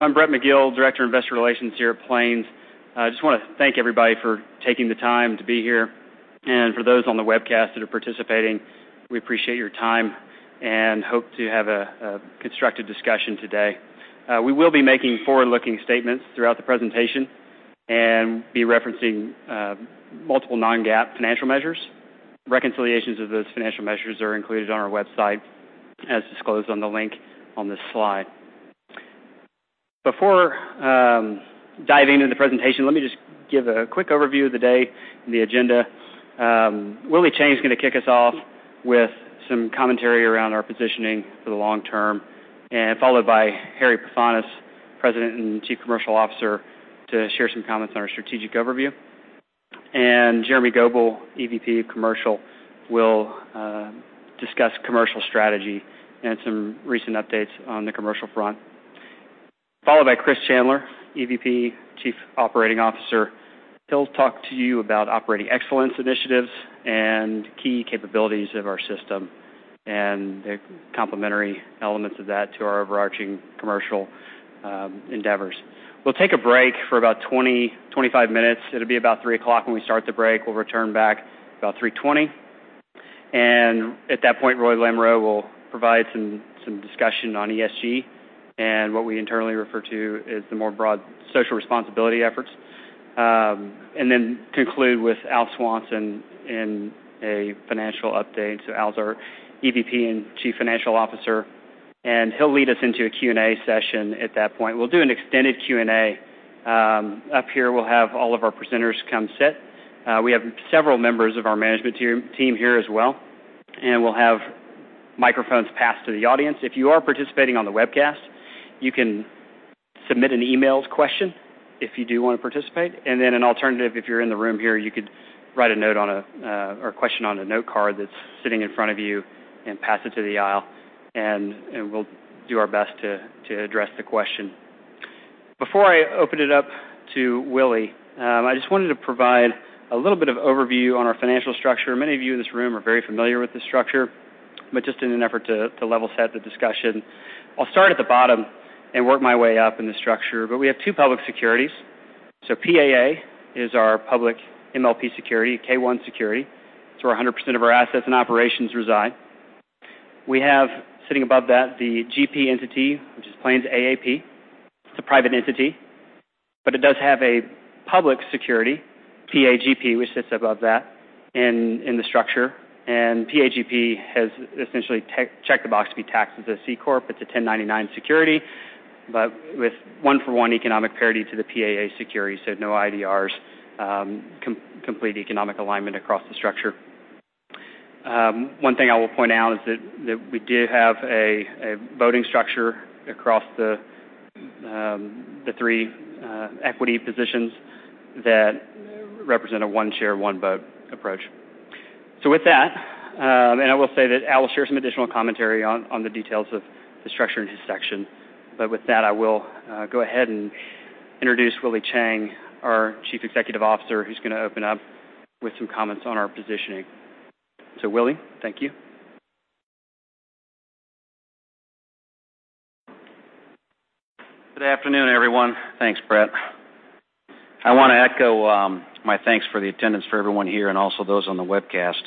I'm Brett Magill, Director of Investor Relations here at Plains. I just want to thank everybody for taking the time to be here. For those on the webcast that are participating, we appreciate your time and hope to have a constructive discussion today. We will be making forward-looking statements throughout the presentation and be referencing multiple non-GAAP financial measures. Reconciliations of those financial measures are included on our website as disclosed on the link on this slide. Before diving into the presentation, let me just give a quick overview of the day and the agenda. Willie Chiang is going to kick us off with some commentary around our positioning for the long term, followed by Harry Pefanis, President and Chief Commercial Officer, to share some comments on our strategic overview. Jeremy Goebel, EVP of Commercial, will discuss commercial strategy and some recent updates on the commercial front. Followed by Chris Chandler, EVP, Chief Operating Officer. He'll talk to you about operating excellence initiatives and key capabilities of our system and the complementary elements of that to our overarching commercial endeavors. We'll take a break for about 20, 25 minutes. It'll be about 3:00 when we start the break. We'll return back about 3:20. At that point, Roy Lamoreaux will provide some discussion on ESG and what we internally refer to as the more broad social responsibility efforts. Then conclude with Al Swanson in a financial update. Al's our EVP and Chief Financial Officer. He'll lead us into a Q&A session at that point. We'll do an extended Q&A. Up here, we'll have all of our presenters come sit. We have several members of our management team here as well. We'll have microphones passed to the audience. If you are participating on the webcast, you can submit an emailed question if you do want to participate. Then an alternative, if you're in the room here, you could write a question on a note card that's sitting in front of you and pass it to the aisle, and we'll do our best to address the question. Before I open it up to Willie, I just wanted to provide a little bit of overview on our financial structure. Many of you in this room are very familiar with this structure, but just in an effort to level set the discussion, I'll start at the bottom and work my way up in the structure. We have two public securities. PAA is our public MLP security, K-1 security. It's where 100% of our assets and operations reside. We have, sitting above that, the GP entity, which is Plains AAP. It's a private entity, but it does have a public security, PA GP, which sits above that in the structure. PA GP has essentially checked the box to be taxed as a C corp. It's a 1099 security, but with one-for-one economic parity to the PAA security, so no IDRs, complete economic alignment across the structure. One thing I will point out is that we do have a voting structure across the three equity positions that represent a one share, one vote approach. With that, I will say that Al will share some additional commentary on the details of the structure in his section. With that, I will go ahead and introduce Willie Chiang, our Chief Executive Officer, who's going to open up with some comments on our positioning. Willie, thank you. Good afternoon, everyone. Thanks, Brett. I want to echo my thanks for the attendance for everyone here and also those on the webcast.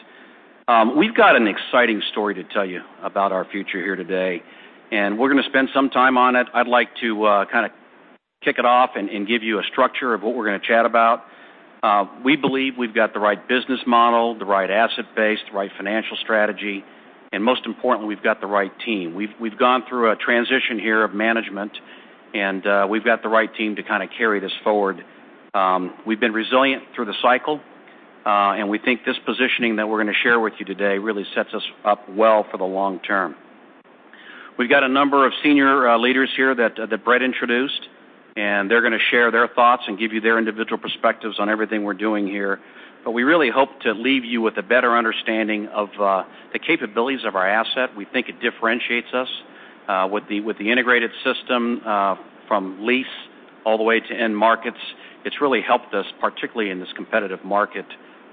We've got an exciting story to tell you about our future here today. We're going to spend some time on it. I'd like to kick it off and give you a structure of what we're going to chat about. We believe we've got the right business model, the right asset base, the right financial strategy. Most importantly, we've got the right team. We've gone through a transition here of management. We've got the right team to carry this forward. We've been resilient through the cycle. We think this positioning that we're going to share with you today really sets us up well for the long term. We've got a number of senior leaders here that Brett introduced. They're going to share their thoughts and give you their individual perspectives on everything we're doing here. We really hope to leave you with a better understanding of the capabilities of our asset. We think it differentiates us with the integrated system from lease all the way to end markets. It's really helped us, particularly in this competitive market,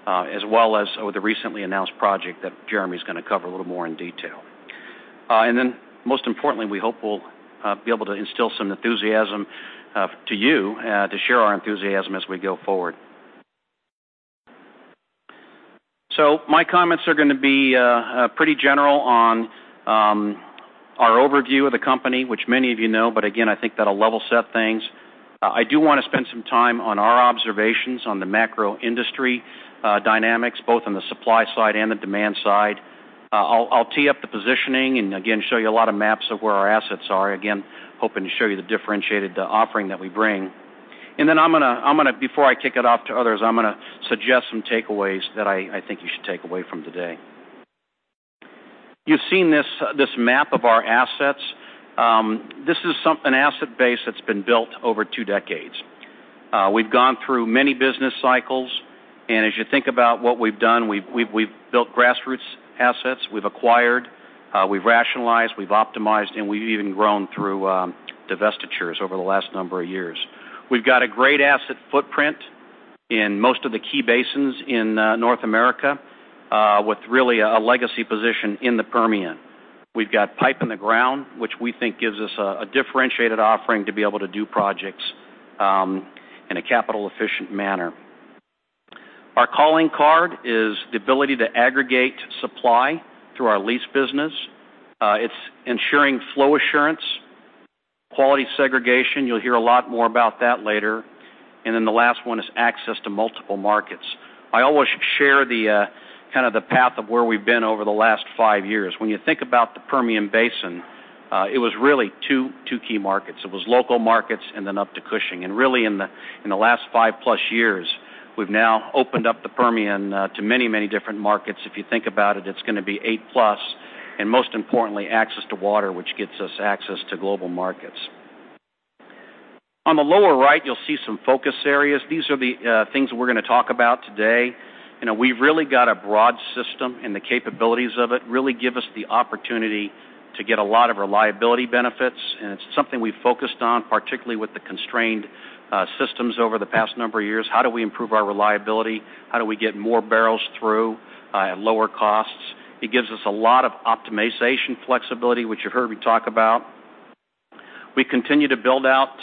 as well as with the recently announced project that Jeremy's going to cover a little more in detail. Most importantly, we hope we'll be able to instill some enthusiasm to you to share our enthusiasm as we go forward. My comments are going to be pretty general on our overview of the company, which many of you know. Again, I think that'll level set things. I do want to spend some time on our observations on the macro industry dynamics, both on the supply side and the demand side. I'll tee up the positioning. Again, show you a lot of maps of where our assets are. Again, hoping to show you the differentiated offering that we bring. Before I kick it off to others, I'm going to suggest some takeaways that I think you should take away from today. You've seen this map of our assets. This is an asset base that's been built over two decades. We've gone through many business cycles. As you think about what we've done, we've built grassroots assets, we've acquired, we've rationalized, we've optimized. We've even grown through divestitures over the last number of years. We've got a great asset footprint in most of the key basins in North America, with really a legacy position in the Permian. We've got pipe in the ground, which we think gives us a differentiated offering to be able to do projects in a capital-efficient manner. Our calling card is the ability to aggregate supply through our lease business. It's ensuring flow assurance, quality segregation, you'll hear a lot more about that later. The last one is access to multiple markets. I always share the path of where we've been over the last five years. When you think about the Permian Basin, it was really two key markets. It was local markets up to Cushing. Really in the last five-plus years, we've now opened up the Permian to many different markets. If you think about it's going to be eight-plus, and most importantly, access to water, which gets us access to global markets. On the lower right, you'll see some focus areas. These are the things that we're going to talk about today. We've really got a broad system, and the capabilities of it really give us the opportunity to get a lot of reliability benefits, and it's something we've focused on, particularly with the constrained systems over the past number of years. How do we improve our reliability? How do we get more barrels through at lower costs? It gives us a lot of optimization flexibility, which you heard me talk about. We continue to build out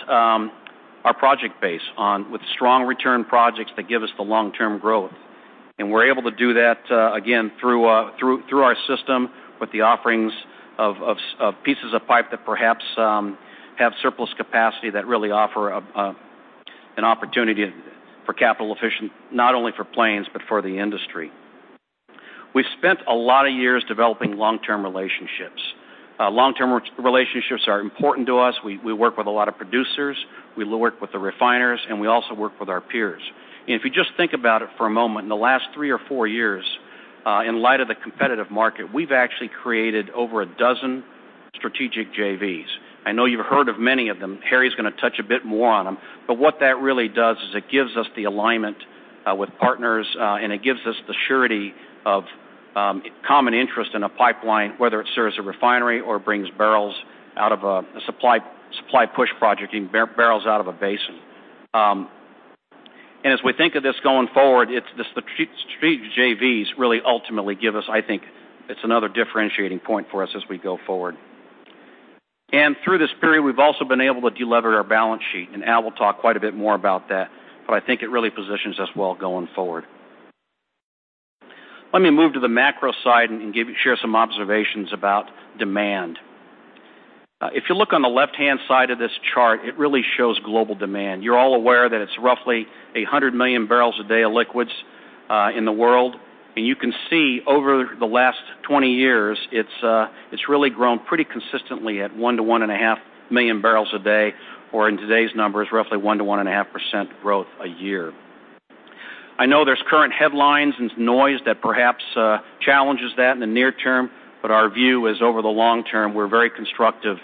our project base with strong return projects that give us the long-term growth. We're able to do that, again, through our system with the offerings of pieces of pipe that perhaps have surplus capacity that really offer an opportunity for capital efficient, not only for Plains, but for the industry. We've spent a lot of years developing long-term relationships. Long-term relationships are important to us. We work with a lot of producers, we work with the refiners, and we also work with our peers. If you just think about it for a moment, in the last three or four years, in light of the competitive market, we've actually created over a dozen strategic JVs. I know you've heard of many of them. Harry's going to touch a bit more on them. What that really does is it gives us the alignment with partners, and it gives us the surety of common interest in a pipeline, whether it serves a refinery or it brings barrels out of a supply push project, getting barrels out of a Basin. As we think of this going forward, the strategic JVs really ultimately give us, I think, it's another differentiating point for us as we go forward. Through this period, we've also been able to de-lever our balance sheet, and Al will talk quite a bit more about that, but I think it really positions us well going forward. Let me move to the macro side and share some observations about demand. If you look on the left-hand side of this chart, it really shows global demand. You're all aware that it's roughly 100 million barrels a day of liquids in the world. You can see over the last 20 years, it's really grown pretty consistently at 1 to 1.5 million barrels a day, or in today's numbers, roughly 1% to 1.5% growth a year. I know there's current headlines and noise that perhaps challenges that in the near term, but our view is over the long term, we're constructive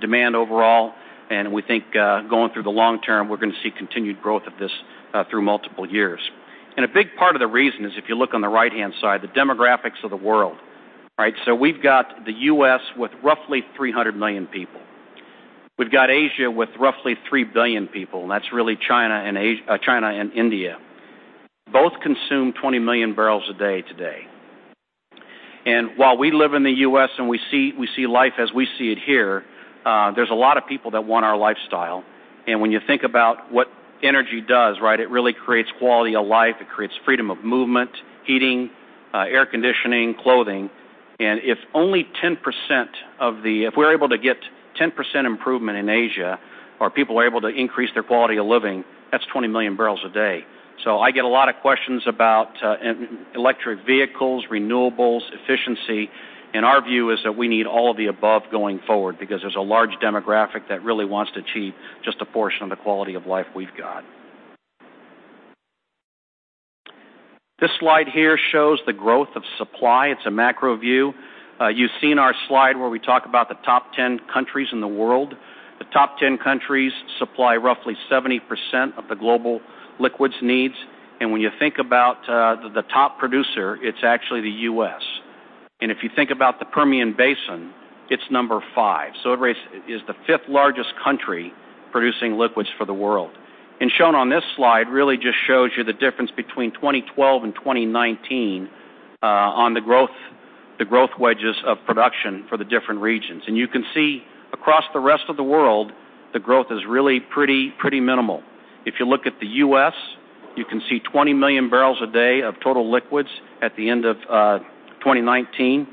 demand overall, and we think going through the long term, we're going to see continued growth of this through multiple years. A big part of the reason is if you look on the right-hand side, the demographics of the world. We've got the U.S. with roughly 300 million people. We've got Asia with roughly 3 billion people, and that's really China and India. Both consume 20 million barrels a day today. While we live in the U.S. and we see life as we see it here, there's a lot of people that want our lifestyle. When you think about what energy does, it really creates quality of life. It creates freedom of movement, heating, air conditioning, clothing. If we're able to get 10% improvement in Asia, or people are able to increase their quality of living, that's 20 million barrels a day. I get a lot of questions about electric vehicles, renewables, efficiency, and our view is that we need all of the above going forward because there's a large demographic that really wants to achieve just a portion of the quality of life we've got. This slide here shows the growth of supply. It's a macro view. You've seen our slide where we talk about the top 10 countries in the world. The top 10 countries supply roughly 70% of the global liquids needs. When you think about the top producer, it's actually the U.S. If you think about the Permian Basin, it's number 5. It is the fifth-largest country producing liquids for the world. Shown on this slide really just shows you the difference between 2012 and 2019 on the growth wedges of production for the different regions. You can see across the rest of the world, the growth is really pretty minimal. If you look at the U.S., you can see 20 million barrels a day of total liquids at the end of 2019,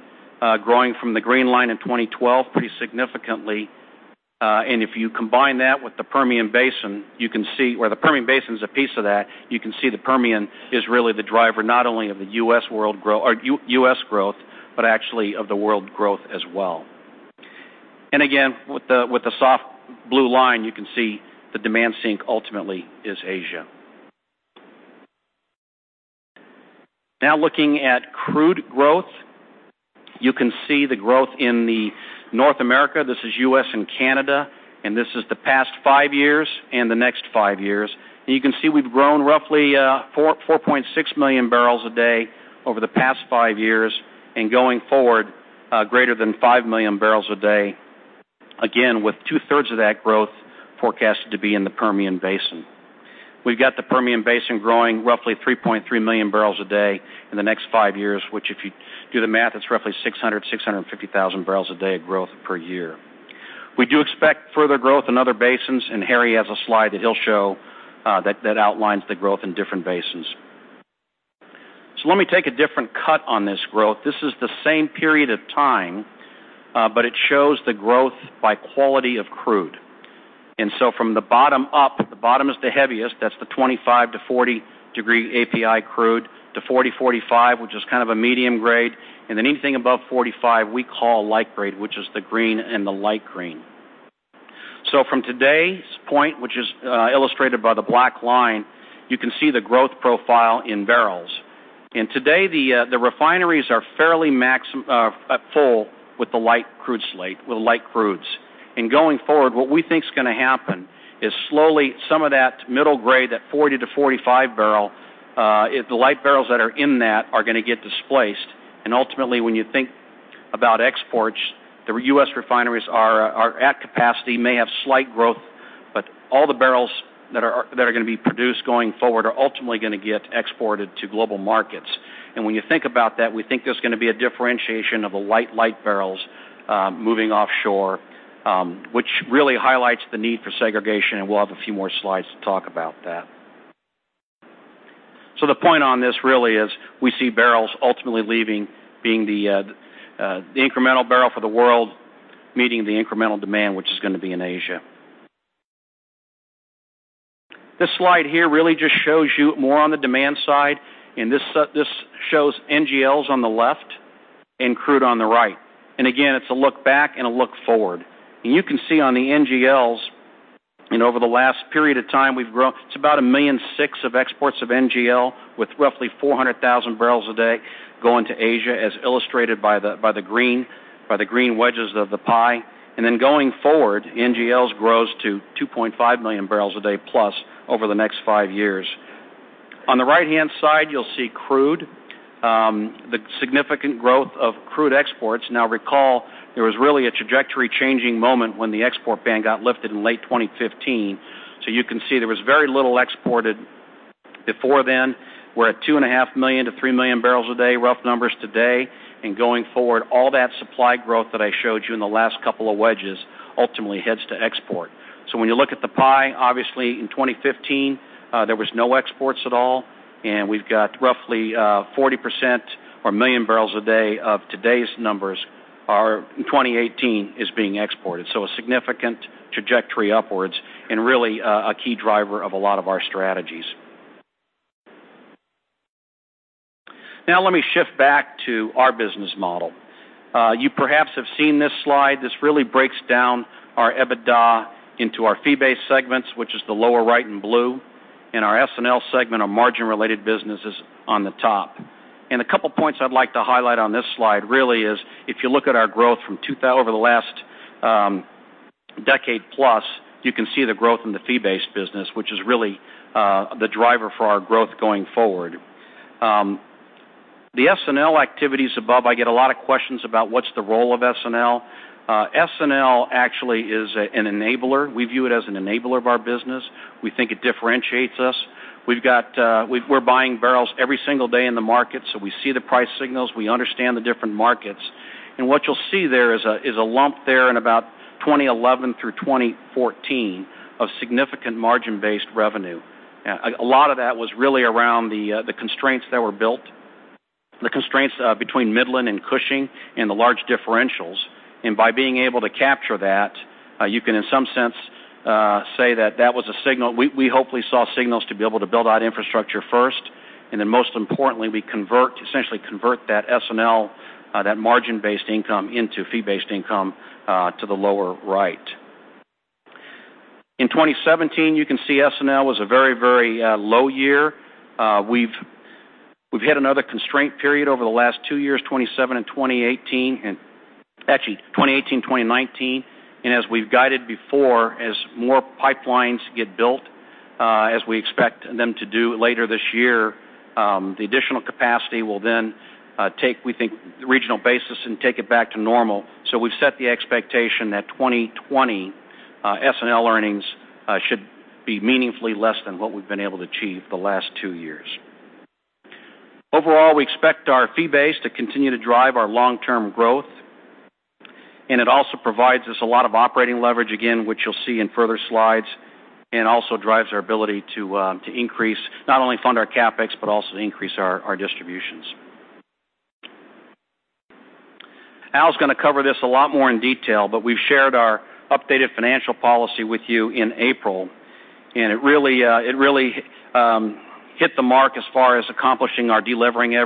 growing from the green line in 2012 pretty significantly. If you combine that with the Permian Basin, you can see where the Permian Basin is a piece of that. You can see the Permian is really the driver, not only of the U.S. growth, but actually of the world growth as well. Again, with the soft blue line, you can see the demand sink ultimately is Asia. Looking at crude growth, you can see the growth in the North America. This is U.S. and Canada, and this is the past five years and the next five years. You can see we've grown roughly 4.6 million barrels a day over the past five years, and going forward, greater than five million barrels a day. Again, with two-thirds of that growth forecasted to be in the Permian Basin. We've got the Permian Basin growing roughly 3.3 million barrels a day in the next five years, which if you do the math, that's roughly 600,000, 650,000 barrels a day of growth per year. We do expect further growth in other basins, Harry has a slide that he'll show that outlines the growth in different basins. Let me take a different cut on this growth. This is the same period of time, but it shows the growth by quality of crude. From the bottom up, the bottom is the heaviest, that's the 25 to 40 degree API crude to 40, 45, which is kind of a medium grade. Anything above 45, we call light grade, which is the green and the light green. From today's point, which is illustrated by the black line, you can see the growth profile in barrels. Today, the refineries are fairly full with the light crude slate, with light crudes. Going forward, what we think is going to happen is slowly some of that middle grade, that 40 to 45-barrel, the light barrels that are in that are going to get displaced. Ultimately, when you think about exports, the U.S. refineries are at capacity, may have slight growth, but all the barrels that are going to be produced going forward are ultimately going to get exported to global markets. When you think about that, we think there's going to be a differentiation of the light barrels moving offshore, which really highlights the need for segregation, and we'll have a few more slides to talk about that. The point on this really is we see barrels ultimately leaving, being the incremental barrel for the world, meeting the incremental demand, which is going to be in Asia. This slide here really just shows you more on the demand side, and this shows NGLs on the left and crude on the right. Again, it's a look back and a look forward. You can see on the NGLs, over the last period of time we've grown. It's about 1.6 million of exports of NGL, with roughly 400,000 barrels a day going to Asia, as illustrated by the green wedges of the pie. Going forward, NGLs grows to 2.5 million barrels a day plus over the next five years. On the right-hand side, you'll see crude. The significant growth of crude exports. Recall, there was really a trajectory-changing moment when the export ban got lifted in late 2015. You can see there was very little exported before then. We're at 2.5 million to 3 million barrels a day, rough numbers today. Going forward, all that supply growth that I showed you in the last couple of wedges ultimately heads to export. When you look at the pie, obviously in 2015, there was no exports at all, and we've got roughly 40% or 1 million barrels a day of today's numbers are in 2018 is being exported. A significant trajectory upwards and really a key driver of a lot of our strategies. Let me shift back to our business model. You perhaps have seen this slide. This really breaks down our EBITDA into our fee-based segments, which is the lower right in blue, and our S&L segment, our margin-related businesses on the top. A couple of points I'd like to highlight on this slide really is if you look at our growth over the last decade plus, you can see the growth in the fee-based business, which is really the driver for our growth going forward. The S&L activities above, I get a lot of questions about what's the role of S&L. S&L actually is an enabler. We view it as an enabler of our business. We think it differentiates us. We're buying barrels every single day in the market, so we see the price signals. We understand the different markets. What you'll see there is a lump there in about 2011 through 2014 of significant margin-based revenue. A lot of that was really around the constraints that were built, the constraints between Midland and Cushing and the large differentials. By being able to capture that, you can, in some sense, say that that was a signal. We hopefully saw signals to be able to build out infrastructure first, then most importantly, we essentially convert that S&L, that margin-based income into fee-based income to the lower right. In 2017, you can see S&L was a very low year. We've had another constraint period over the last two years, 2018, 2019. As we've guided before, as more pipelines get built, as we expect them to do later this year, the additional capacity will then take, we think, regional basis and take it back to normal. We've set the expectation that 2020 S&L earnings should be meaningfully less than what we've been able to achieve the last two years. Overall, we expect our fee base to continue to drive our long-term growth. It also provides us a lot of operating leverage, again, which you'll see in further slides, also drives our ability to increase, not only fund our CapEx, but also to increase our distributions. Al's going to cover this a lot more in detail, but we've shared our updated financial policy with you in April. It really hit the mark as far as accomplishing our de-leveraging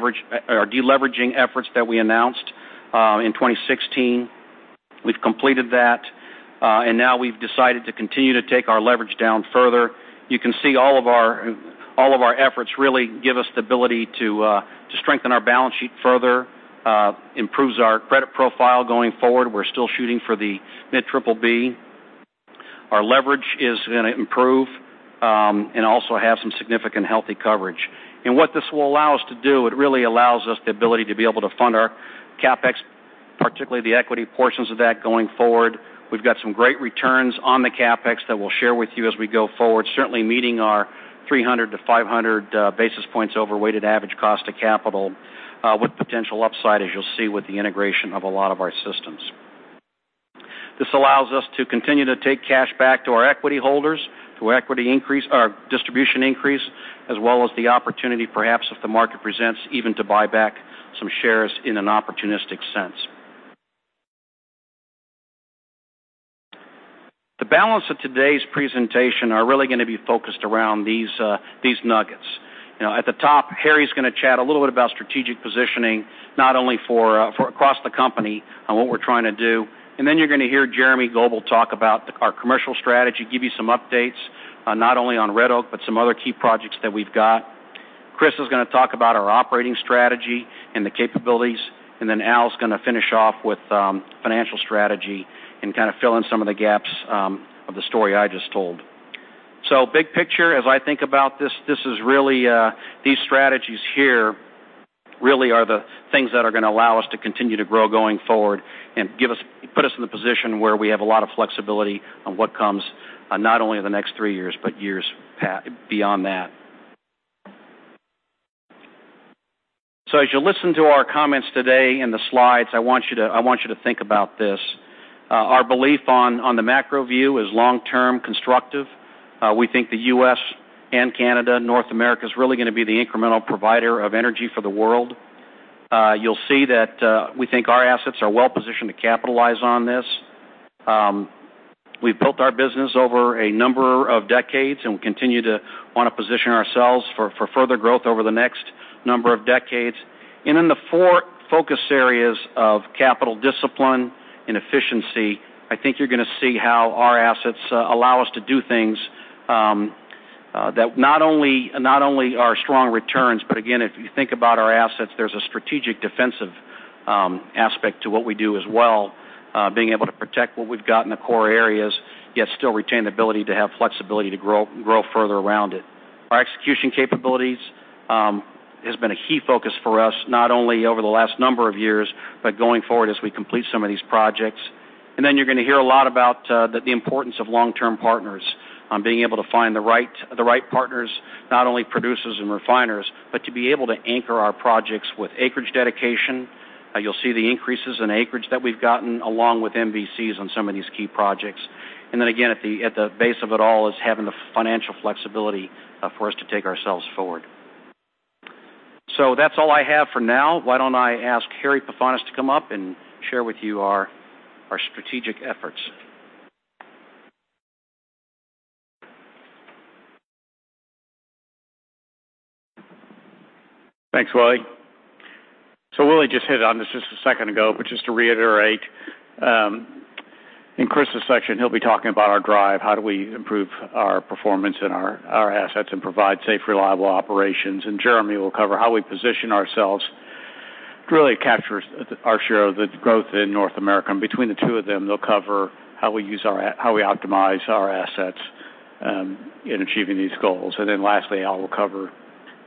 efforts that we announced in 2016. We've completed that. Now we've decided to continue to take our leverage down further. You can see all of our efforts really give us the ability to strengthen our balance sheet further, improves our credit profile going forward. We're still shooting for the mid-BBB. Our leverage is going to improve, also have some significant healthy coverage. What this will allow us to do, it really allows us the ability to be able to fund our CapEx, particularly the equity portions of that going forward. We've got some great returns on the CapEx that we'll share with you as we go forward. Certainly meeting our 300-500 basis points over weighted average cost of capital, with potential upside, as you'll see with the integration of a lot of our systems. This allows us to continue to take cash back to our equity holders, through our distribution increase, as well as the opportunity, perhaps, if the market presents, even to buy back some shares in an opportunistic sense. The balance of today's presentation are really going to be focused around these nuggets. At the top, Harry's going to chat a little bit about strategic positioning, not only for across the company and what we're trying to do, then you're going to hear Jeremy Goebel talk about our commercial strategy, give you some updates, not only on Red Oak, but some other key projects that we've got. Chris is going to talk about our operating strategy and the capabilities, then Al's going to finish off with financial strategy and kind of fill in some of the gaps of the story I just told. Big picture, as I think about this, these strategies here really are the things that are going to allow us to continue to grow going forward and put us in the position where we have a lot of flexibility on what comes, not only in the next three years, but years beyond that. As you listen to our comments today and the slides, I want you to think about this. Our belief on the macro view is long-term constructive. We think the U.S. and Canada, North America is really going to be the incremental provider of energy for the world. You'll see that we think our assets are well-positioned to capitalize on this. We've built our business over a number of decades, and we continue to want to position ourselves for further growth over the next number of decades. In the four focus areas of capital discipline and efficiency, I think you're going to see how our assets allow us to do things that not only are strong returns, but again, if you think about our assets, there's a strategic defensive aspect to what we do as well. Being able to protect what we've got in the core areas, yet still retain the ability to have flexibility to grow further around it. Our execution capabilities has been a key focus for us, not only over the last number of years, but going forward as we complete some of these projects. You're going to hear a lot about the importance of long-term partners. On being able to find the right partners, not only producers and refiners, but to be able to anchor our projects with acreage dedication. You'll see the increases in acreage that we've gotten along with MVCs on some of these key projects. Again, at the base of it all is having the financial flexibility for us to take ourselves forward. That's all I have for now. Why don't I ask Harry Pefanis to come up and share with you our strategic efforts. Thanks, Willie. Willie just hit on this just a second ago, but just to reiterate, in Chris's section, he'll be talking about our drive, how do we improve our performance and our assets and provide safe, reliable operations. Jeremy will cover how we position ourselves to really capture our share of the growth in North America. Between the two of them, they'll cover how we optimize our assets in achieving these goals. Lastly, Al will cover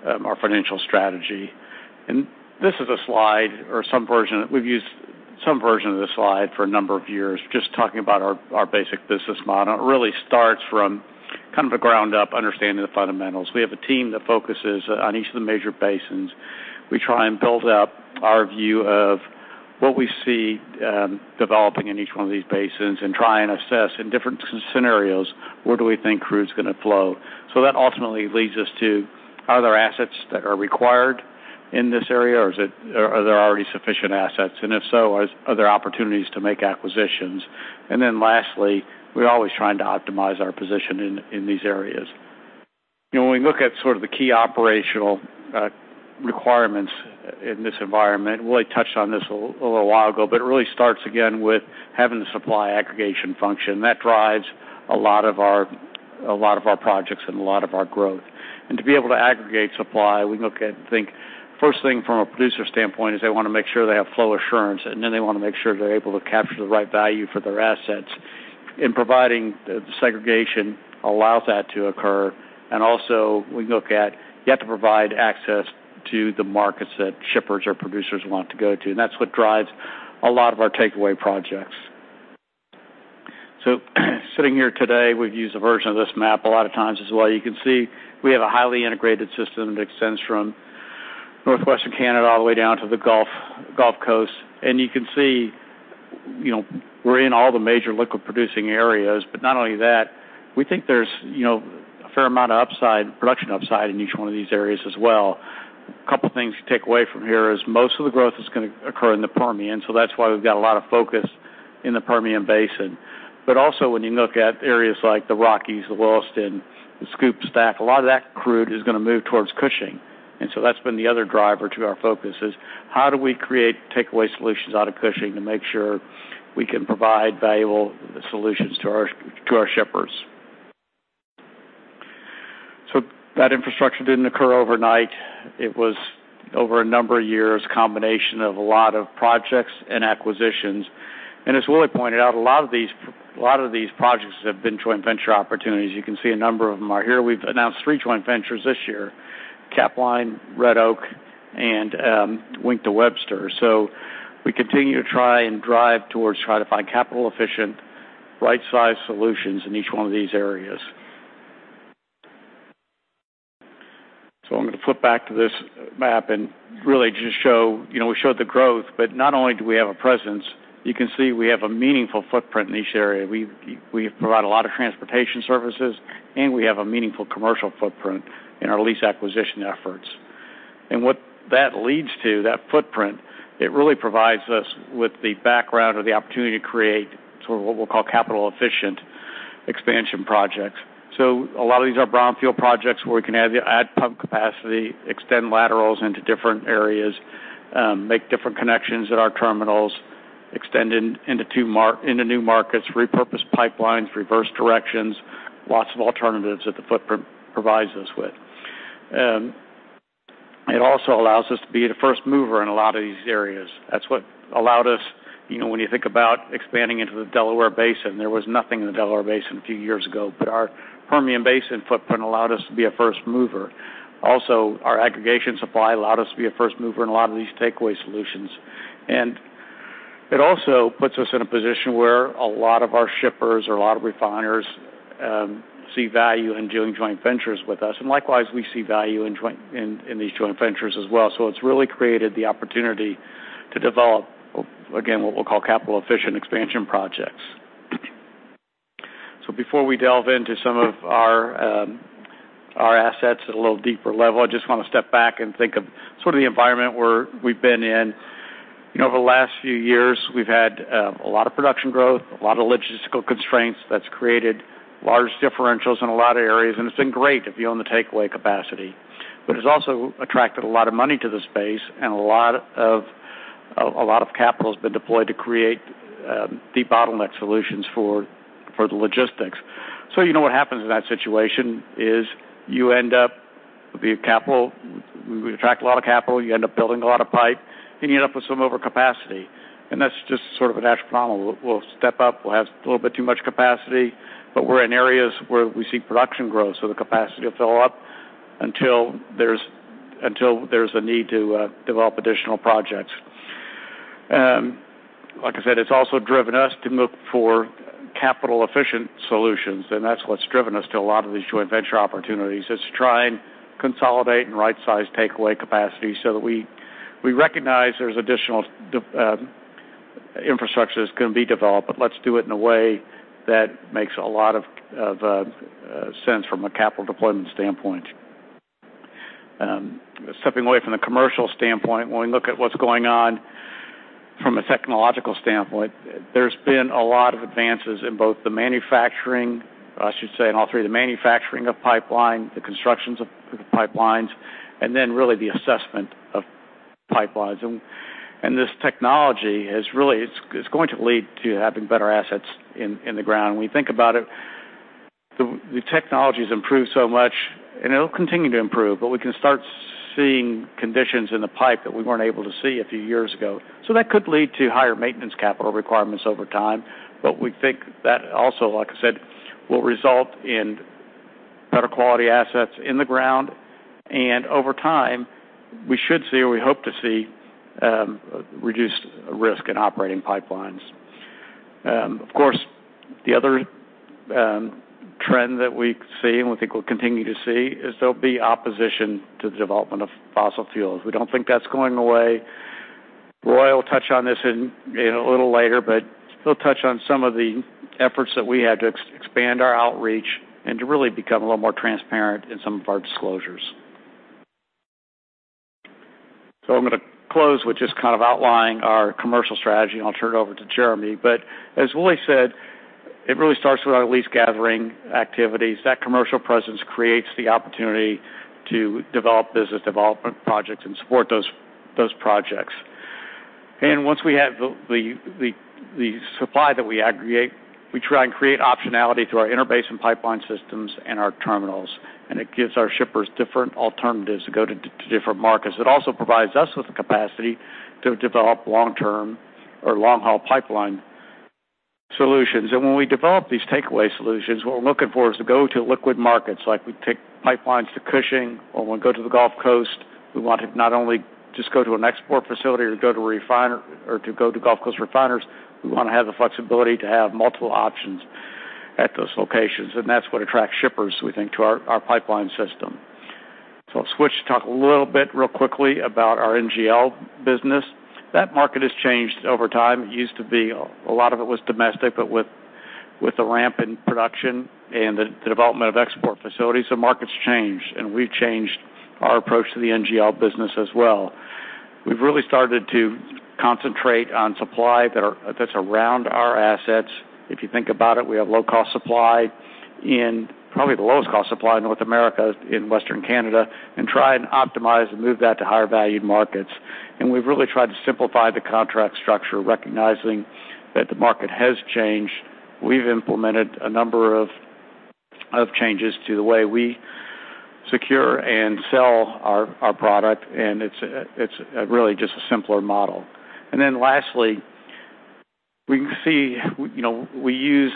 our financial strategy. This is a slide, or we've used some version of this slide for a number of years, just talking about our basic business model. It really starts from kind of a ground-up understanding of the fundamentals. We have a team that focuses on each of the major basins. We try and build out our view of what we see developing in each one of these basins and try and assess in different scenarios, where do we think crude's going to flow. That ultimately leads us to, are there assets that are required in this area or are there already sufficient assets? If so, are there opportunities to make acquisitions? Lastly, we're always trying to optimize our position in these areas. When we look at sort of the key operational requirements in this environment, Willie touched on this a little while ago, but it really starts again with having the supply aggregation function. That drives a lot of our projects and a lot of our growth. To be able to aggregate supply, we look at, think first thing from a producer standpoint is they want to make sure they have flow assurance, they want to make sure they're able to capture the right value for their assets in providing the segregation allows that to occur. Also, we look at you have to provide access to the markets that shippers or producers want to go to, that's what drives a lot of our takeaway projects. Sitting here today, we've used a version of this map a lot of times as well. You can see we have a highly integrated system that extends from northwestern Canada all the way down to the Gulf Coast. You can see we're in all the major liquid-producing areas, not only that, we think there's a fair amount of production upside in each one of these areas as well. A couple things to take away from here is most of the growth is going to occur in the Permian, that's why we've got a lot of focus in the Permian Basin. Also when you look at areas like the Rockies, the Williston, the SCOOP/STACK, a lot of that crude is going to move towards Cushing. That's been the other driver to our focus is how do we create takeaway solutions out of Cushing to make sure we can provide valuable solutions to our shippers? That infrastructure didn't occur overnight. It was over a number of years, combination of a lot of projects and acquisitions. As Willie pointed out, a lot of these projects have been joint venture opportunities. You can see a number of them are here. We've announced three joint ventures this year, Capline, Red Oak, and Wink to Webster. We continue to try and drive towards trying to find capital-efficient, right-sized solutions in each one of these areas. I'm going to flip back to this map and really just show. We showed the growth, not only do we have a presence, you can see we have a meaningful footprint in each area. We provide a lot of transportation services, we have a meaningful commercial footprint in our lease acquisition efforts. What that leads to, that footprint, it really provides us with the background or the opportunity to create what we'll call capital-efficient expansion projects. A lot of these are brownfield projects where we can add pump capacity, extend laterals into different areas, make different connections at our terminals, extend into new markets, repurpose pipelines, reverse directions, lots of alternatives that the footprint provides us with. It also allows us to be the first mover in a lot of these areas. That's what allowed us, when you think about expanding into the Delaware Basin, there was nothing in the Delaware Basin a few years ago, but our Permian Basin footprint allowed us to be a first mover. Also, our aggregation supply allowed us to be a first mover in a lot of these takeaway solutions. It also puts us in a position where a lot of our shippers or a lot of refiners see value in doing joint ventures with us, and likewise, we see value in these joint ventures as well. It's really created the opportunity to develop, again, what we'll call capital-efficient expansion projects. Before we delve into some of our assets at a little deeper level, I just want to step back and think of the environment where we've been in. Over the last few years, we've had a lot of production growth, a lot of logistical constraints that's created large differentials in a lot of areas, and it's been great if you own the takeaway capacity. It's also attracted a lot of money to the space and a lot of capital has been deployed to create debottleneck solutions for the logistics. You know what happens in that situation is you end up with the capital. We attract a lot of capital. You end up building a lot of pipe, and you end up with some overcapacity, and that's just sort of a natural phenomenon. We'll step up, we'll have a little bit too much capacity, the capacity will fill up until there's a need to develop additional projects. Like I said, it's also driven us to look for capital-efficient solutions, that's what's driven us to a lot of these joint venture opportunities, is to try and consolidate and right-size takeaway capacity so that we recognize there's additional infrastructure that's going to be developed, let's do it in a way that makes a lot of sense from a capital deployment standpoint. Stepping away from the commercial standpoint, when we look at what's going on from a technological standpoint, there's been a lot of advances in both the manufacturing, I should say, in all three, the manufacturing of pipeline, the constructions of the pipelines, and then really the assessment of pipelines. This technology is going to lead to having better assets in the ground. When we think about it, the technology's improved so much, and it'll continue to improve, we can start seeing conditions in the pipe that we weren't able to see a few years ago. That could lead to higher maintenance capital requirements over time. We think that also, like I said, will result in better quality assets in the ground, and over time, we should see or we hope to see reduced risk in operating pipelines. Of course, the other trend that we see and we think we'll continue to see is there'll be opposition to the development of fossil fuels. We don't think that's going away. Roy will touch on this a little later, but he'll touch on some of the efforts that we had to expand our outreach and to really become a little more transparent in some of our disclosures. I'm going to close with just kind of outlining our commercial strategy, and I'll turn it over to Jeremy. As Willie said, it really starts with our lease gathering activities. That commercial presence creates the opportunity to develop business development projects and support those projects. Once we have the supply that we aggregate, we try and create optionality through our interbasin pipeline systems and our terminals, and it gives our shippers different alternatives to go to different markets. It also provides us with the capacity to develop long-term or long-haul pipeline solutions. When we develop these takeaway solutions, what we're looking for is to go to liquid markets. Like we take pipelines to Cushing or we want to go to the Gulf Coast. We want to not only just go to an export facility or to go to Gulf Coast refiners, we want to have the flexibility to have multiple options at those locations, and that's what attracts shippers, we think, to our pipeline system. I'll switch to talk a little bit real quickly about our NGL business. That market has changed over time. It used to be a lot of it was domestic, but with the ramp in production and the development of export facilities, the market's changed, and we've changed our approach to the NGL business as well. We've really started to concentrate on supply that's around our assets. If you think about it, we have low-cost supply, probably the lowest cost supply in North America, in Western Canada, and try and optimize and move that to higher valued markets. We've really tried to simplify the contract structure, recognizing that the market has changed. We've implemented a number of changes to the way we secure and sell our product, and it's really just a simpler model. Lastly, we can see we use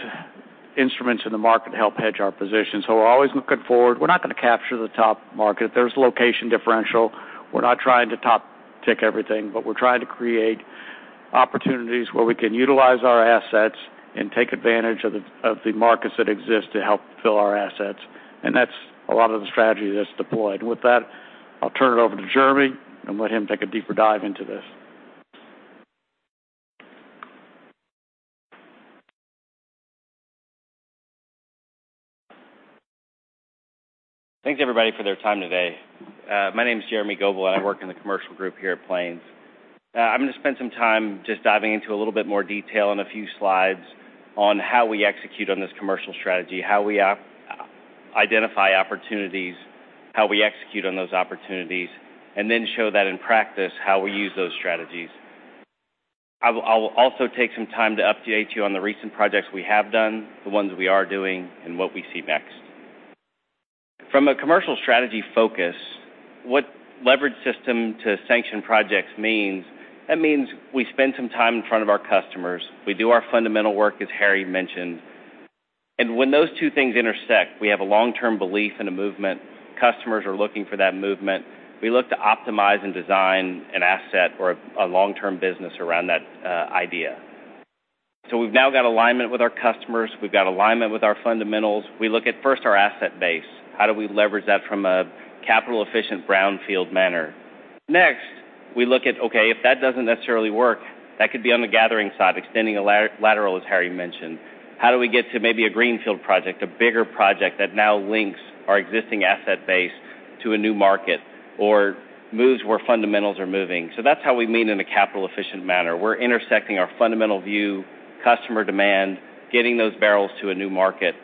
instruments in the market to help hedge our position. We're always looking forward. We're not going to capture the top market. There's location differential. We're not trying to top tick everything, but we're trying to create opportunities where we can utilize our assets and take advantage of the markets that exist to help fill our assets, and that's a lot of the strategy that's deployed. With that, I'll turn it over to Jeremy and let him take a deeper dive into this. Thanks everybody for their time today. My name is Jeremy Goebel, and I work in the commercial group here at Plains. I'm going to spend some time just diving into a little bit more detail in a few slides on how we execute on this commercial strategy, how we identify opportunities, how we execute on those opportunities, and then show that in practice how we use those strategies. I will also take some time to update you on the recent projects we have done, the ones we are doing, and what we see next. From a commercial strategy focus, what leverage system to sanction projects means, that means we spend some time in front of our customers. We do our fundamental work, as Harry mentioned. When those two things intersect, we have a long-term belief in a movement. Customers are looking for that movement. We look to optimize and design an asset or a long-term business around that idea. We've now got alignment with our customers. We've got alignment with our fundamentals. We look at first our asset base. How do we leverage that from a capital-efficient brownfield manner? We look at, okay, if that doesn't necessarily work, that could be on the gathering side, extending a lateral, as Harry mentioned. How do we get to maybe a greenfield project, a bigger project that now links our existing asset base to a new market or moves where fundamentals are moving? That's how we mean in a capital-efficient manner. We're intersecting our fundamental view, customer demand, getting those barrels to a new market.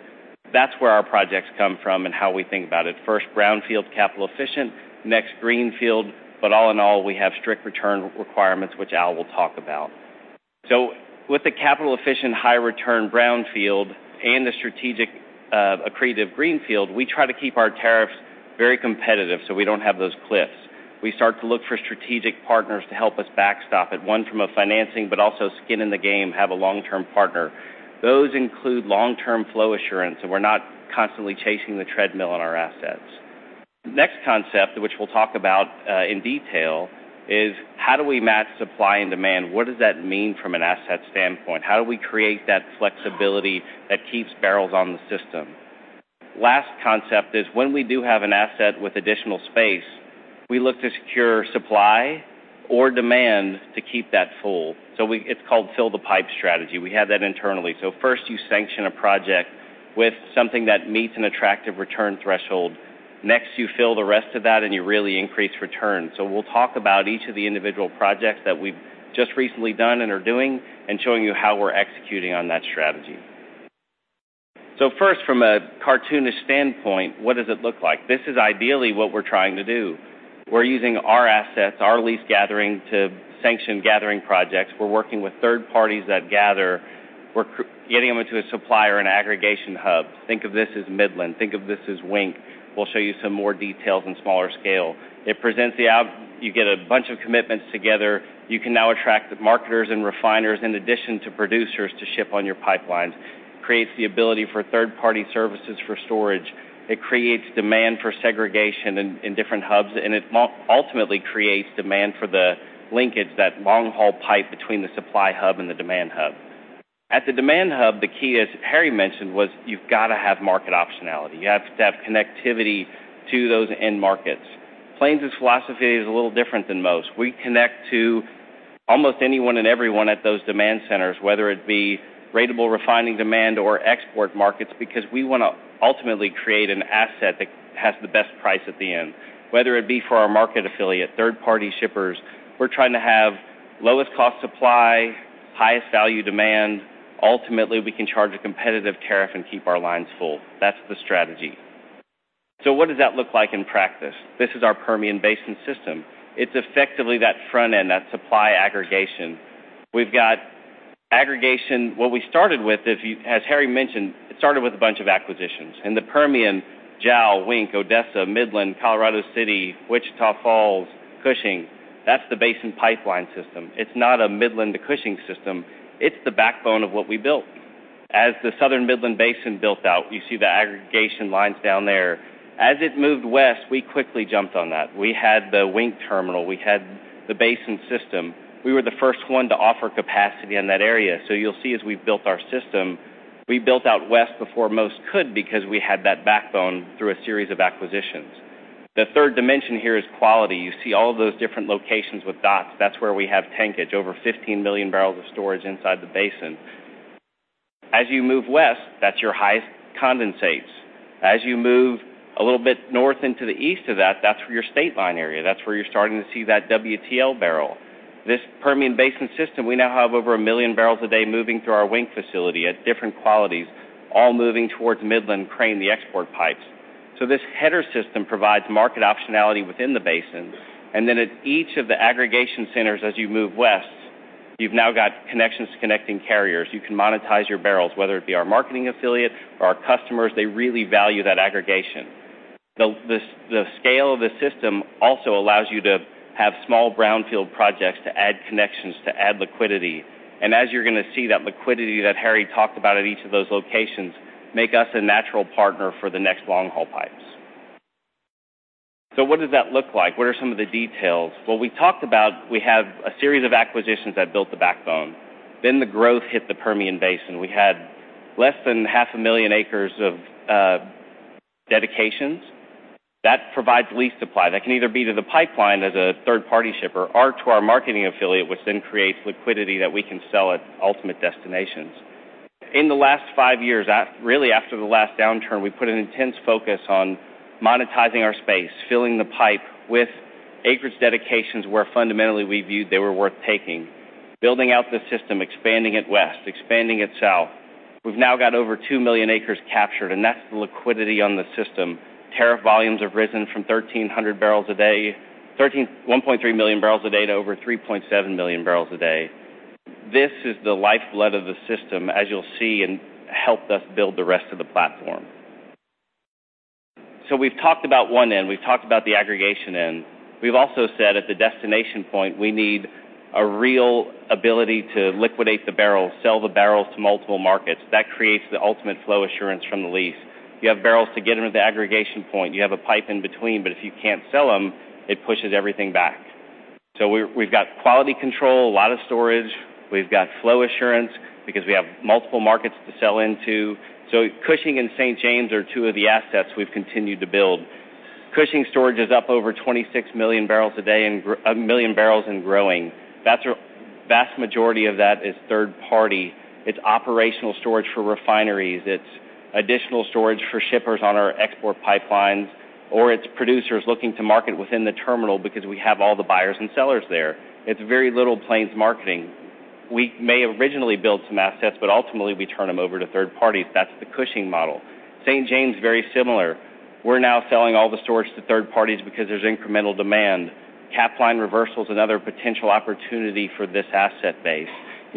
That's where our projects come from and how we think about it. First, brownfield, capital efficient. Next, greenfield. All in all, we have strict return requirements, which Al will talk about. With the capital efficient, high return brownfield and the strategic accretive greenfield, we try to keep our tariffs very competitive so we don't have those cliffs. We start to look for strategic partners to help us backstop it. One from a financing, but also skin in the game, have a long-term partner. Those include long-term flow assurance, so we're not constantly chasing the treadmill on our assets. Concept, which we'll talk about in detail, is how do we match supply and demand? What does that mean from an asset standpoint? How do we create that flexibility that keeps barrels on the system? Last concept is when we do have an asset with additional space, we look to secure supply or demand to keep that full. It's called fill the pipe strategy. We have that internally. First you sanction a project with something that meets an attractive return threshold. You fill the rest of that and you really increase return. We'll talk about each of the individual projects that we've just recently done and are doing and showing you how we're executing on that strategy. First, from a cartoonist standpoint, what does it look like? This is ideally what we're trying to do. We're using our assets, our lease gathering to sanction gathering projects. We're working with third parties that gather. We're getting them into a supplier and aggregation hub. Think of this as Midland. Think of this as Wink. We'll show you some more details in smaller scale. You get a bunch of commitments together. You can now attract marketers and refiners in addition to producers to ship on your pipelines. Creates the ability for third-party services for storage. It creates demand for segregation in different hubs. It ultimately creates demand for the linkage, that long-haul pipe between the supply hub and the demand hub. At the demand hub, the key, as Harry mentioned, was you've got to have market optionality. You have to have connectivity to those end markets. Plains' philosophy is a little different than most. We connect to almost anyone and everyone at those demand centers, whether it be ratable refining demand or export markets, because we want to ultimately create an asset that has the best price at the end. Whether it be for our market affiliate, third-party shippers, we're trying to have lowest cost supply, highest value demand. Ultimately, we can charge a competitive tariff and keep our lines full. That's the strategy. What does that look like in practice? This is our Permian Basin system. It's effectively that front end, that supply aggregation. What we started with, as Harry mentioned, it started with a bunch of acquisitions. In the Permian, Jal, Wink, Odessa, Midland, Colorado City, Wichita Falls, Cushing. That's the Basin Pipeline system. It's not a Midland to Cushing system. It's the backbone of what we built. The southern Midland Basin built out, you see the aggregation lines down there. It moved west, we quickly jumped on that. We had the Wink terminal. We had the Basin system. We were the first one to offer capacity in that area. You'll see as we've built our system, we built out west before most could because we had that backbone through a series of acquisitions. The third dimension here is quality. You see all of those different locations with dots. That's where we have tankage, over 15 million barrels of storage inside the basin. You move west, that's your highest condensates. You move a little bit north into the east of that's your state line area. That's where you're starting to see that WTL barrel. This Permian Basin system, we now have over 1 million barrels a day moving through our Wink facility at different qualities, all moving towards Midland, Crane, the export pipes. This header system provides market optionality within the basin. Then at each of the aggregation centers as you move west, you've now got connections to connecting carriers. You can monetize your barrels, whether it be our marketing affiliate or our customers. They really value that aggregation. The scale of the system also allows you to have small brownfield projects to add connections, to add liquidity. As you're going to see, that liquidity that Harry talked about at each of those locations make us a natural partner for the next long-haul pipes. What does that look like? What are some of the details? We talked about we have a series of acquisitions that built the backbone. The growth hit the Permian Basin. We had less than half a million acres of dedications. That provides lease supply. That can either be to the pipeline as a third-party shipper or to our marketing affiliate, which then creates liquidity that we can sell at ultimate destinations. In the last five years, really after the last downturn, we put an intense focus on monetizing our space, filling the pipe with acreage dedications where fundamentally we viewed they were worth taking. Building out the system, expanding it west, expanding it south. We've now got over 2 million acres captured, and that's the liquidity on the system. Tariff volumes have risen from 1,300 barrels a day, 1.3 million barrels a day to over 3.7 million barrels a day. This is the lifeblood of the system, as you'll see, and helped us build the rest of the platform. We've talked about one end. We've talked about the aggregation end. We've also said at the destination point, we need a real ability to liquidate the barrels, sell the barrels to multiple markets. That creates the ultimate flow assurance from the lease. You have barrels to get them to the aggregation point. You have a pipe in between, but if you can't sell them, it pushes everything back. We've got quality control, a lot of storage. We've got flow assurance because we have multiple markets to sell into. Cushing and St. James are two of the assets we've continued to build. Cushing storage is up over 26 million barrels, a million barrels and growing. Vast majority of that is third party. It's operational storage for refineries. It's additional storage for shippers on our export pipelines, or it's producers looking to market within the terminal because we have all the buyers and sellers there. It's very little Plains marketing. We may originally build some assets, but ultimately, we turn them over to third parties. That's the Cushing model. St. James, very similar. We're now selling all the storage to third parties because there's incremental demand. Capline reversal is another potential opportunity for this asset base.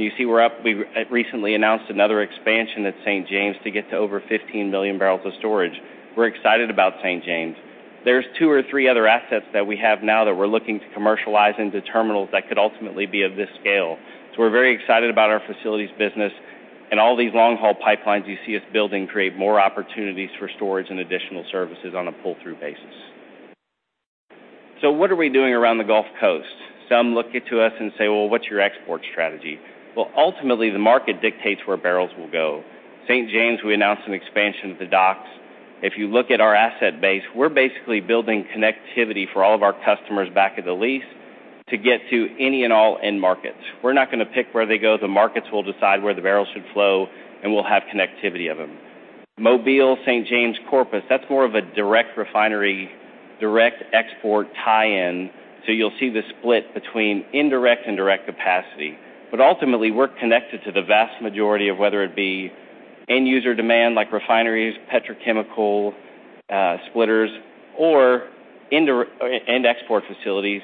You see we recently announced another expansion at St. James to get to over 15 million barrels of storage. We're excited about St. James. There's two or three other assets that we have now that we're looking to commercialize into terminals that could ultimately be of this scale. We're very excited about our facilities business. All these long-haul pipelines you see us building create more opportunities for storage and additional services on a pull-through basis. What are we doing around the Gulf Coast? Some look to us and say, "Well, what's your export strategy?" Ultimately, the market dictates where barrels will go. St. James, we announced an expansion of the docks. If you look at our asset base, we're basically building connectivity for all of our customers back at the lease to get to any and all end markets. We're not going to pick where they go. The markets will decide where the barrels should flow, and we'll have connectivity of them. Mobile, St. James, Corpus, that's more of a direct refinery, direct export tie-in, you'll see the split between indirect and direct capacity. Ultimately, we're connected to the vast majority of whether it be end-user demand like refineries, petrochemical, splitters or end export facilities.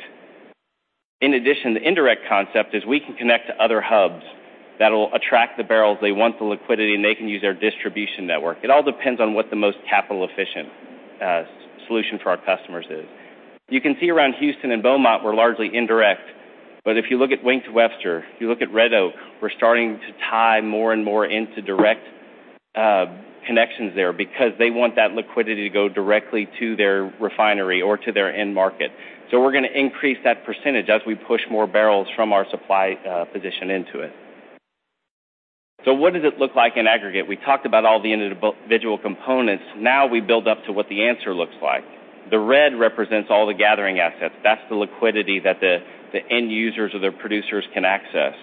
In addition, the indirect concept is we can connect to other hubs that'll attract the barrels. They want the liquidity, and they can use our distribution network. It all depends on what the most capital-efficient solution for our customers is. You can see around Houston and Beaumont, we're largely indirect. If you look at Wink to Webster, if you look at Red Oak, we're starting to tie more and more into direct connections there because they want that liquidity to go directly to their refinery or to their end market. We're going to increase that percentage as we push more barrels from our supply position into it. What does it look like in aggregate? We talked about all the individual components. We build up to what the answer looks like. The red represents all the gathering assets. That's the liquidity that the end users or their producers can access.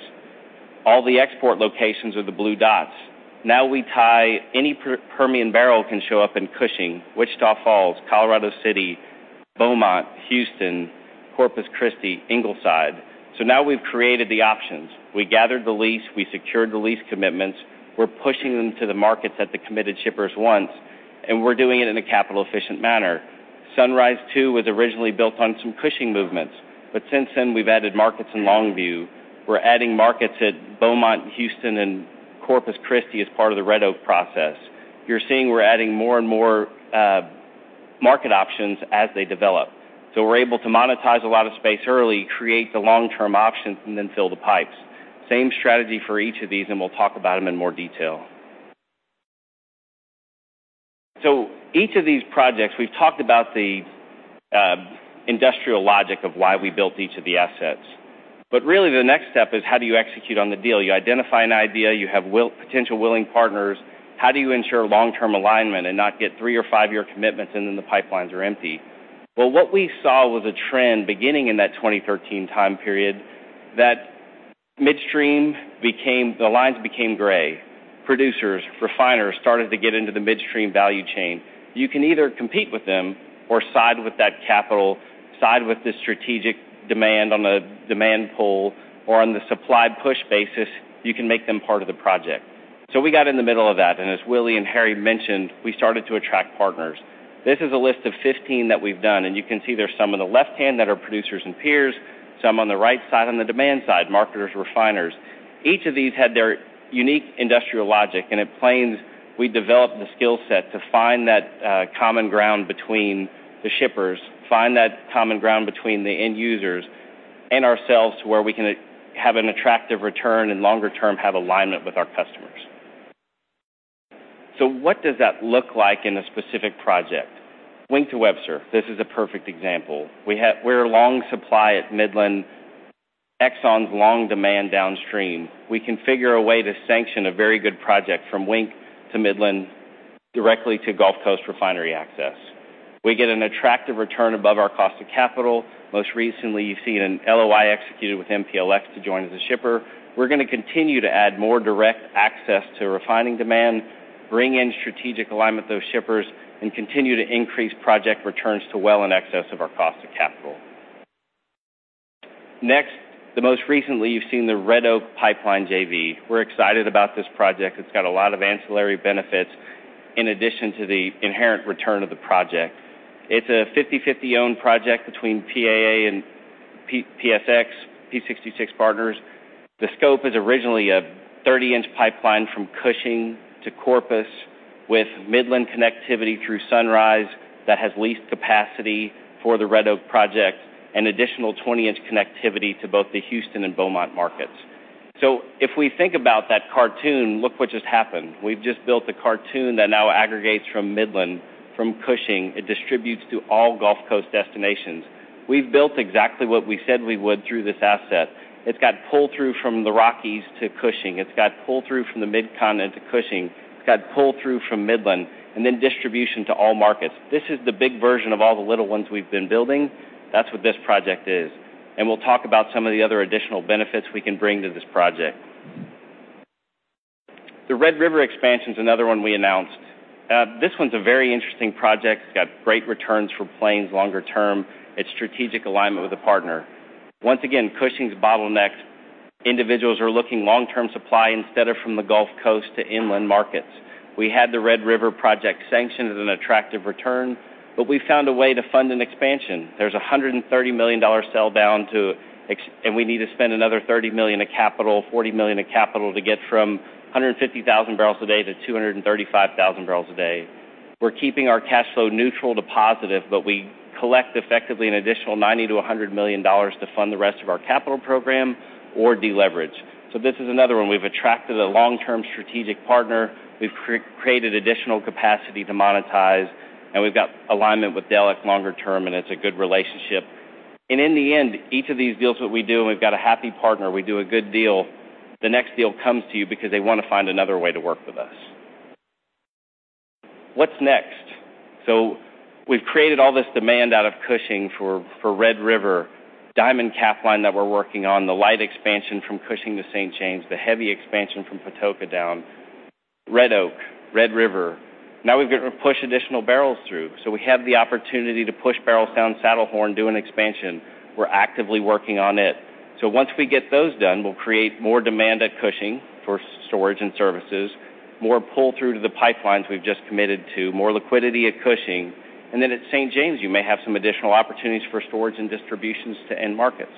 All the export locations are the blue dots. We tie any Permian barrel can show up in Cushing, Wichita Falls, Colorado City, Beaumont, Houston, Corpus Christi, Ingleside. Now we've created the options. We gathered the lease. We secured the lease commitments. We're pushing them to the markets that the committed shippers want, and we're doing it in a capital-efficient manner. Sunrise II was originally built on some Cushing movements. Since then, we've added markets in Longview. We're adding markets at Beaumont, Houston, and Corpus Christi as part of the Red Oak process. You're seeing we're adding more and more market options as they develop. We're able to monetize a lot of space early, create the long-term options, and then fill the pipes. Same strategy for each of these. We'll talk about them in more detail. Each of these projects, we've talked about the industrial logic of why we built each of the assets. Really, the next step is how do you execute on the deal? You identify an idea. You have potential willing partners. How do you ensure long-term alignment and not get three or five-year commitments, and then the pipelines are empty? Well, what we saw was a trend beginning in that 2013 time period that the lines became gray. Producers, refiners started to get into the midstream value chain. You can either compete with them or side with that capital. Side with the strategic demand on the demand pull or on the supply push basis, you can make them part of the project. We got in the middle of that, and as Willie and Harry mentioned, we started to attract partners. This is a list of 15 that we've done, and you can see there's some on the left-hand that are producers and peers, some on the right side, on the demand side, marketers, refiners. Each of these had their unique industrial logic. At Plains, we developed the skill set to find that common ground between the shippers, find that common ground between the end users and ourselves to where we can have an attractive return and longer term have alignment with our customers. What does that look like in a specific project? Wink to Webster. This is a perfect example. We're a long supply at Midland, Exxon's long demand downstream. We can figure a way to sanction a very good project from Wink to Midland directly to Gulf Coast refinery access. We get an attractive return above our cost of capital. Most recently, you've seen an LOI executed with MPLX to join as a shipper. We're going to continue to add more direct access to refining demand, bring in strategic alignment with those shippers, and continue to increase project returns to well in excess of our cost of capital. Next, most recently you've seen the Red Oak Pipeline JV. We're excited about this project. It's got a lot of ancillary benefits in addition to the inherent return of the project. It's a 50/50 owned project between PAA and PSX, Phillips 66 Partners. The scope is originally a 30-inch pipeline from Cushing to Corpus, with Midland connectivity through Sunrise that has leased capacity for the Red Oak project, an additional 20-inch connectivity to both the Houston and Beaumont markets. If we think about that cartoon, look what just happened. We've just built a cartoon that now aggregates from Midland, from Cushing. It distributes to all Gulf Coast destinations. We've built exactly what we said we would through this asset. It's got pull through from the Rockies to Cushing. It's got pull through from the Mid-Continent to Cushing. It's got pull through from Midland and then distribution to all markets. This is the big version of all the little ones we've been building. That's what this project is, and we'll talk about some of the other additional benefits we can bring to this project. The Red River expansion is another one we announced. This one's a very interesting project. It's got great returns for Plains longer term. It's strategic alignment with a partner. Once again, Cushing's bottlenecked. Individuals are looking long-term supply instead of from the Gulf Coast to inland markets. We had the Red River project sanctioned as an attractive return, but we found a way to fund an expansion. There's $130 million sell down, and we need to spend another $30 million of capital, $40 million of capital to get from 150,000 barrels a day to 235,000 barrels a day. We're keeping our cash flow neutral to positive, but we collect effectively an additional $90 million to $100 million to fund the rest of our capital program or deleverage. This is another one. We've attracted a long-term strategic partner. We've created additional capacity to monetize, and we've got alignment with Delek longer term, and it's a good relationship. In the end, each of these deals that we do, and we've got a happy partner. We do a good deal. The next deal comes to you because they want to find another way to work with us. What's next? We've created all this demand out of Cushing for Red River, Diamond Capline that we're working on, the light expansion from Cushing to St. James, the heavy expansion from Patoka down, Red Oak, Red River. We've got to push additional barrels through. We have the opportunity to push barrels down Saddlehorn, do an expansion. We're actively working on it. Once we get those done, we'll create more demand at Cushing for storage and services, more pull through to the pipelines we've just committed to, more liquidity at Cushing, and then at St. James, you may have some additional opportunities for storage and distributions to end markets.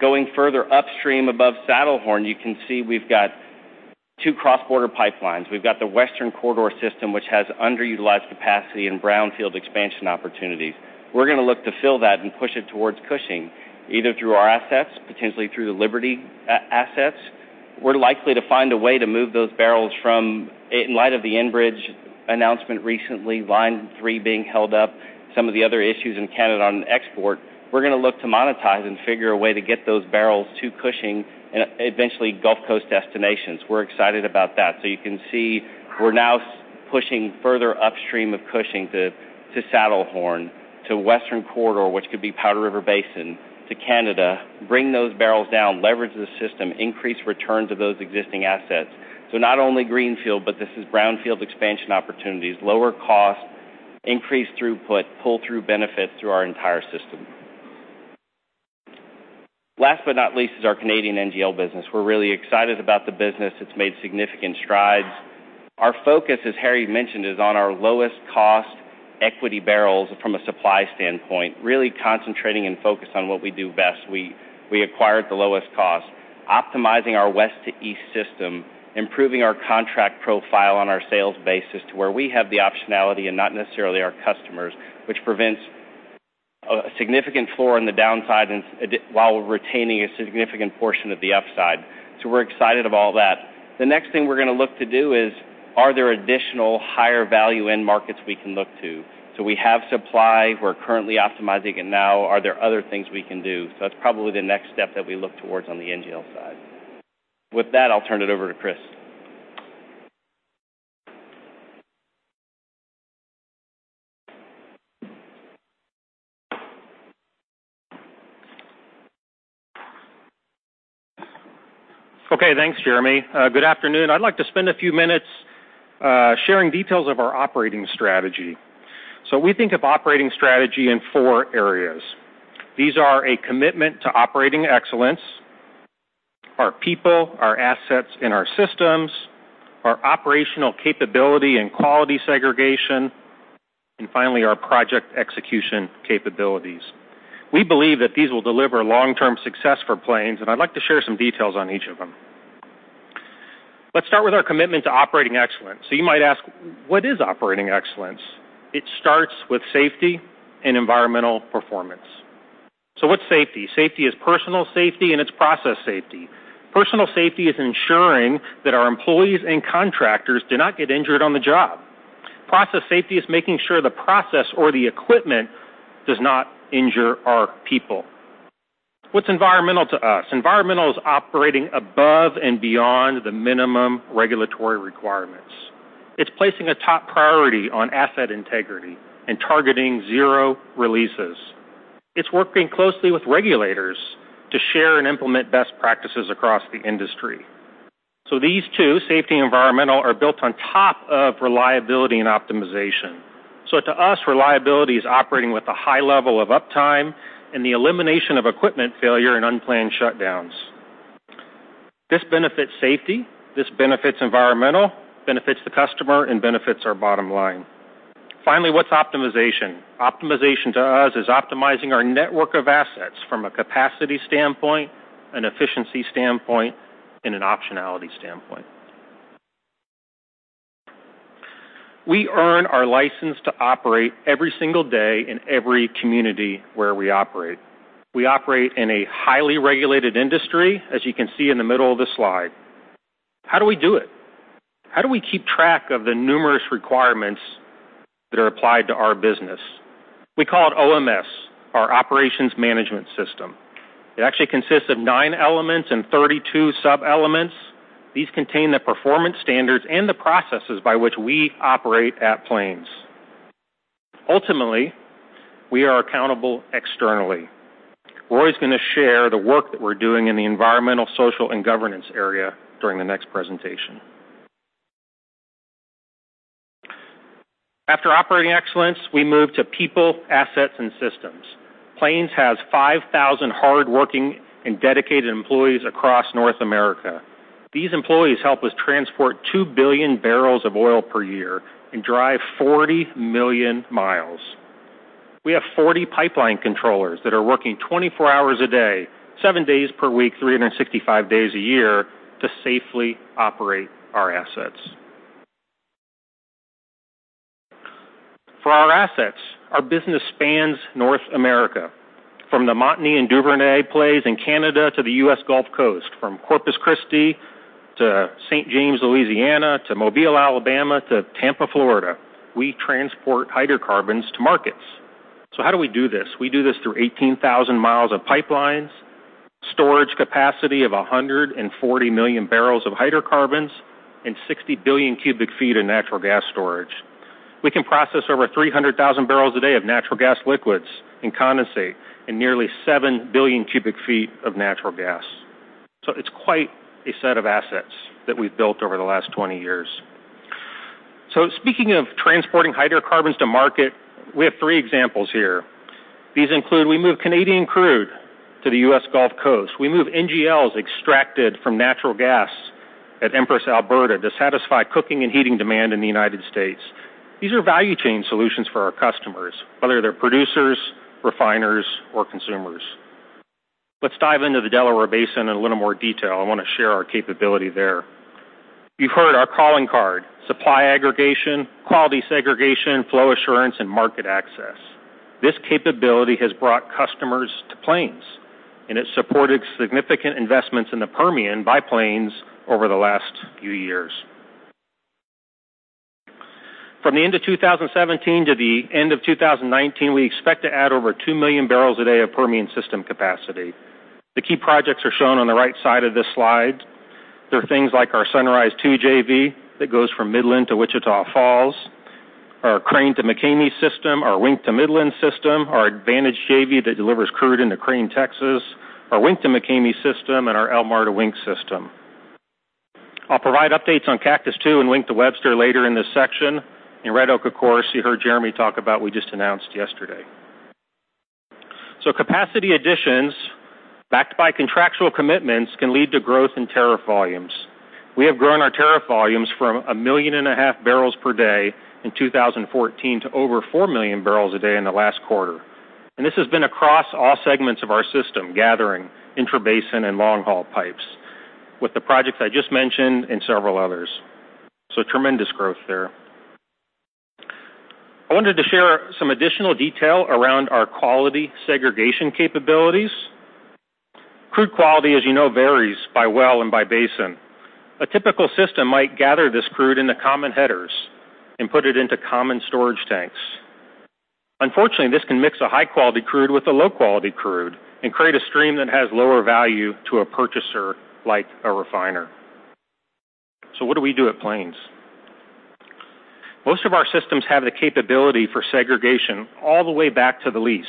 Going further upstream above Saddlehorn, you can see we've got two cross-border pipelines. We've got the Western Corridor system, which has underutilized capacity and brownfield expansion opportunities. We're going to look to fill that and push it towards Cushing, either through our assets, potentially through the Liberty assets. We're likely to find a way to move those barrels. In light of the Enbridge announcement recently, Line 3 being held up, some of the other issues in Canada on export, we're going to look to monetize and figure a way to get those barrels to Cushing and eventually Gulf Coast destinations. We're excited about that. You can see we're now pushing further upstream of Cushing to Saddlehorn, to Western Corridor, which could be Powder River Basin, to Canada, bring those barrels down, leverage the system, increase returns of those existing assets. Not only greenfield, but this is brownfield expansion opportunities, lower cost, increased throughput, pull through benefits through our entire system. Last but not least is our Canadian NGL business. We're really excited about the business. It's made significant strides. Our focus, as Harry mentioned, is on our lowest cost equity barrels from a supply standpoint, really concentrating and focused on what we do best. We acquired the lowest cost, optimizing our west to east system, improving our contract profile on our sales basis to where we have the optionality and not necessarily our customers, which prevents a significant floor on the downside while retaining a significant portion of the upside. We're excited of all that. The next thing we're going to look to do is, are there additional higher value end markets we can look to? We have supply. We're currently optimizing it now. Are there other things we can do? That's probably the next step that we look towards on the NGL side. With that, I'll turn it over to Chris. Okay, thanks, Jeremy. Good afternoon. I'd like to spend a few minutes sharing details of our operating strategy. We think of operating strategy in four areas. These are a commitment to operating excellence, our people, our assets, and our systems, our operational capability and quality segregation, and finally, our project execution capabilities. We believe that these will deliver long-term success for Plains, and I'd like to share some details on each of them. Let's start with our commitment to operating excellence. You might ask, what is operating excellence? It starts with safety and environmental performance. What's safety? Safety is personal safety, and it's process safety. Personal safety is ensuring that our employees and contractors do not get injured on the job. Process safety is making sure the process or the equipment does not injure our people. What's environmental to us? Environmental is operating above and beyond the minimum regulatory requirements. It's placing a top priority on asset integrity and targeting zero releases. It's working closely with regulators to share and implement best practices across the industry. These two, safety and environmental, are built on top of reliability and optimization. To us, reliability is operating with a high level of uptime and the elimination of equipment failure and unplanned shutdowns. This benefits safety, this benefits environmental, benefits the customer, and benefits our bottom line. Finally, what's optimization? Optimization to us is optimizing our network of assets from a capacity standpoint, an efficiency standpoint, and an optionality standpoint. We earn our license to operate every single day in every community where we operate. We operate in a highly regulated industry, as you can see in the middle of the slide. How do we do it? How do we keep track of the numerous requirements that are applied to our business? We call it OMS, our Operations Management System. It actually consists of nine elements and 32 sub-elements. These contain the performance standards and the processes by which we operate at Plains. Ultimately, we are accountable externally. Roy's going to share the work that we're doing in the environmental, social, and governance area during the next presentation. After operating excellence, we move to people, assets, and systems. Plains has 5,000 hardworking and dedicated employees across North America. These employees help us transport 2 billion barrels of oil per year and drive 40 million miles. We have 40 pipeline controllers that are working 24 hours a day, 7 days per week, 365 days a year to safely operate our assets. For our assets, our business spans North America, from the Montney and Duvernay plays in Canada to the U.S. Gulf Coast. From Corpus Christi to St. James, Louisiana to Mobile, Alabama to Tampa, Florida, we transport hydrocarbons to markets. How do we do this? We do this through 18,000 miles of pipelines, storage capacity of 140 million barrels of hydrocarbons, and 60 billion cubic feet of natural gas storage. We can process over 300,000 barrels a day of natural gas liquids and condensate and nearly 7 billion cubic feet of natural gas. It's quite a set of assets that we've built over the last 20 years. Speaking of transporting hydrocarbons to market, we have three examples here. These include we move Canadian crude to the U.S. Gulf Coast. We move NGLs extracted from natural gas at Empress, Alberta, to satisfy cooking and heating demand in the United States. These are value chain solutions for our customers, whether they're producers, refiners, or consumers. Let's dive into the Delaware Basin in a little more detail. I want to share our capability there. You've heard our calling card, supply aggregation, quality segregation, flow assurance, and market access. This capability has brought customers to Plains, and it supported significant investments in the Permian by Plains over the last few years. From the end of 2017 to the end of 2019, we expect to add over 2 million barrels a day of Permian system capacity. The key projects are shown on the right side of this slide. They're things like our Sunrise II JV that goes from Midland to Wichita Falls, our Crane to McCamey system, our Wink to Midland system, our Advantage JV that delivers crude into Crane, Texas, our Wink to McCamey system, and our Elmhart to Wink system. I'll provide updates on Cactus II and Wink to Webster later in this section. Red Oak, of course, you heard Jeremy talk about, we just announced yesterday. Capacity additions backed by contractual commitments can lead to growth in tariff volumes. We have grown our tariff volumes from a million and a half barrels per day in 2014 to over 4 million barrels a day in the last quarter. This has been across all segments of our system, gathering intrabasin and long-haul pipes with the projects I just mentioned and several others. Tremendous growth there. I wanted to share some additional detail around our quality segregation capabilities. Crude quality, as you know, varies by well and by basin. A typical system might gather this crude into common headers and put it into common storage tanks. Unfortunately, this can mix a high-quality crude with a low-quality crude and create a stream that has lower value to a purchaser, like a refiner. What do we do at Plains? Most of our systems have the capability for segregation all the way back to the lease.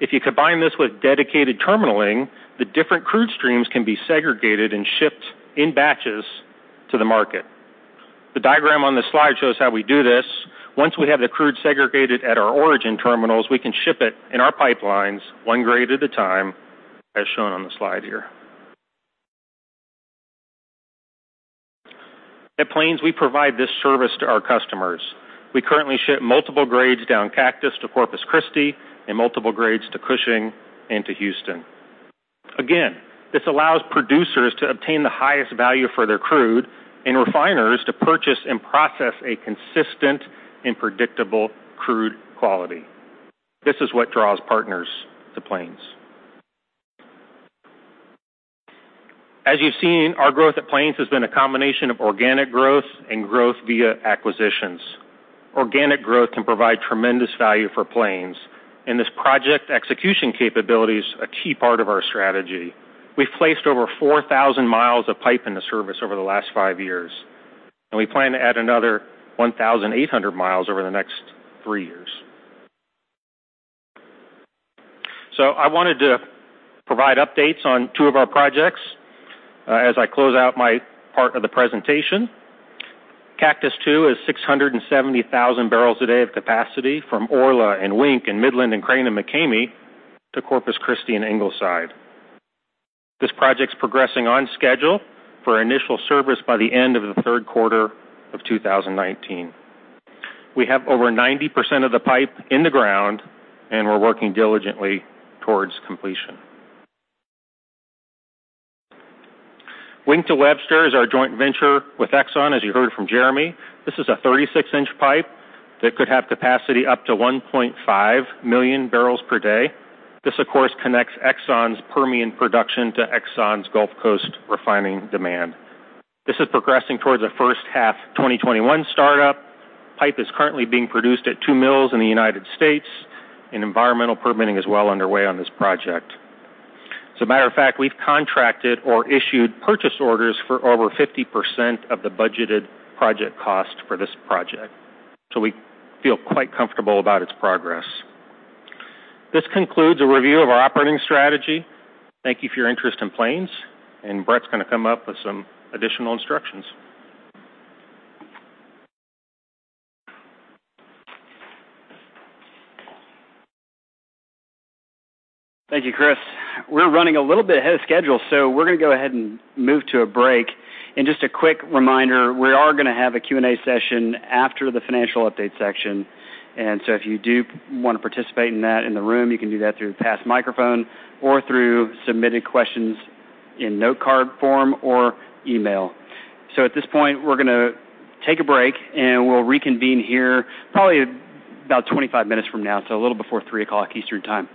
If you combine this with dedicated terminalling, the different crude streams can be segregated and shipped in batches to the market. The diagram on the slide shows how we do this. Once we have the crude segregated at our origin terminals, we can ship it in our pipelines one grade at a time, as shown on the slide here. At Plains, we provide this service to our customers. We currently ship multiple grades down Cactus to Corpus Christi and multiple grades to Cushing and to Houston. This allows producers to obtain the highest value for their crude and refiners to purchase and process a consistent and predictable crude quality. This is what draws partners to Plains. As you've seen, our growth at Plains has been a combination of organic growth and growth via acquisitions. Organic growth can provide tremendous value for Plains. This project execution capability is a key part of our strategy. We've placed over 4,000 miles of pipe into service over the last five years. We plan to add another 1,800 miles over the next three years. I wanted to provide updates on two of our projects as I close out my part of the presentation. Cactus II is 670,000 barrels a day of capacity from Orla and Wink in Midland and Crane and McCamey to Corpus Christi and Ingleside. This project's progressing on schedule for initial service by the end of the third quarter of 2019. We have over 90% of the pipe in the ground. We're working diligently towards completion. Wink to Webster is our joint venture with Exxon, as you heard from Jeremy. This is a 36-inch pipe that could have capacity up to 1.5 million barrels per day. This, of course, connects Exxon's Permian production to Exxon's Gulf Coast refining demand. This is progressing towards a first half 2021 startup. Pipe is currently being produced at two mills in the United States. Environmental permitting is well underway on this project. As a matter of fact, we've contracted or issued purchase orders for over 50% of the budgeted project cost for this project. We feel quite comfortable about its progress. This concludes a review of our operating strategy. Thank you for your interest in Plains. Brett's going to come up with some additional instructions. Thank you, Chris. We're running a little bit ahead of schedule, we're going to go ahead and move to a break. Just a quick reminder, we are going to have a Q&A session after the financial update section. If you do want to participate in that in the room, you can do that through pass microphone or through submitted questions in note card form or email. At this point, we're going to take a break, and we'll reconvene here probably about 25 minutes from now, a little before three o'clock Eastern Time.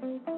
It's not on.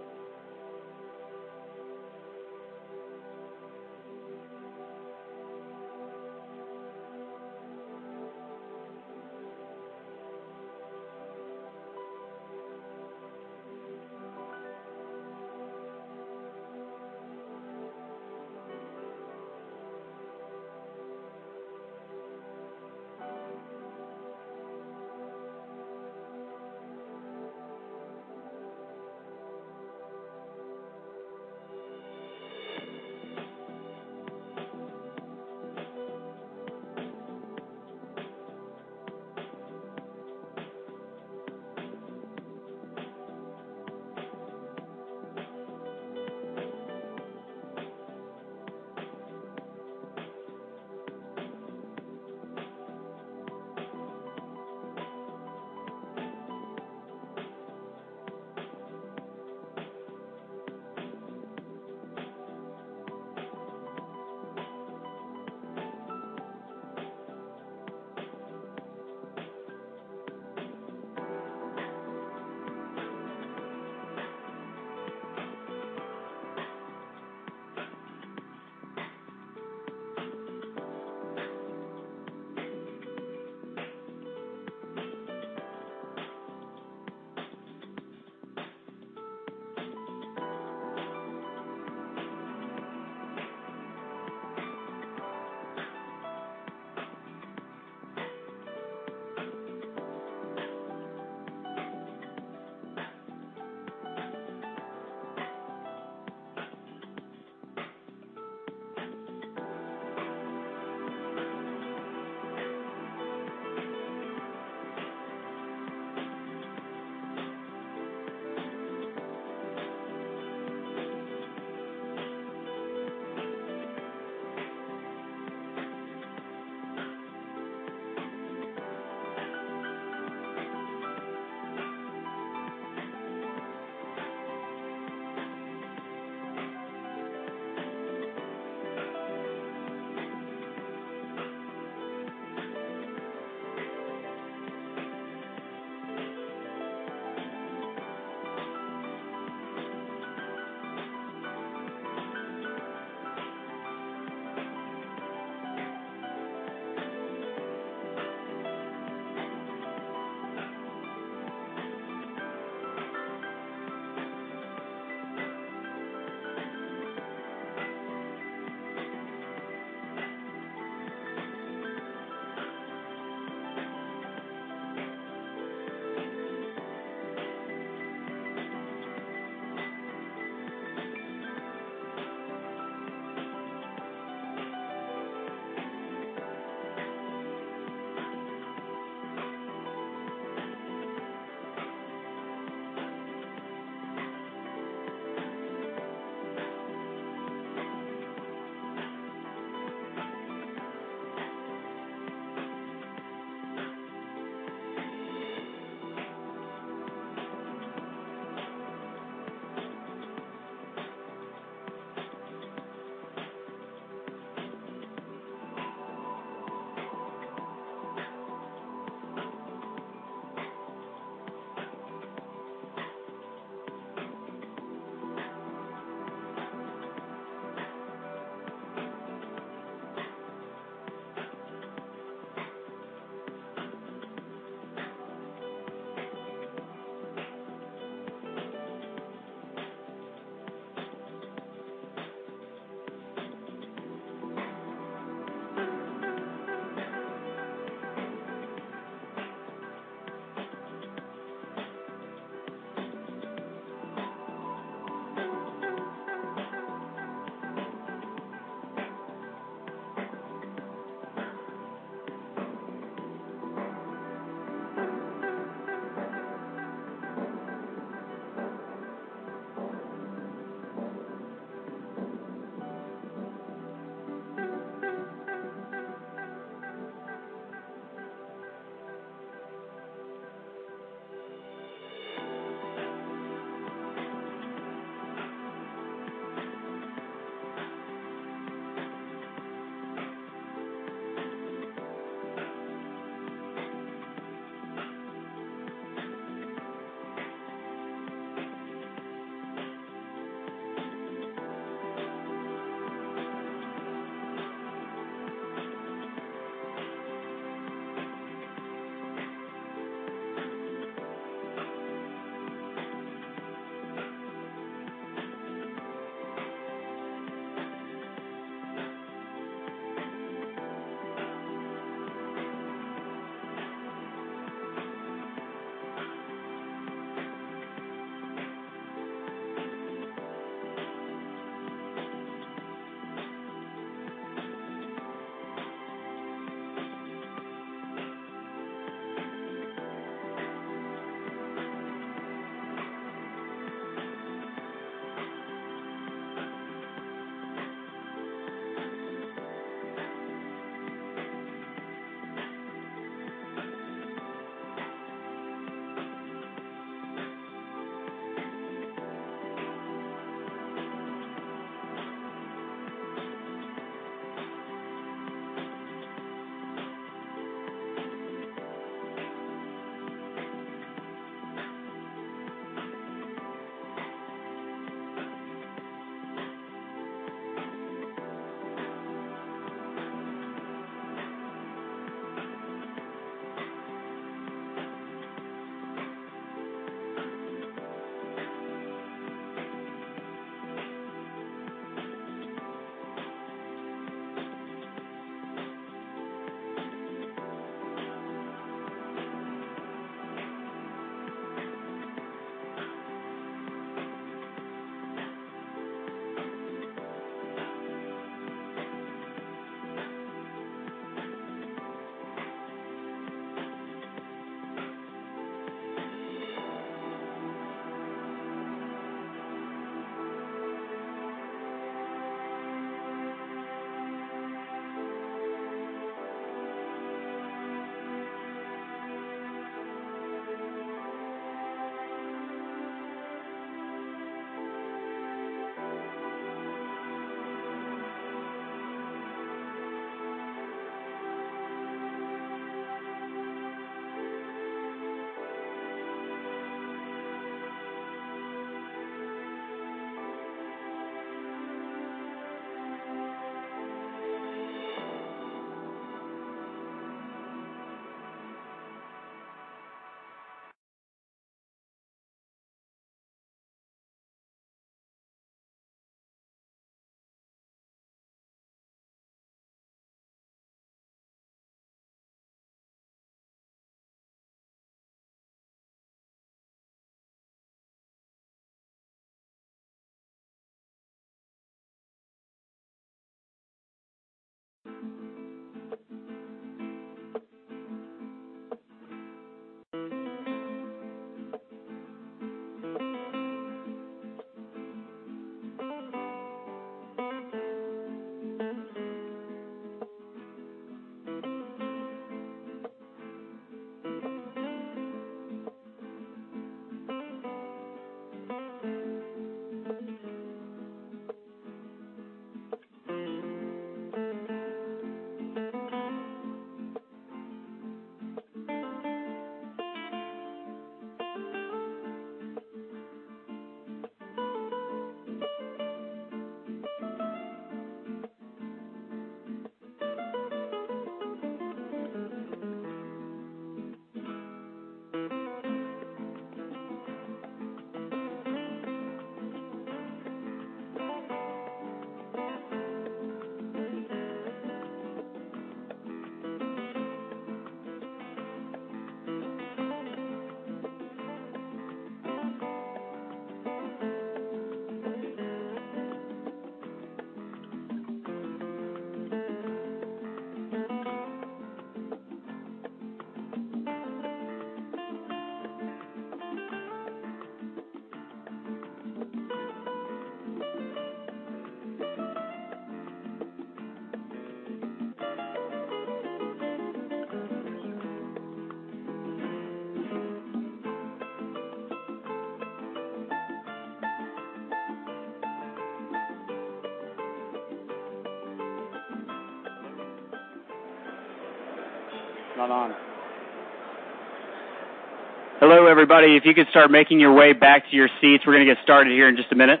Hello, everybody. If you could start making your way back to your seats, we're going to get started here in just a minute.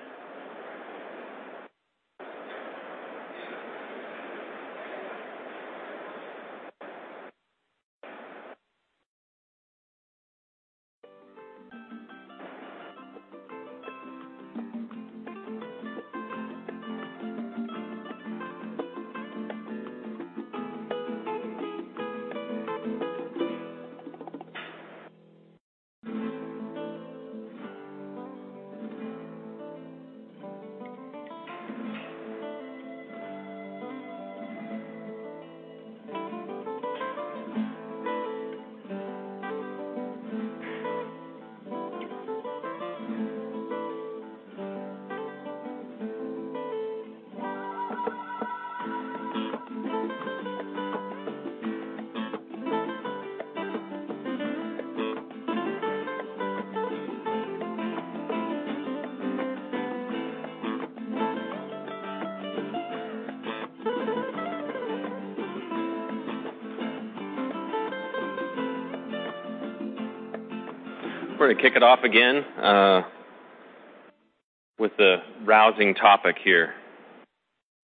We're going to kick it off again with a rousing topic here.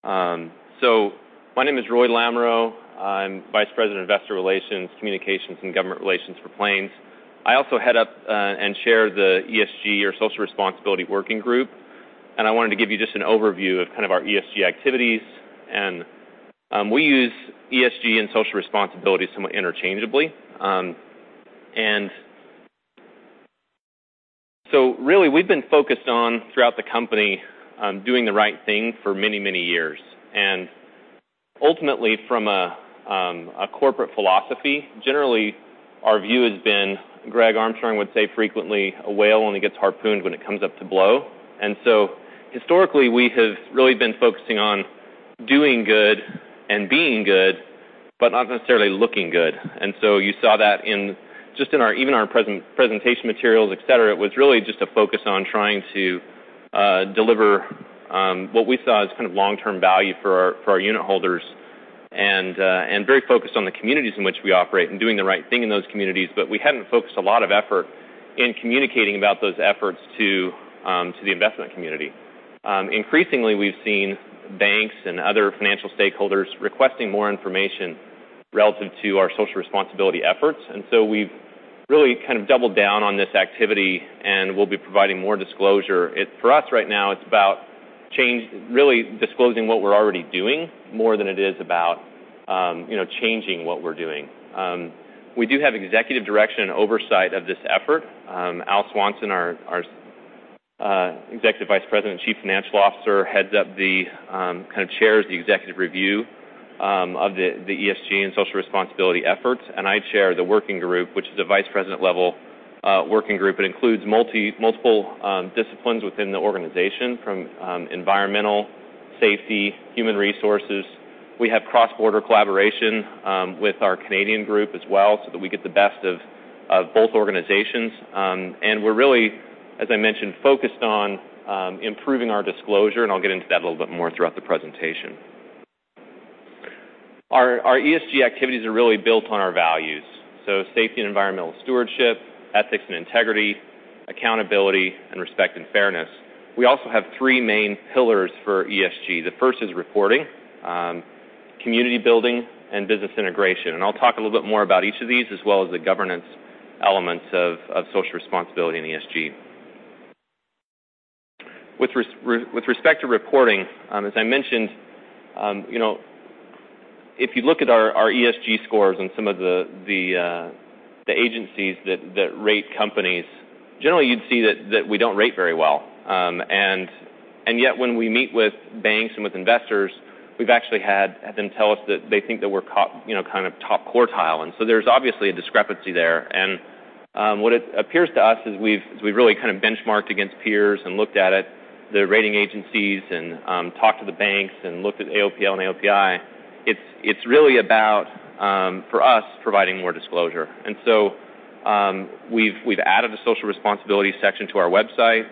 My name is Roy Lamoreaux. I'm Vice President of Investor Relations, Communications, and Government Relations for Plains. I also head up and chair the ESG or Social Responsibility Working Group, I wanted to give you just an overview of our ESG activities. We use ESG and social responsibility somewhat interchangeably. Really, we've been focused on, throughout the company, doing the right thing for many, many years. Ultimately from a corporate philosophy, generally, our view has been, Greg Armstrong would say frequently, a whale only gets harpooned when it comes up to blow. Historically, we have really been focusing on doing good and being good, but not necessarily looking good. You saw that in even our presentation materials, et cetera. It was really just a focus on trying to deliver what we saw as long-term value for our unit holders, and very focused on the communities in which we operate and doing the right thing in those communities. We hadn't focused a lot of effort in communicating about those efforts to the investment community. Increasingly, we've seen banks and other financial stakeholders requesting more information relative to our social responsibility efforts. We've really doubled down on this activity, and we'll be providing more disclosure. For us right now, it's about really disclosing what we're already doing more than it is about changing what we're doing. We do have executive direction and oversight of this effort. Al Swanson, our Executive Vice President and Chief Financial Officer, chairs the executive review of the ESG and social responsibility efforts. I chair the working group, which is a vice president level working group. It includes multiple disciplines within the organization from environmental, safety, human resources. We have cross-border collaboration with our Canadian group as well, so that we get the best of both organizations. We're really, as I mentioned, focused on improving our disclosure, and I'll get into that a little bit more throughout the presentation. Our ESG activities are really built on our values. Safety and environmental stewardship, ethics and integrity, accountability, and respect and fairness. We also have three main pillars for ESG. The first is reporting, community building, and business integration. I'll talk a little bit more about each of these, as well as the governance elements of social responsibility and ESG. Yet when we meet with banks and with investors, we've actually had them tell us that they think that we're top quartile. So there's obviously a discrepancy there. What it appears to us, as we've really benchmarked against peers and looked at it, the rating agencies, and talked to the banks, and looked at AOPL. It's really about, for us, providing more disclosure. So we've added a social responsibility section to our website.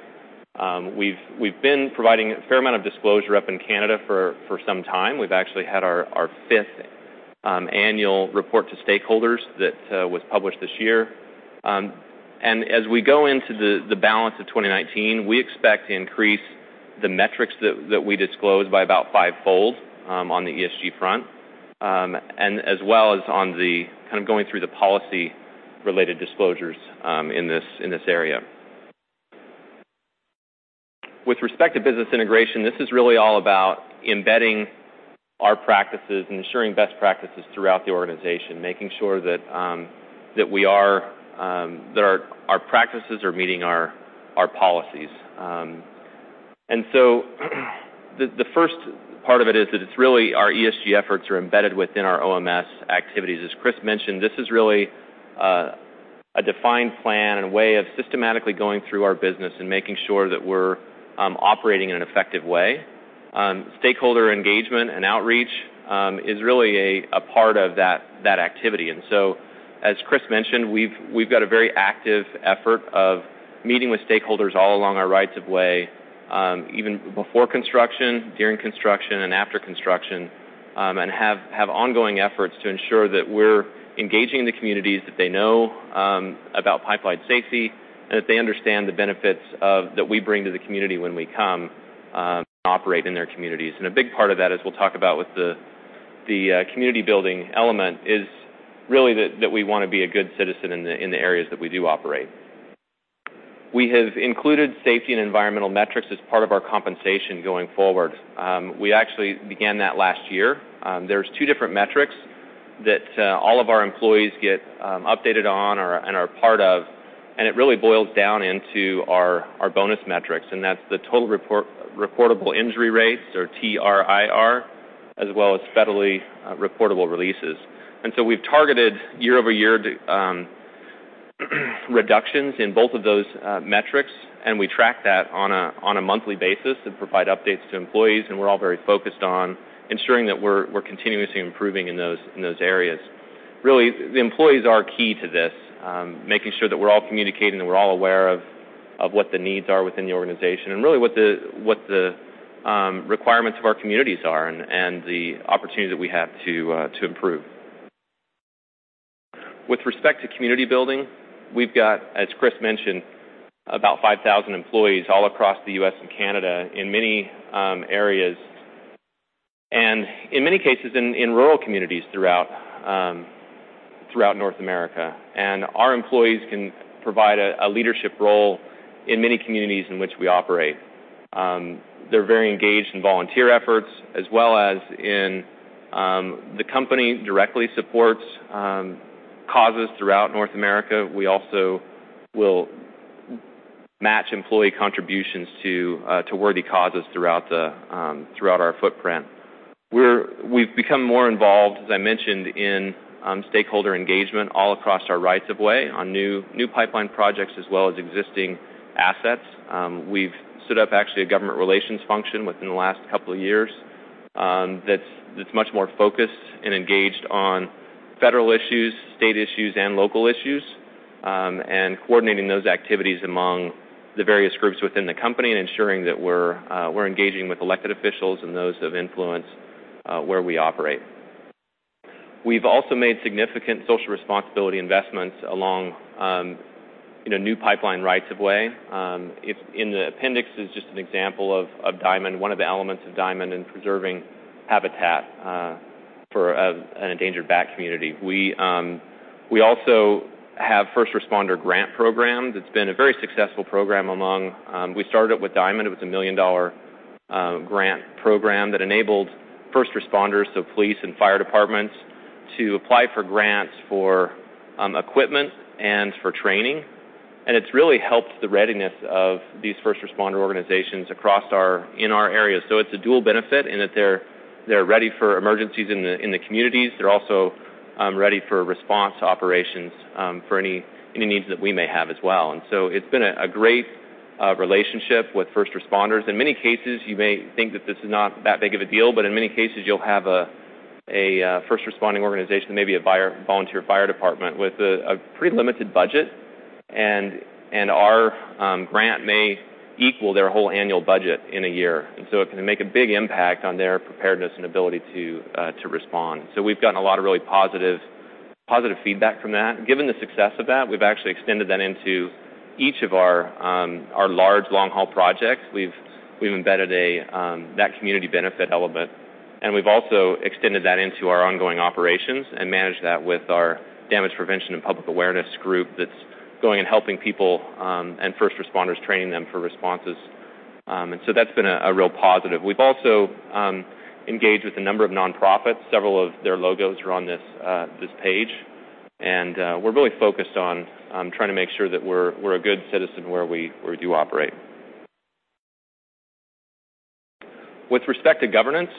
We've been providing a fair amount of disclosure up in Canada for some time. We've actually had our fifth annual report to stakeholders that was published this year. As we go into the balance of 2019, we expect to increase the metrics that we disclose by about fivefold on the ESG front, as well as going through the policy-related disclosures in this area. With respect to business integration, this is really all about embedding our practices and ensuring best practices throughout the organization, making sure that our practices are meeting our policies. So the first part of it is that it's really our ESG efforts are embedded within our OMS activities. As Chris mentioned, this is really a defined plan and way of systematically going through our business and making sure that we're operating in an effective way. Stakeholder engagement and outreach is really a part of that activity. So, as Chris mentioned, we've got a very active effort of meeting with stakeholders all along our rights of way, even before construction, during construction, and after construction, and have ongoing efforts to ensure that we're engaging the communities, that they know about pipeline safety, and that they understand the benefits that we bring to the community when we come and operate in their communities. A big part of that, as we'll talk about with the community-building element, is really that we want to be a good citizen in the areas that we do operate. We have included safety and environmental metrics as part of our compensation going forward. We actually began that last year. There's two different metrics that all of our employees get updated on or and are part of, and it really boils down into our bonus metrics, and that's the total reportable injury rates or TRIR, as well as federally reportable releases. So we've targeted year-over-year reductions in both of those metrics, and we track that on a monthly basis and provide updates to employees, and we're all very focused on ensuring that we're continuously improving in those areas. Really, the employees are key to this, making sure that we're all communicating and we're all aware of what the needs are within the organization and really what the requirements of our communities are and the opportunity that we have to improve. With respect to community building, we've got, as Chris mentioned, about 5,000 employees all across the U.S. and Canada in many areas, and in many cases, in rural communities throughout North America. Our employees can provide a leadership role in many communities in which we operate. They're very engaged in volunteer efforts as well as in. The company directly supports causes throughout North America. We also will match employee contributions to worthy causes throughout our footprint. We've become more involved, as I mentioned, in stakeholder engagement all across our rights of way on new pipeline projects as well as existing assets. We've stood up actually a government relations function within the last couple of years that's much more focused and engaged on federal issues, state issues, and local issues. Coordinating those activities among the various groups within the company and ensuring that we're engaging with elected officials and those of influence where we operate. We've also made significant social responsibility investments along new pipeline rights of way. In the appendix is just an example of Diamond, one of the elements of Diamond in preserving habitat for an endangered bat community. We also have first responder grant programs. It's been a very successful program among. We started it with Diamond. It was a $1 million grant program that enabled first responders, so police and fire departments, to apply for grants for equipment and for training. It's really helped the readiness of these first responder organizations in our area. It's a dual benefit in that they're ready for emergencies in the communities. They're also ready for response operations for any needs that we may have as well. It's been a great relationship with first responders. In many cases, you may think that this is not that big of a deal, in many cases you'll have a first responding organization, maybe a volunteer fire department with a pretty limited budget. Our grant may equal their whole annual budget in a year. It can make a big impact on their preparedness and ability to respond. We've gotten a lot of really positive feedback from that. Given the success of that, we've actually extended that into each of our large long-haul projects. We've embedded that community benefit element. We've also extended that into our ongoing operations and manage that with our damage prevention and public awareness group that's going and helping people and first responders, training them for responses. That's been a real positive. We've also engaged with a number of nonprofits. Several of their logos are on this page. We're really focused on trying to make sure that we're a good citizen where we do operate. With respect to governance,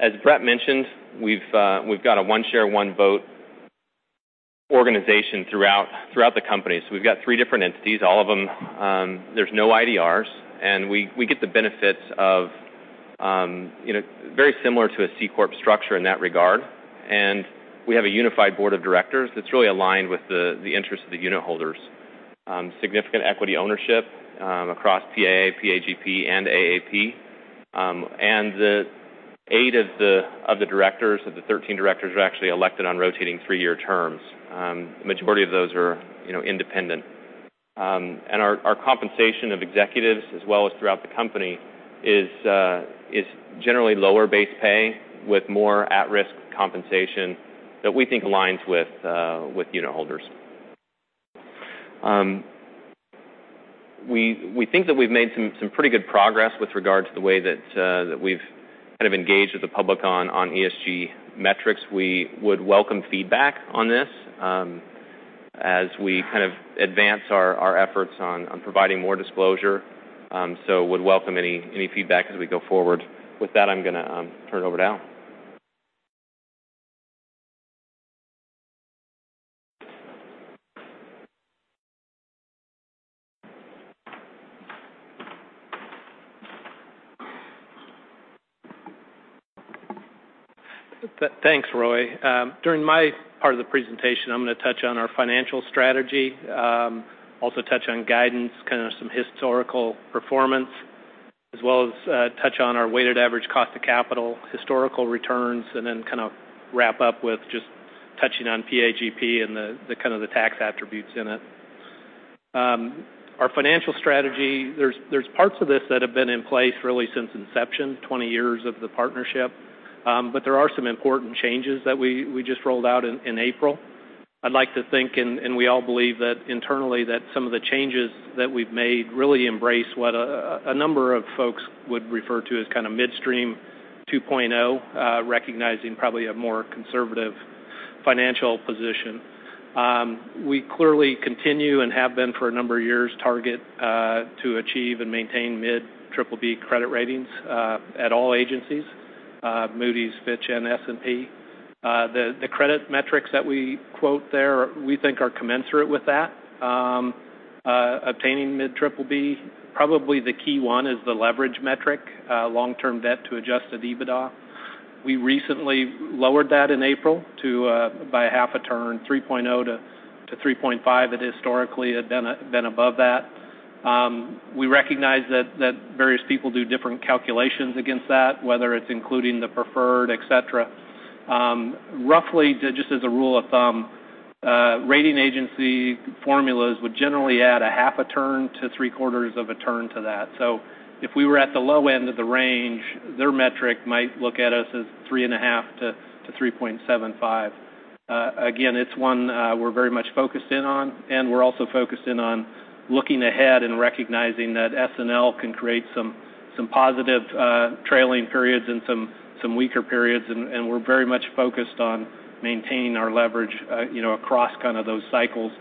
as Brett mentioned, we've got a one share, one vote organization throughout the company. We've got three different entities, all of them. There's no IDRs. We get the benefits of. Very similar to a C-corp structure in that regard. We have a unified board of directors that's really aligned with the interests of the unitholders. Significant equity ownership across PA, PAGP, and AAP. The eight of the 13 directors are actually elected on rotating three-year terms. The majority of those are independent. Our compensation of executives as well as throughout the company is generally lower base pay with more at-risk compensation that we think aligns with unitholders. We think that we've made some pretty good progress with regard to the way that we've kind of engaged with the public on ESG metrics. We would welcome feedback on this as we kind of advance our efforts on providing more disclosure. Would welcome any feedback as we go forward. With that, I'm going to turn it over to Al. Thanks, Roy. During my part of the presentation, I'm going to touch on our financial strategy. Also touch on guidance, kind of some historical performance, as well as touch on our weighted average cost of capital, historical returns, and then kind of wrap up with just touching on PAGP and the kind of the tax attributes in it. Our financial strategy, there's parts of this that have been in place really since inception, 20 years of the partnership. There are some important changes that we just rolled out in April. I'd like to think, and we all believe that internally, that some of the changes that we've made really embrace what a number of folks would refer to as kind of Midstream 2.0, recognizing probably a more conservative financial position. We clearly continue and have been for a number of years target to achieve and maintain mid-BBB credit ratings at all agencies, Moody's, Fitch, and S&P. The credit metrics that we quote there we think are commensurate with that. Obtaining mid-BBB, probably the key one is the leverage metric, long-term debt to adjusted EBITDA. We recently lowered that in April by half a turn, 3.0-3.5. It historically had been above that. We recognize that various people do different calculations against that, whether it's including the preferred, et cetera. Roughly, just as a rule of thumb, rating agency formulas would generally add a half a turn to three-quarters of a turn to that. If we were at the low end of the range, their metric might look at us as 3.5-3.75. Again, it's one we're very much focused in on, and we're also focused in on looking ahead and recognizing that S&L can create some positive trailing periods and some weaker periods. We're very much focused on maintaining our leverage across kind of those cycles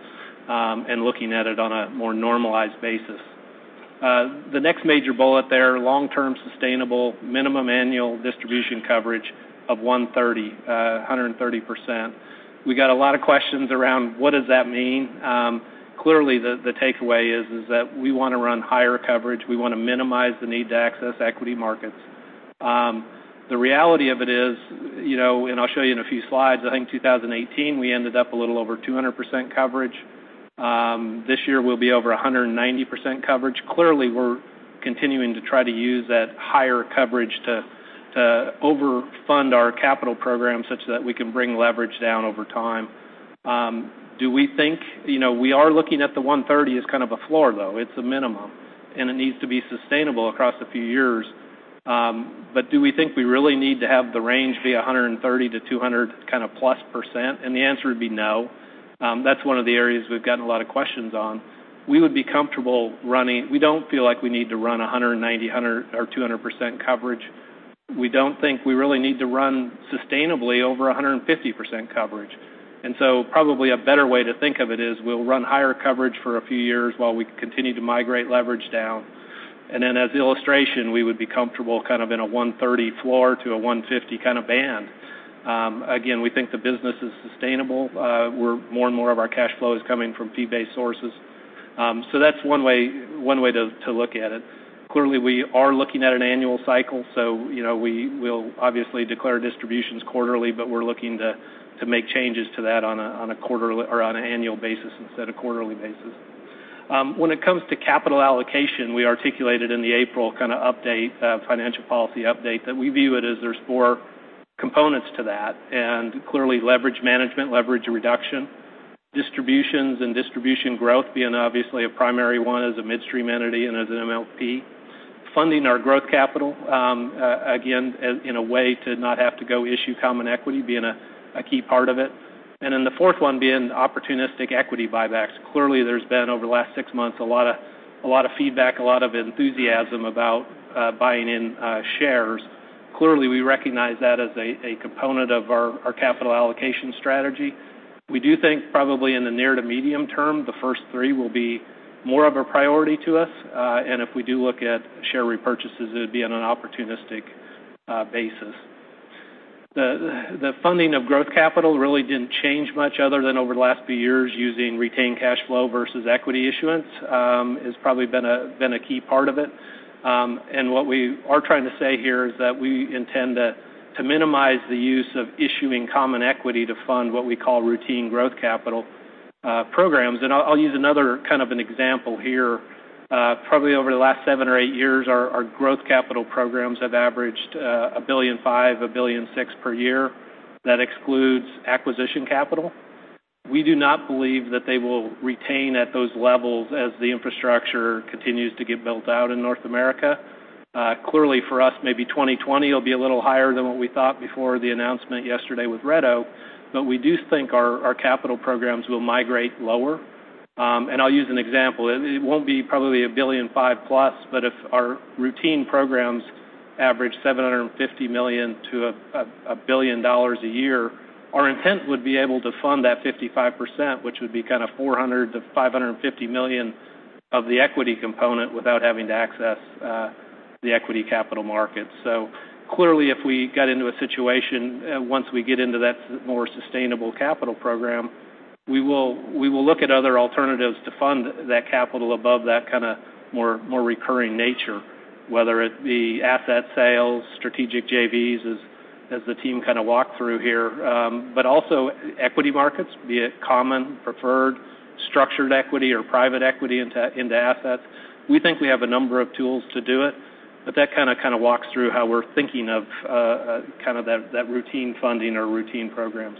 and looking at it on a more normalized basis. The next major bullet there, long-term sustainable minimum annual distribution coverage of 130%. We got a lot of questions around what does that mean. Clearly, the takeaway is that we want to run higher coverage. We want to minimize the need to access equity markets. The reality of it is, and I'll show you in a few slides, I think 2018, we ended up a little over 200% coverage. This year we'll be over 190% coverage. Clearly, we're continuing to try to use that higher coverage to over-fund our capital program such that we can bring leverage down over time. We are looking at the 130 as kind of a floor, though. It's a minimum, and it needs to be sustainable across a few years. Do we think we really need to have the range be 130%-200% kind of plus? The answer would be no. That's one of the areas we've gotten a lot of questions on. We don't feel like we need to run 190% or 200% coverage. We don't think we really need to run sustainably over 150% coverage. Probably a better way to think of it is we'll run higher coverage for a few years while we continue to migrate leverage down. As illustration, we would be comfortable kind of in a 130%-150% kind of band. Again, we think the business is sustainable. More and more of our cash flow is coming from fee-based sources. That's one way to look at it. Clearly, we are looking at an annual cycle, so we will obviously declare distributions quarterly, but we're looking to make changes to that on an annual basis instead of quarterly basis. When it comes to capital allocation, we articulated in the April kind of financial policy update that we view it as there's four components to that. Clearly leverage management, leverage reduction, distributions, and distribution growth being obviously a primary one as a midstream entity and as an MLP. Funding our growth capital, again, in a way to not have to go issue common equity being a key part of it. The fourth one being opportunistic equity buybacks. Clearly, there's been, over the last six months, a lot of feedback, a lot of enthusiasm about buying in shares. Clearly, we recognize that as a component of our capital allocation strategy. We do think probably in the near to medium term, the first three will be more of a priority to us. If we do look at share repurchases, it would be on an opportunistic basis. The funding of growth capital really didn't change much other than over the last few years using retained cash flow versus equity issuance has probably been a key part of it. What we are trying to say here is that we intend to minimize the use of issuing common equity to fund what we call routine growth capital programs. I'll use another kind of an example here. Probably over the last seven or eight years, our growth capital programs have averaged $1.5 billion, $1.6 billion per year. That excludes acquisition capital. We do not believe that they will retain at those levels as the infrastructure continues to get built out in North America. Clearly for us, maybe 2020 will be a little higher than what we thought before the announcement yesterday with Red Oak. We do think our capital programs will migrate lower. I'll use an example. It won't be probably $1.5 billion plus, but if our routine programs average $750 million-$1 billion a year, our intent would be able to fund that 55%, which would be kind of $400 million-$550 million of the equity component without having to access the equity capital markets. Clearly, if we got into a situation, once we get into that more sustainable capital program, we will look at other alternatives to fund that capital above that kind of more recurring nature, whether it be asset sales, strategic JVs, as the team kind of walked through here. Also equity markets, be it common, preferred, structured equity or private equity into assets. We think we have a number of tools to do it, but that kind of walks through how we're thinking of that routine funding or routine programs.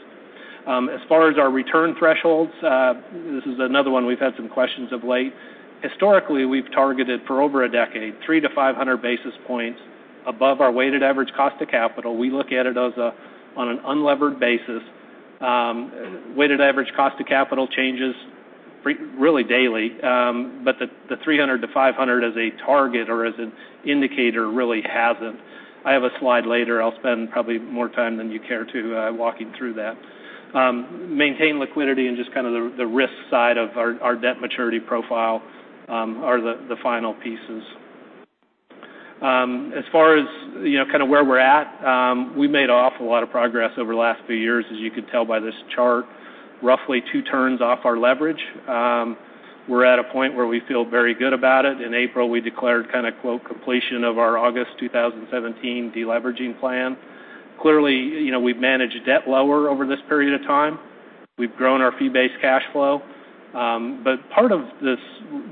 As far as our return thresholds, this is another one we've had some questions of late. Historically, we've targeted for over a decade, 300 to 500 basis points above our weighted average cost of capital. We look at it on an unlevered basis. Weighted average cost of capital changes really daily. The 300 to 500 as a target or as an indicator really hasn't. I have a slide later. I'll spend probably more time than you care to walking through that. Maintain liquidity and just kind of the risk side of our debt maturity profile are the final pieces. As far as where we're at, we've made an awful lot of progress over the last few years, as you can tell by this chart. Roughly two turns off our leverage. We're at a point where we feel very good about it. In April, we declared kind of quote, completion of our August 2017 de-leveraging plan. Clearly, we've managed debt lower over this period of time. We've grown our fee-based cash flow. Part of this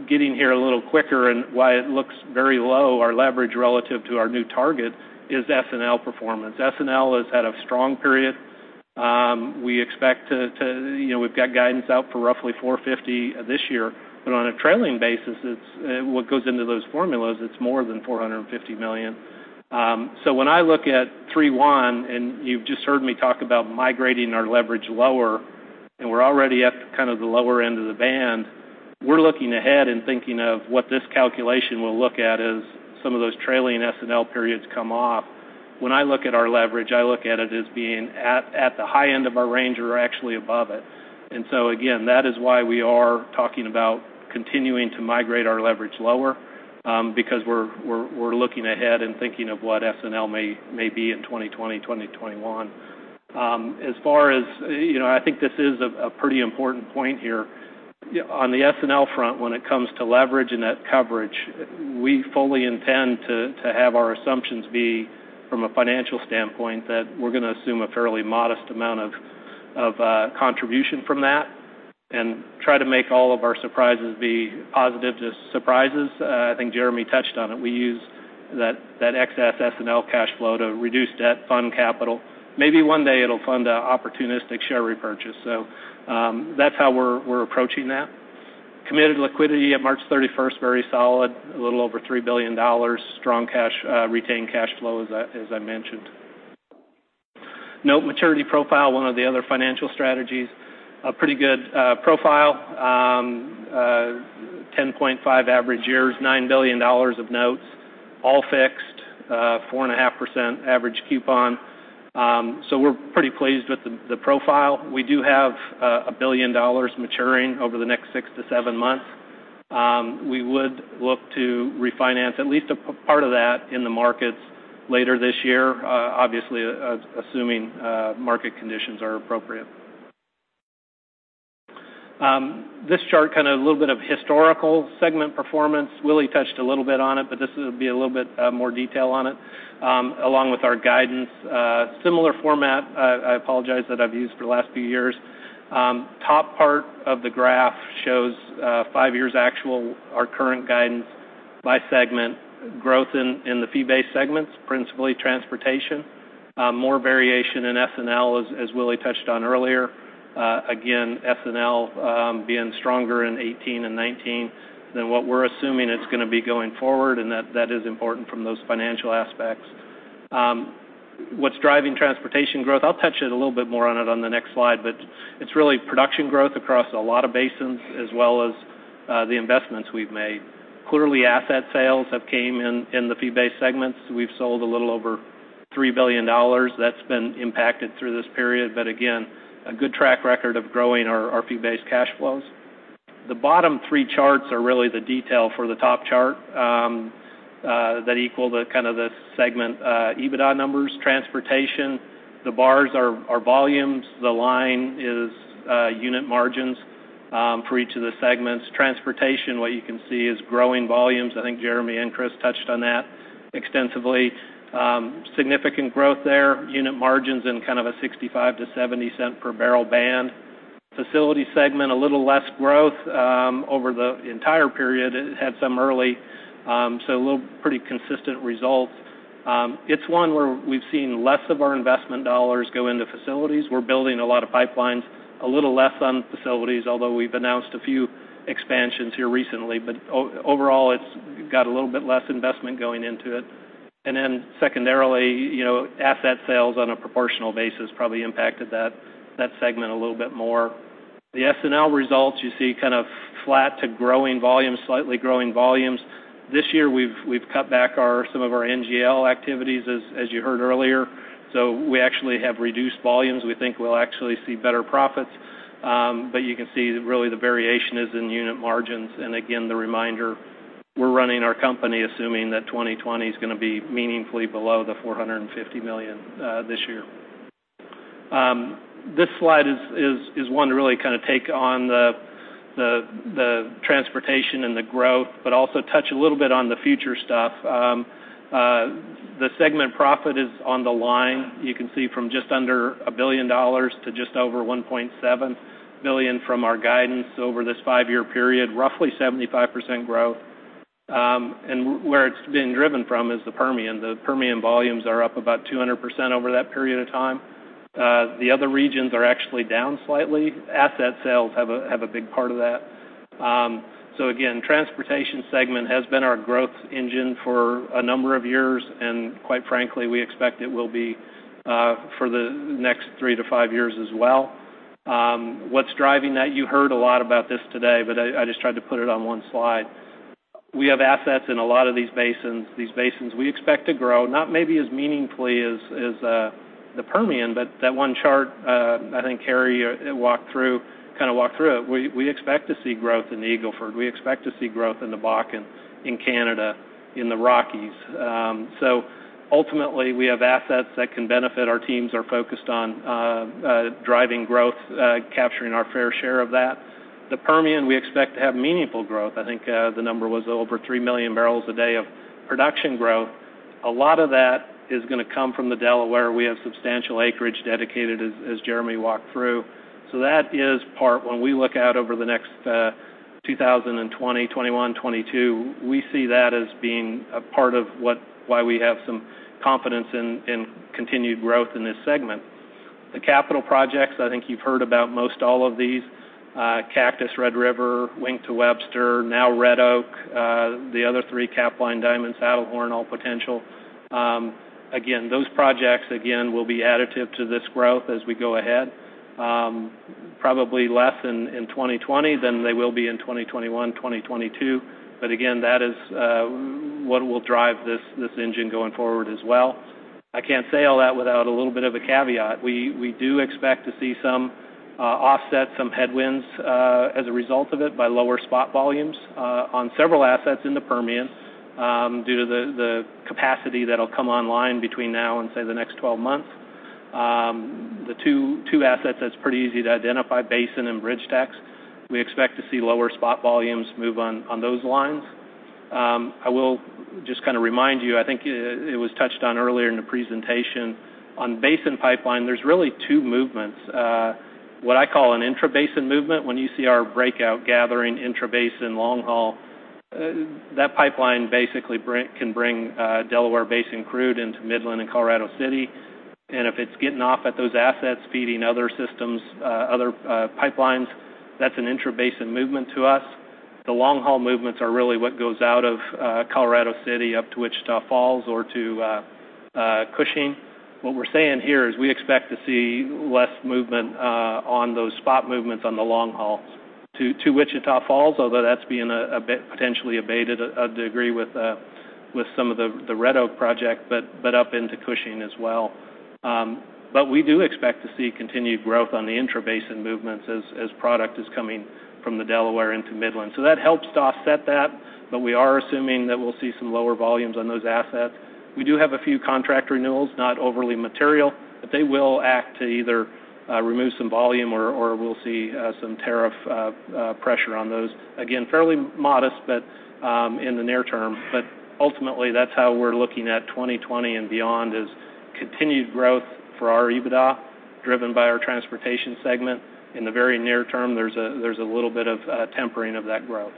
getting here a little quicker and why it looks very low, our leverage relative to our new target is S&L performance. S&L has had a strong period. We've got guidance out for roughly $450 this year. On a trailing basis, what goes into those formulas, it's more than $450 million. When I look at 3.1, and you've just heard me talk about migrating our leverage lower, and we're already at kind of the lower end of the band. We're looking ahead and thinking of what this calculation will look at as some of those trailing S&L periods come off. When I look at our leverage, I look at it as being at the high end of our range or actually above it. Again, that is why we are talking about continuing to migrate our leverage lower because we're looking ahead and thinking of what S&L may be in 2020, 2021. I think this is a pretty important point here. On the S&L front, when it comes to leverage and that coverage, we fully intend to have our assumptions be from a financial standpoint that we're going to assume a fairly modest amount of contribution from that and try to make all of our surprises be positive surprises. I think Jeremy touched on it. We use that excess S&L cash flow to reduce debt fund capital. Maybe one day it'll fund an opportunistic share repurchase. That's how we're approaching that. Committed liquidity at March 31st, very solid, a little over $3 billion. Strong retained cash flow, as I mentioned. Note maturity profile, one of the other financial strategies. A pretty good profile. 10.5 average years, $9 billion of notes, all fixed, 4.5% average coupon. We're pretty pleased with the profile. We do have $1 billion maturing over the next six to seven months. We would look to refinance at least a part of that in the markets later this year. Obviously, assuming market conditions are appropriate. This chart kind of a little bit of historical segment performance. Willie touched a little bit on it, but this will be a little bit more detail on it, along with our guidance. Similar format, I apologize that I've used for the last few years. Top part of the graph shows 5 years actual, our current guidance by segment. Growth in the fee-based segments, principally transportation. More variation in S&L, as Willie touched on earlier. S&L being stronger in 2018 and 2019 than what we're assuming it's going to be going forward, and that is important from those financial aspects. What's driving transportation growth? I'll touch it a little bit more on it on the next slide, It's really production growth across a lot of basins as well as the investments we've made. Clearly, asset sales have came in the fee-based segments. We've sold a little over $3 billion. That's been impacted through this period. Again, a good track record of growing our fee-based cash flows. The bottom three charts are really the detail for the top chart that equal the segment EBITDA numbers. Transportation, the bars are volumes. The line is unit margins for each of the segments. Transportation, what you can see is growing volumes. I think Jeremy and Chris touched on that extensively. Significant growth there. Unit margins in a $0.65-$0.70 per barrel band. Facility segment, a little less growth over the entire period. It had some early, Pretty consistent results. It's one where we've seen less of our investment dollars go into facilities. We're building a lot of pipelines, a little less on facilities, although we've announced a few expansions here recently. Overall, it's got a little bit less investment going into it. Then secondarily, asset sales on a proportional basis probably impacted that segment a little bit more. The S&L results you see kind of flat to growing volumes, slightly growing volumes. This year, we've cut back some of our NGL activities, as you heard earlier. We actually have reduced volumes. We think we'll actually see better profits. You can see really the variation is in unit margins. Again, the reminder, we're running our company assuming that 2020 is going to be meaningfully below the $450 million this year. This slide is one to really kind of take on the transportation and the growth, also touch a little bit on the future stuff. The segment profit is on the line. You can see from just under $1 billion to just over $1.7 billion from our guidance over this 5-year period, roughly 75% growth. Where it's been driven from is the Permian. The Permian volumes are up about 200% over that period of time. The other regions are actually down slightly. Asset sales have a big part of that. Again, transportation segment has been our growth engine for a number of years, and quite frankly, we expect it will be for the next three to five years as well. What's driving that? You heard a lot about this today, I just tried to put it on one slide. We have assets in a lot of these basins. These basins we expect to grow, not maybe as meaningfully as the Permian, but that one chart I think Harry kind of walked through. We expect to see growth in the Eagle Ford. We expect to see growth in the Bakken, in Canada, in the Rockies. Ultimately, we have assets that can benefit. Our teams are focused on driving growth, capturing our fair share of that. The Permian we expect to have meaningful growth. I think the number was over 3 million barrels a day of production growth. A lot of that is going to come from the Delaware. We have substantial acreage dedicated, as Jeremy walked through. That is part, when we look out over the next 2020, 2021, 2022, we see that as being a part of why we have some confidence in continued growth in this segment. The capital projects, I think you've heard about most all of these. Cactus, Red River, Wink to Webster, now Red Oak. The other three Capline, Diamond, Saddlehorn, all potential. Those projects will be additive to this growth as we go ahead. Probably less in 2020 than they will be in 2021, 2022. Again, that is what will drive this engine going forward as well. I can't say all that without a little bit of a caveat. We do expect to see some offset, some headwinds as a result of it by lower spot volumes on several assets in the Permian due to the capacity that'll come online between now and, say, the next 12 months. The two assets that's pretty easy to identify, Basin and BridgeTex. We expect to see lower spot volumes move on those lines. I will just kind of remind you, I think it was touched on earlier in the presentation. On Basin pipeline, there's really two movements. What I call an intrabasin movement. When you see our breakout gathering intrabasin long haul, that pipeline basically can bring Delaware Basin crude into Midland and Colorado City. If it's getting off at those assets feeding other systems, other pipelines, that's an intrabasin movement to us. The long-haul movements are really what goes out of Colorado City up to Wichita Falls or to Cushing. What we're saying here is we expect to see less movement on those spot movements on the long hauls to Wichita Falls, although that's being potentially abated a degree with some of the Red Oak project, but up into Cushing as well. We do expect to see continued growth on the intrabasin movements as product is coming from the Delaware into Midland. That helps to offset that, we are assuming that we'll see some lower volumes on those assets. We do have a few contract renewals, not overly material, but they will act to either remove some volume or we'll see some tariff pressure on those. Fairly modest in the near term, but ultimately, that's how we're looking at 2020 and beyond as continued growth for our EBITDA, driven by our transportation segment. In the very near term, there's a little bit of tempering of that growth.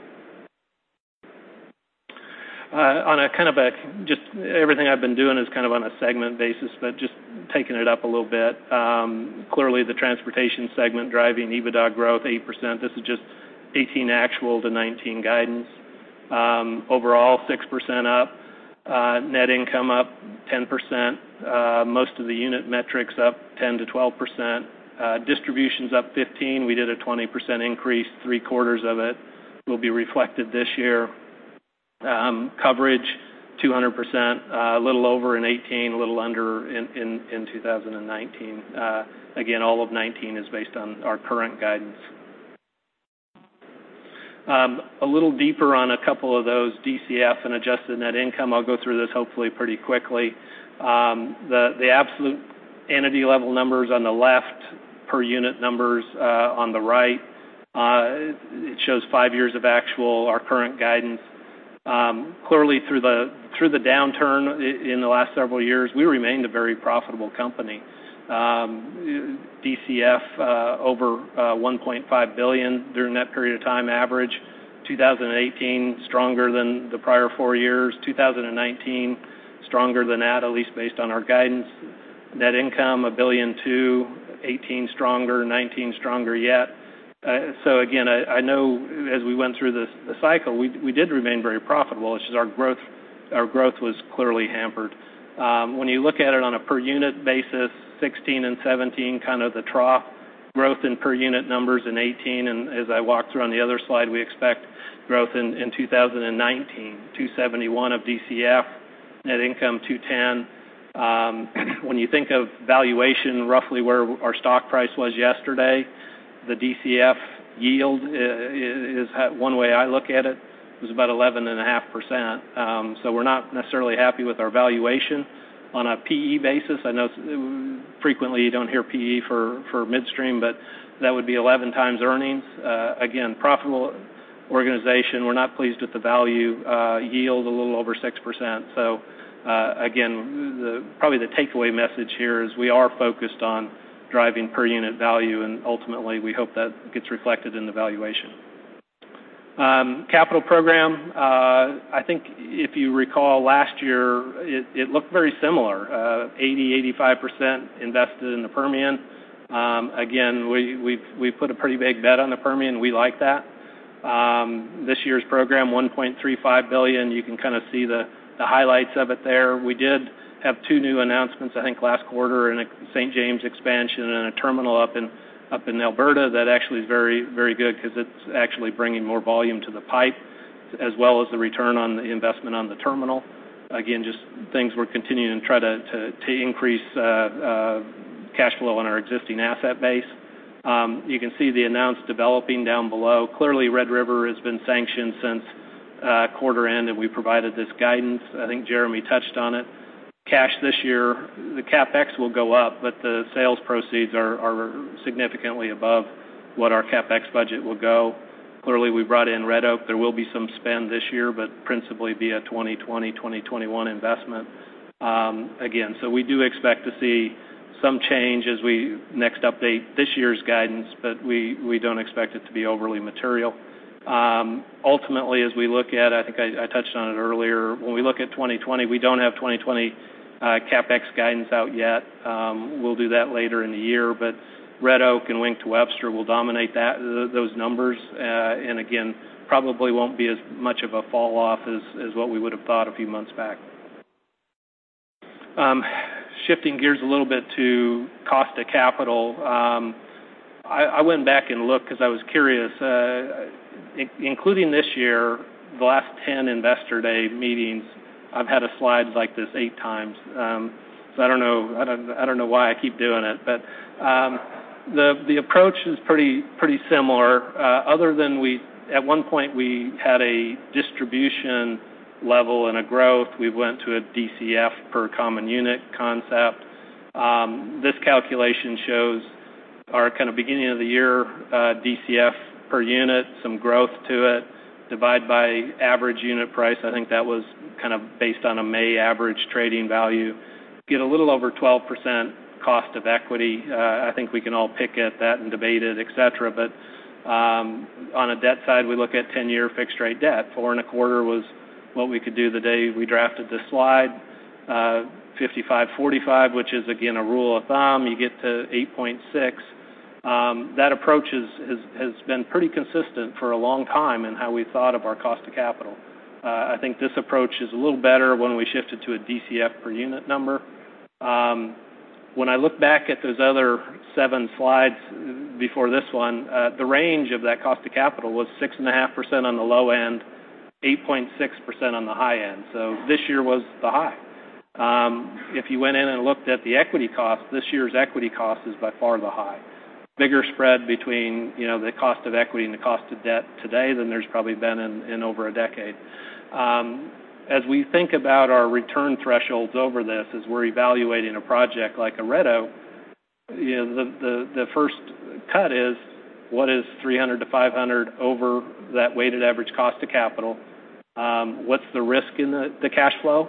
Everything I've been doing is kind of on a segment basis, but just taking it up a little bit. Clearly the transportation segment driving EBITDA growth 8%. This is just 2018 actual to 2019 guidance. Overall, 6% up. Net income up 10%. Most of the unit metrics up 10%-12%. Distributions up 15%. We did a 20% increase. Three-quarters of it will be reflected this year. Coverage 200%, a little over in 2018, a little under in 2019. Again, all of 2019 is based on our current guidance. A little deeper on a couple of those DCF and adjusted net income. I'll go through this hopefully pretty quickly. The absolute entity-level numbers on the left, per-unit numbers on the right. It shows five years of actual, our current guidance. Clearly through the downturn in the last several years, we remained a very profitable company. DCF over $1.5 billion during that period of time average. 2018, stronger than the prior four years. 2019, stronger than that, at least based on our guidance. Net income, $1.2 billion. 2018, stronger. 2019, stronger yet. Again, I know as we went through the cycle, we did remain very profitable. It's just our growth was clearly hampered. When you look at it on a per-unit basis, 2016 and 2017, kind of the trough growth in per-unit numbers in 2018. As I walked through on the other slide, we expect growth in 2019. $2.71 of DCF. Net income $2.10. When you think of valuation, roughly where our stock price was yesterday, the DCF yield is one way I look at it. It was about 11.5%. We're not necessarily happy with our valuation on a PE basis. I know frequently you don't hear PE for midstream, but that would be 11 times earnings. Again, profitable organization. We're not pleased with the value yield, a little over 6%. Again, probably the takeaway message here is we are focused on driving per-unit value, and ultimately, we hope that gets reflected in the valuation. Capital program. I think if you recall last year, it looked very similar. 80%-85% invested in the Permian. Again, we've put a pretty big bet on the Permian. We like that. This year's program, $1.35 billion. You can kind of see the highlights of it there. We did have two new announcements, I think, last quarter in St. James expansion and a terminal up in Alberta that actually is very good because it's actually bringing more volume to the pipe, as well as the return on the investment on the terminal. Again, just things we're continuing to try to increase cash flow on our existing asset base. You can see the announced developing down below. Clearly, Red River has been sanctioned since quarter end, and we provided this guidance. I think Jeremy touched on it. Cash this year, the CapEx will go up, but the sales proceeds are significantly above what our CapEx budget will go. Clearly, we brought in Red Oak. There will be some spend this year, but principally be a 2020-2021 investment. We do expect to see some change as we next update this year's guidance, but we don't expect it to be overly material. As we look at, I think I touched on it earlier, when we look at 2020, we don't have 2020 CapEx guidance out yet. We'll do that later in the year. Red Oak and Wink to Webster will dominate those numbers. Probably won't be as much of a fall off as what we would have thought a few months back. Shifting gears a little bit to cost of capital. I went back and looked because I was curious. Including this year, the last 10 investor day meetings, I've had a slide like this eight times. I don't know why I keep doing it. The approach is pretty similar. Other than at one point, we had a distribution level and a growth. We went to a DCF per common unit concept. This calculation shows our kind of beginning of the year DCF per unit, some growth to it, divide by average unit price. I think that was kind of based on a May average trading value. Get a little over 12% cost of equity. I think we can all pick at that and debate it, et cetera. On a debt side, we look at 10-year fixed rate debt. 4.25% was what we could do the day we drafted this slide. 55/45, which is again, a rule of thumb. You get to 8.6%. That approach has been pretty consistent for a long time in how we thought of our cost of capital. I think this approach is a little better when we shifted to a DCF per unit number. When I look back at those other seven slides before this one, the range of that cost of capital was 6.5% on the low end, 8.6% on the high end. This year was the high. If you went in and looked at the equity cost, this year's equity cost is by far the high. Bigger spread between the cost of equity and the cost of debt today than there's probably been in over a decade. As we think about our return thresholds over this, as we're evaluating a project like a Red Oak, the first cut is what is 300-500 basis points over that weighted average cost of capital? What's the risk in the cash flow?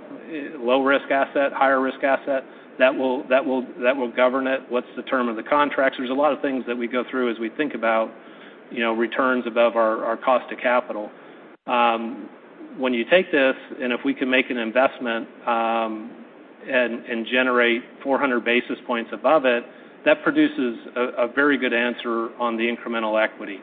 Low-risk asset, higher-risk asset? That will govern it. What's the term of the contract? There's a lot of things that we go through as we think about returns above our cost of capital. When you take this, if we can make an investment and generate 400 basis points above it, that produces a very good answer on the incremental equity.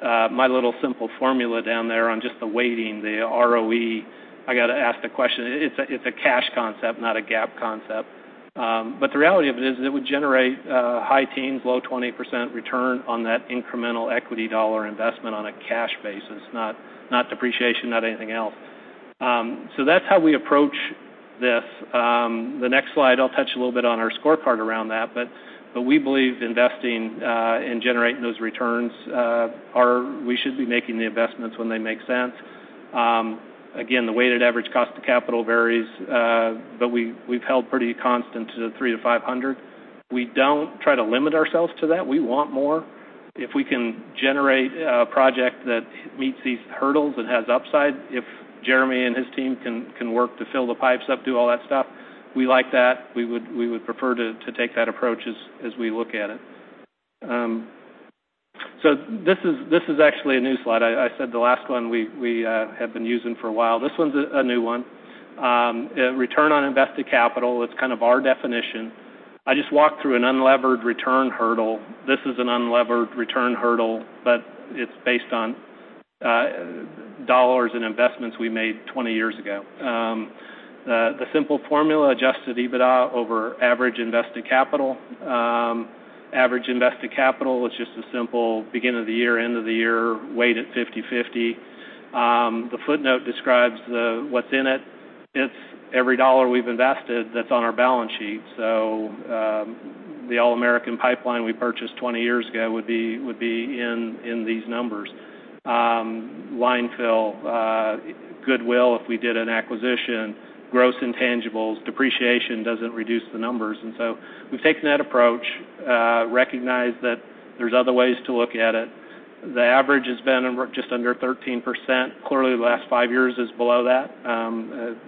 My little simple formula down there on just the weighting, the ROE, I got to ask the question. It's a cash concept, not a GAAP concept. The reality of it is that it would generate high teens, low 20% return on that incremental equity dollar investment on a cash basis, not depreciation, not anything else. That's how we approach this. The next slide, I'll touch a little bit on our scorecard around that, we believe investing and generating those returns, we should be making the investments when they make sense. The weighted average cost of capital varies, but we've held pretty constant to the 3-500. We don't try to limit ourselves to that. We want more. If we can generate a project that meets these hurdles and has upside, if Jeremy and his team can work to fill the pipes up, do all that stuff, we like that. We would prefer to take that approach as we look at it. This is actually a new slide. I said the last one we have been using for a while. This one's a new one. Return on invested capital. It's kind of our definition. I just walked through an unlevered return hurdle. This is an unlevered return hurdle, but it's based on dollars in investments we made 20 years ago. The simple formula, adjusted EBITDA over average invested capital. Average invested capital is just a simple beginning of the year, end of the year, weighted 50/50. The footnote describes what's in it. It's every dollar we've invested that's on our balance sheet. The All American Pipeline we purchased 20 years ago would be in these numbers. Line fill, goodwill, if we did an acquisition, gross intangibles. Depreciation doesn't reduce the numbers. We've taken that approach, recognize that there's other ways to look at it. The average has been just under 13%. Clearly, the last five years is below that,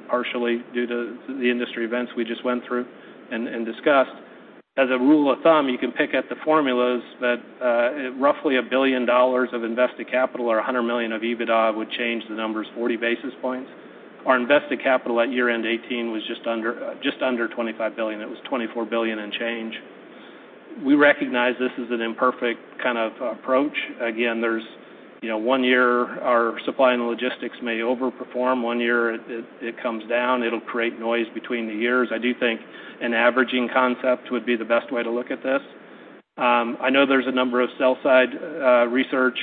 partially due to the industry events we just went through and discussed. As a rule of thumb, you can pick at the formulas that roughly $1 billion of invested capital or $100 million of EBITDA would change the numbers 40 basis points. Our invested capital at year-end 2018 was just under $25 billion. It was $24 billion and change. We recognize this is an imperfect kind of approach. One year our supply and logistics may overperform. One year it comes down. It'll create noise between the years. I do think an averaging concept would be the best way to look at this. I know there's a number of sell side research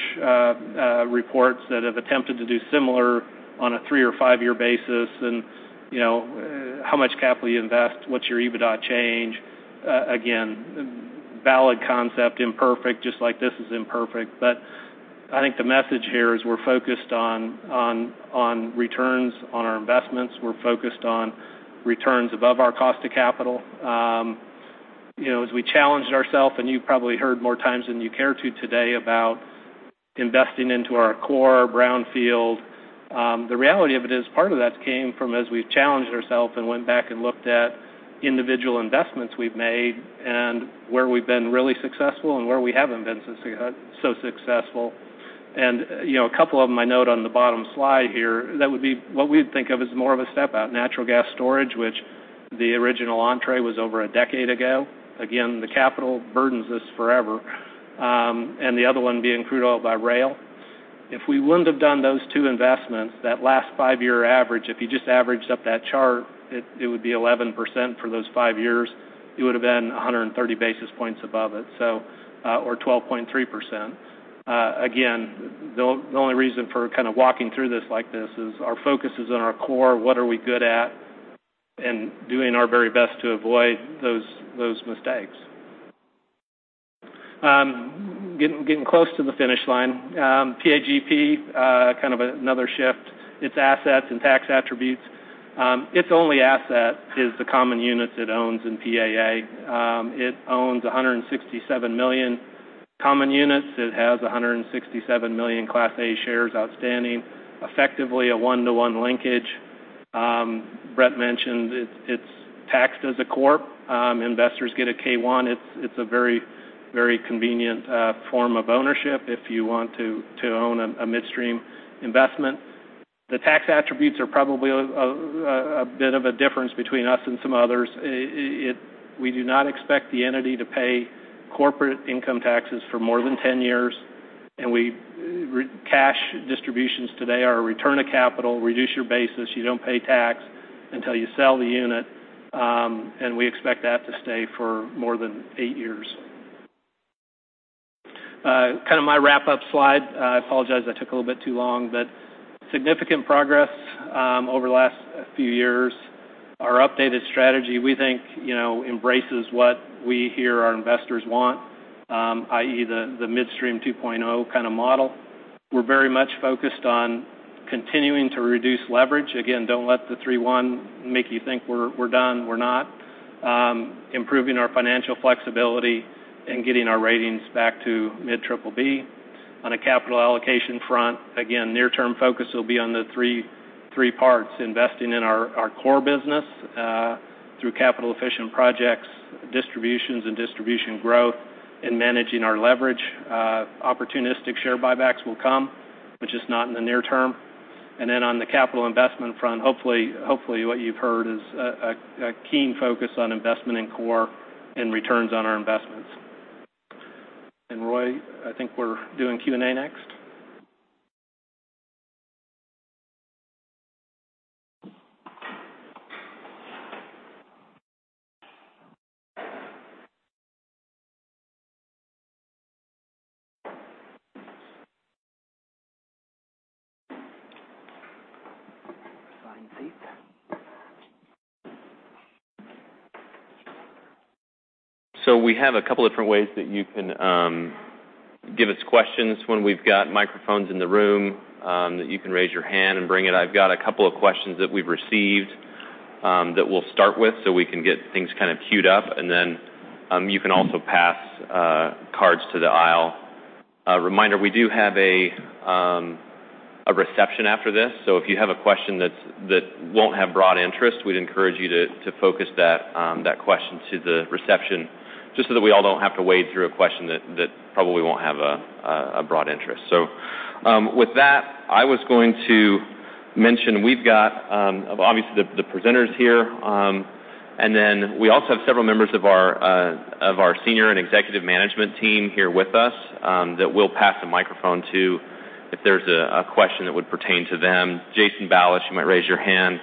reports that have attempted to do similar on a three or five-year basis, and how much capital you invest, what's your EBITDA change. Valid concept, imperfect, just like this is imperfect. I think the message here is we're focused on returns on our investments. We're focused on returns above our cost of capital. As we challenged ourself, and you probably heard more times than you care to today about investing into our core brownfield. The reality of it is part of that came from as we challenged ourself and went back and looked at individual investments we've made and where we've been really successful and where we haven't been so successful. A couple of them I note on the bottom slide here, that would be what we'd think of as more of a step out. Natural gas storage, which the original entree was over a decade ago. The capital burdens this forever. The other one being crude oil by rail. If we wouldn't have done those two investments, that last five-year average, if you just averaged up that chart, it would be 11% for those five years. It would've been 130 basis points above it, or 12.3%. The only reason for kind of walking through this like this is our focus is on our core, what are we good at, and doing our very best to avoid those mistakes. Getting close to the finish line. PAGP, kind of another shift. Its assets and tax attributes. Its only asset is the common units it owns in PAA. It owns 167 million common units. It has 167 million Class A shares outstanding. Effectively a one-to-one linkage. Brett mentioned it's taxed as a C corp. Investors get a K-1. It's a very convenient form of ownership if you want to own a midstream investment. The tax attributes are probably a bit of a difference between us and some others. We do not expect the entity to pay corporate income taxes for more than 10 years. Cash distributions today are a return of capital. Reduce your basis. You don't pay tax until you sell the unit. We expect that to stay for more than eight years. Kind of my wrap-up slide. I apologize I took a little bit too long. Significant progress over the last few years. Our updated strategy, we think, embraces what we hear our investors want, i.e., the Midstream 2.0 kind of model. We're very much focused on continuing to reduce leverage. Don't let the three one make you think we're done. We're not. Improving our financial flexibility and getting our ratings back to mid-BBB. On a capital allocation front, near-term focus will be on the three parts: investing in our core business through capital-efficient projects, distributions and distribution growth, and managing our leverage. Opportunistic share buybacks will come. Just not in the near term. On the capital investment front, hopefully what you've heard is a keen focus on investment in core and returns on our investments. Roy, I think we're doing Q&A next? Assigned seat. We have a couple different ways that you can give us questions when we've got microphones in the room, that you can raise your hand and bring it. I've got a couple of questions that we've received that we'll start with so we can get things cued up, and then you can also pass cards to the aisle. A reminder, we do have a reception after this, so if you have a question that won't have broad interest, we'd encourage you to focus that question to the reception just so that we all don't have to wade through a question that probably won't have a broad interest. With that, I was going to mention we've got, obviously, the presenters here. We also have several members of our senior and executive management team here with us that we'll pass the microphone to if there's a question that would pertain to them. Jason Balish, you might raise your hand,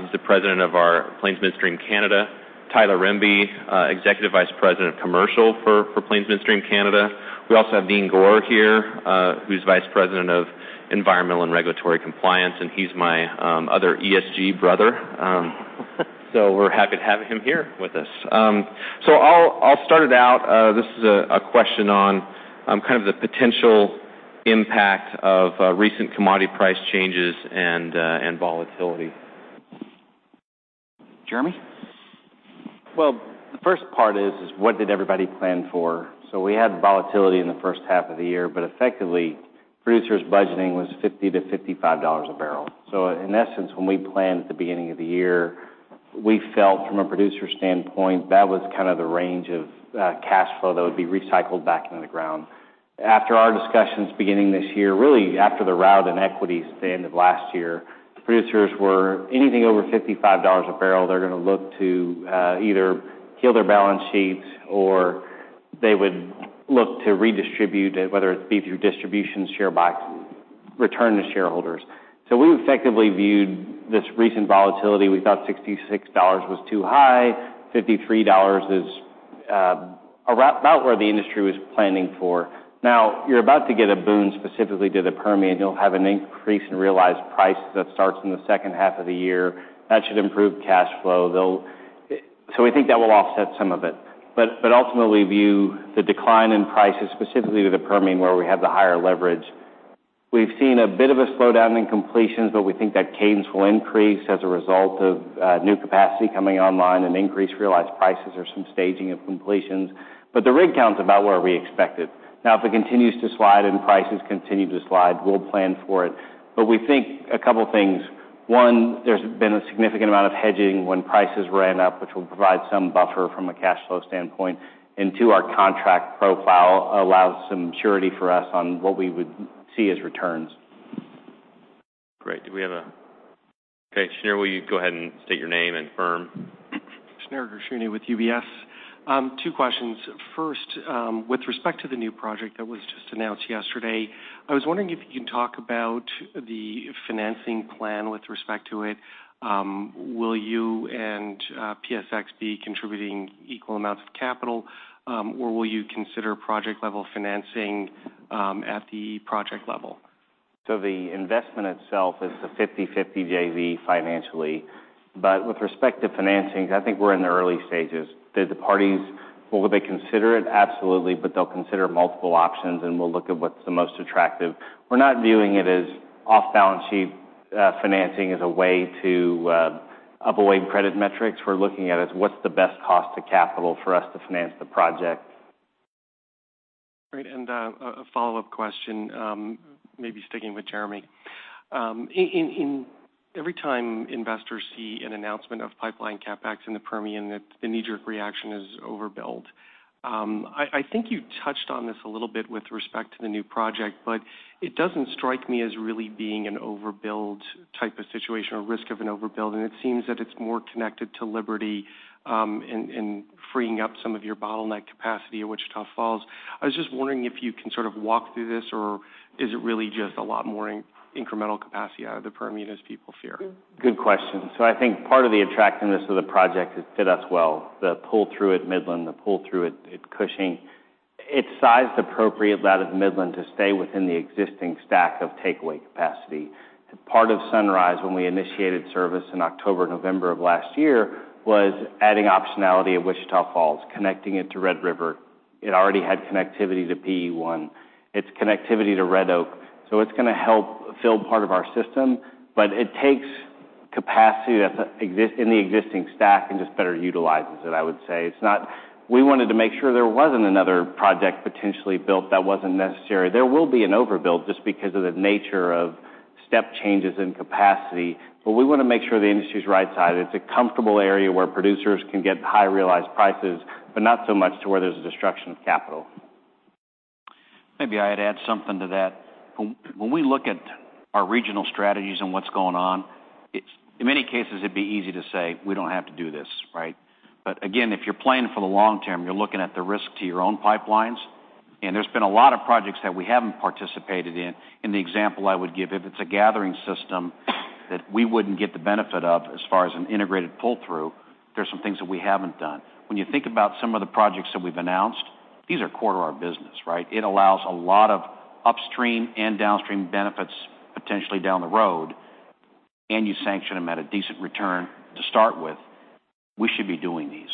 who's the President of our Plains Midstream Canada. Tyler Rimbey, Executive Vice President of Commercial for Plains Midstream Canada. We also have Dean Gore here, who's Vice President of Environmental and Regulatory Compliance, and he's my other ESG brother. We're happy to have him here with us. I'll start it out. This is a question on the potential impact of recent commodity price changes and volatility. Jeremy? The first part is what did everybody plan for? We had the volatility in the first half of the year, but effectively, producers budgeting was $50 to $55 a barrel. In essence, when we planned at the beginning of the year, we felt from a producer standpoint, that was the range of cash flow that would be recycled back into the ground. After our discussions beginning this year, really after the rout in equities at the end of last year, the producers were anything over $55 a barrel, they're going to look to either heal their balance sheets or they would look to redistribute it, whether it be through distribution return to shareholders. We effectively viewed this recent volatility. We thought $66 was too high, $53 is about where the industry was planning for. You're about to get a boon specifically to the Permian. You'll have an increase in realized price that starts in the second half of the year. That should improve cash flow though. We think that will offset some of it. Ultimately view the decline in prices specifically to the Permian where we have the higher leverage. We've seen a bit of a slowdown in completions, but we think that cadence will increase as a result of new capacity coming online and increased realized prices or some staging of completions. The rig count's about where we expected. If it continues to slide and prices continue to slide, we'll plan for it. We think a couple things. One, there's been a significant amount of hedging when prices ran up, which will provide some buffer from a cash flow standpoint. Two, our contract profile allows some surety for us on what we would see as returns. Great. Do we have Okay. Shneur, will you go ahead and state your name and firm? Shneur Gershuni with UBS. Two questions. First, with respect to the new project that was just announced yesterday, I was wondering if you can talk about the financing plan with respect to it. Will you and PSX be contributing equal amounts of capital? Or will you consider project-level financing at the project level? The investment itself is the 50/50 JV financially. With respect to financing, I think we're in the early stages. Do the parties, would they consider it? Absolutely, but they'll consider multiple options, and we'll look at what's the most attractive. We're not viewing it as off-balance sheet financing as a way to avoid credit metrics. We're looking at it as what's the best cost to capital for us to finance the project. Great. A follow-up question, maybe sticking with Jeremy. Every time investors see an announcement of pipeline CapEx in the Permian, the knee-jerk reaction is overbuild. I think you touched on this a little bit with respect to the new project. It doesn't strike me as really being an overbuild type of situation or risk of an overbuild. It seems that it's more connected to Liberty in freeing up some of your bottleneck capacity at Wichita Falls. I was just wondering if you can sort of walk through this. Is it really just a lot more incremental capacity out of the Permian as people fear? Good question. I think part of the attractiveness of the project is fit us well. The pull through at Midland, the pull through at Cushing. It's sized appropriately out of Midland to stay within the existing stack of takeaway capacity. Part of Sunrise, when we initiated service in October, November of last year, was adding optionality at Wichita Falls, connecting it to Red River. It already had connectivity to PE1, its connectivity to Red Oak. It's going to help fill part of our system. It takes capacity in the existing stack and just better utilizes it, I would say. We wanted to make sure there wasn't another project potentially built that wasn't necessary. There will be an overbuild just because of the nature of step changes in capacity. We want to make sure the industry's right-sized. It's a comfortable area where producers can get high realized prices. Not so much to where there's a destruction of capital. Maybe I'd add something to that. When we look at our regional strategies and what's going on, in many cases, it'd be easy to say we don't have to do this, right? Again, if you're planning for the long term, you're looking at the risk to your own pipelines. There's been a lot of projects that we haven't participated in. The example I would give, if it's a gathering system that we wouldn't get the benefit of as far as an integrated pull-through, there's some things that we haven't done. When you think about some of the projects that we've announced, these are core to our business, right? It allows a lot of upstream and downstream benefits potentially down the road. You sanction them at a decent return to start with. We should be doing these.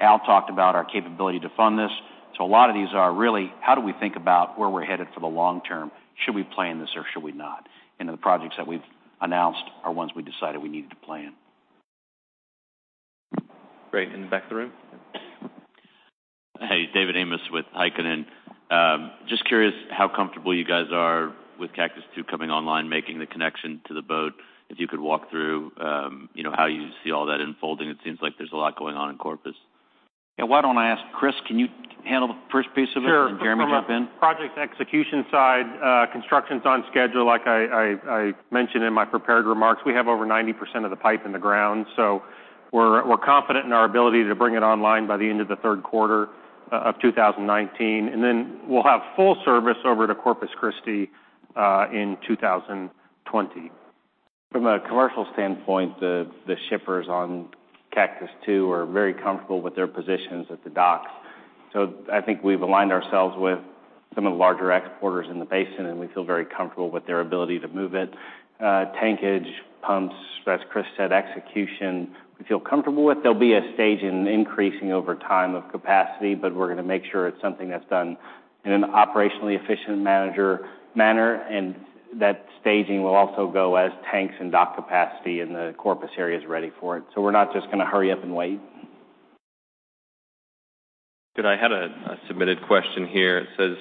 Al talked about our capability to fund this. A lot of these are really how do we think about where we're headed for the long term? Should we play in this or should we not? The projects that we've announced are ones we decided we needed to play in. Great. In the back of the room. Hey, `David Heikkinen with Heikkinen. Just curious how comfortable you guys are with Cactus II coming online, making the connection to the boat. If you could walk through how you see all that unfolding. It seems like there's a lot going on in Corpus. Yeah, why don't I ask Chris? Can you handle the first piece of it? Sure. Jeremy, you've been- From a project execution side, construction's on schedule, like I mentioned in my prepared remarks. We have over 90% of the pipe in the ground, so we're confident in our ability to bring it online by the end of the third quarter of 2019, and then we'll have full service over to Corpus Christi in 2020. From a commercial standpoint, the shippers on Cactus II are very comfortable with their positions at the docks. I think we've aligned ourselves with some of the larger exporters in the Basin, and we feel very comfortable with their ability to move it. Tankage, pumps, as Chris said, execution we feel comfortable with. There'll be a stage in increasing over time of capacity, but we're going to make sure it's something that's done in an operationally efficient manner and that staging will also go as tanks and dock capacity in the Corpus area is ready for it. We're not just going to hurry up and wait. Good. I had a submitted question here. It says,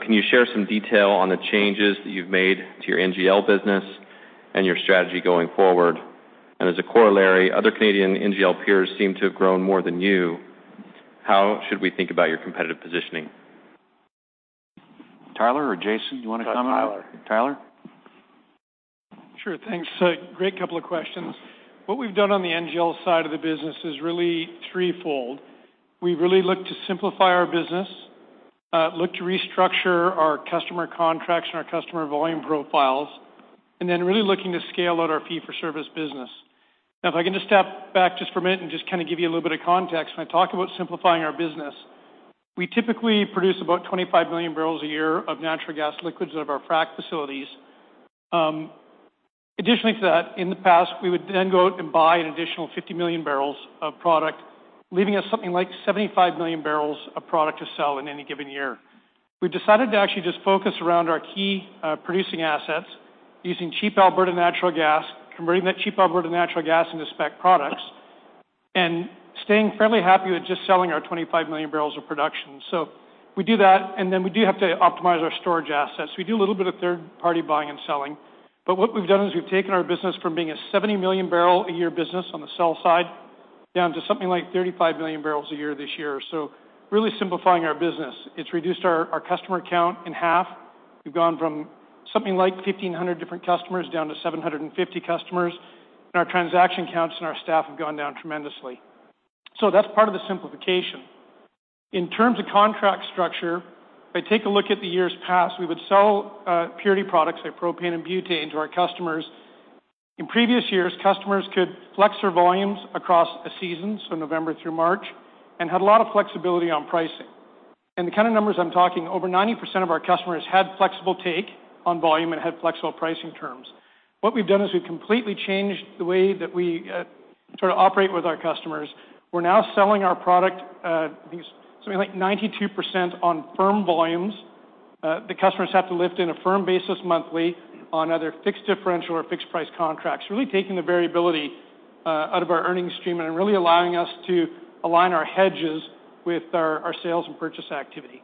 "Can you share some detail on the changes that you've made to your NGL business and your strategy going forward? As a corollary, other Canadian NGL peers seem to have grown more than you. How should we think about your competitive positioning? Tyler or Jason, you want to comment? Go Tyler. Tyler? Sure. Thanks. A great couple of questions. What we've done on the NGL side of the business is really threefold. We really looked to simplify our business, looked to restructure our customer contracts and our customer volume profiles, really looking to scale out our fee-for-service business. If I can just step back just for a minute and just kind of give you a little bit of context. When I talk about simplifying our business, we typically produce about 25 million barrels a year of natural gas liquids out of our frack facilities. Additionally to that, in the past, we would go out and buy an additional 50 million barrels of product, leaving us something like 75 million barrels of product to sell in any given year. We've decided to actually just focus around our key producing assets using cheap Alberta natural gas, converting that cheap Alberta natural gas into spec products, staying fairly happy with just selling our 25 million barrels of production. We do that, we do have to optimize our storage assets. We do a little bit of third-party buying and selling. What we've done is we've taken our business from being a 70 million barrel a year business on the sell side down to something like 35 million barrels a year this year. Really simplifying our business. It's reduced our customer count in half. We've gone from something like 1,500 different customers down to 750 customers, and our transaction counts and our staff have gone down tremendously. That's part of the simplification. In terms of contract structure, if I take a look at the years past, we would sell purity products like propane and butane to our customers. In previous years, customers could flex their volumes across a season, so November through March, and had a lot of flexibility on pricing. The kind of numbers I'm talking, over 90% of our customers had flexible take on volume and had flexible pricing terms. What we've done is we've completely changed the way that we sort of operate with our customers. We're now selling our product at something like 92% on firm volumes. The customers have to lift in a firm basis monthly on either fixed differential or fixed-price contracts. Really taking the variability out of our earnings stream and really allowing us to align our hedges with our sales and purchase activity.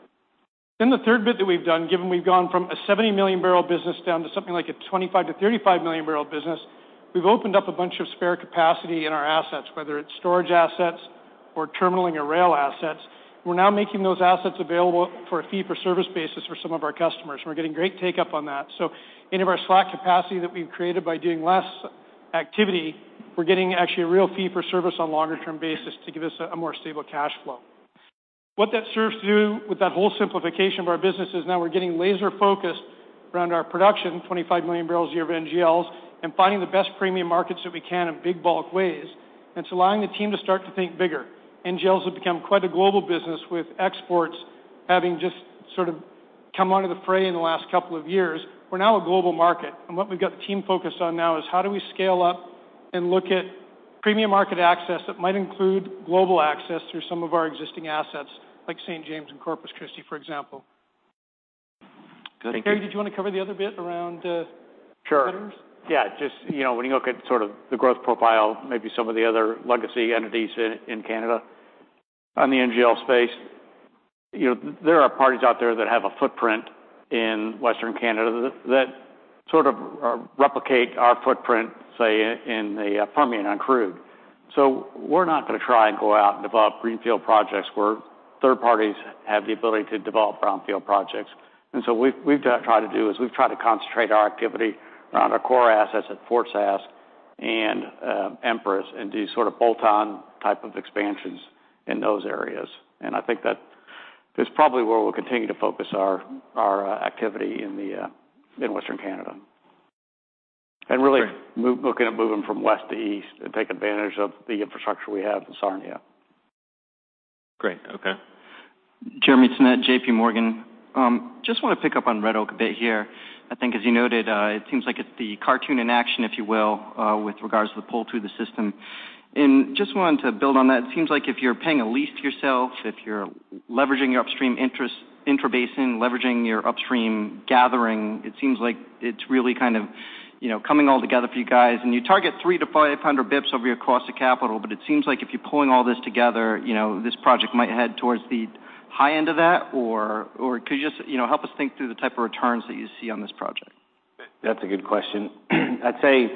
The third bit that we've done, given we've gone from a 70 million barrel business down to something like a 25 million to 35 million barrel business, we've opened up a bunch of spare capacity in our assets, whether it's storage assets or terminalling or rail assets. We're now making those assets available for a fee-for-service basis for some of our customers. We're getting great take-up on that. Any of our slack capacity that we've created by doing less activity, we're getting actually a real fee for service on a longer-term basis to give us a more stable cash flow. What that serves to do with that whole simplification of our business is now we're getting laser-focused around our production, 25 million barrels a year of NGLs, and finding the best premium markets that we can in big bulk ways, and it's allowing the team to start to think bigger. NGLs have become quite a global business, with exports having just sort of come out of the fray in the last couple of years. We're now a global market, and what we've got the team focused on now is how do we scale up and look at premium market access that might include global access through some of our existing assets like St. James and Corpus Christi, for example. Good. Thank you. Gary, did you want to cover the other bit around? Sure competitors? Yeah. Just when you look at sort of the growth profile, maybe some of the other legacy entities in Canada on the NGL space, there are parties out there that have a footprint in Western Canada that sort of replicate our footprint, say, in the Permian on crude. We're not going to try and go out and develop greenfield projects where third parties have the ability to develop brownfield projects. What we've tried to do is we've tried to concentrate our activity around our core assets at Fort Saskatchewan. Empress into sort of bolt-on type of expansions in those areas. I think that is probably where we'll continue to focus our activity in Western Canada. Really. Great looking at moving from west to east to take advantage of the infrastructure we have in Sarnia. Great. Okay. Jeremy Tonet, JPMorgan. I want to pick up on Red Oak a bit here. I think as you noted, it seems like it's the cartoon in action, if you will, with regards to the pull through the system. I wanted to build on that. It seems like if you're paying a lease yourself, if you're leveraging your upstream intrabasin, leveraging your upstream gathering, it seems like it's really kind of coming all together for you guys. You target 3 to 500 bips over your cost of capital. It seems like if you're pulling all this together, this project might head towards the high end of that, or could you help us think through the type of returns that you see on this project? That's a good question. I'd say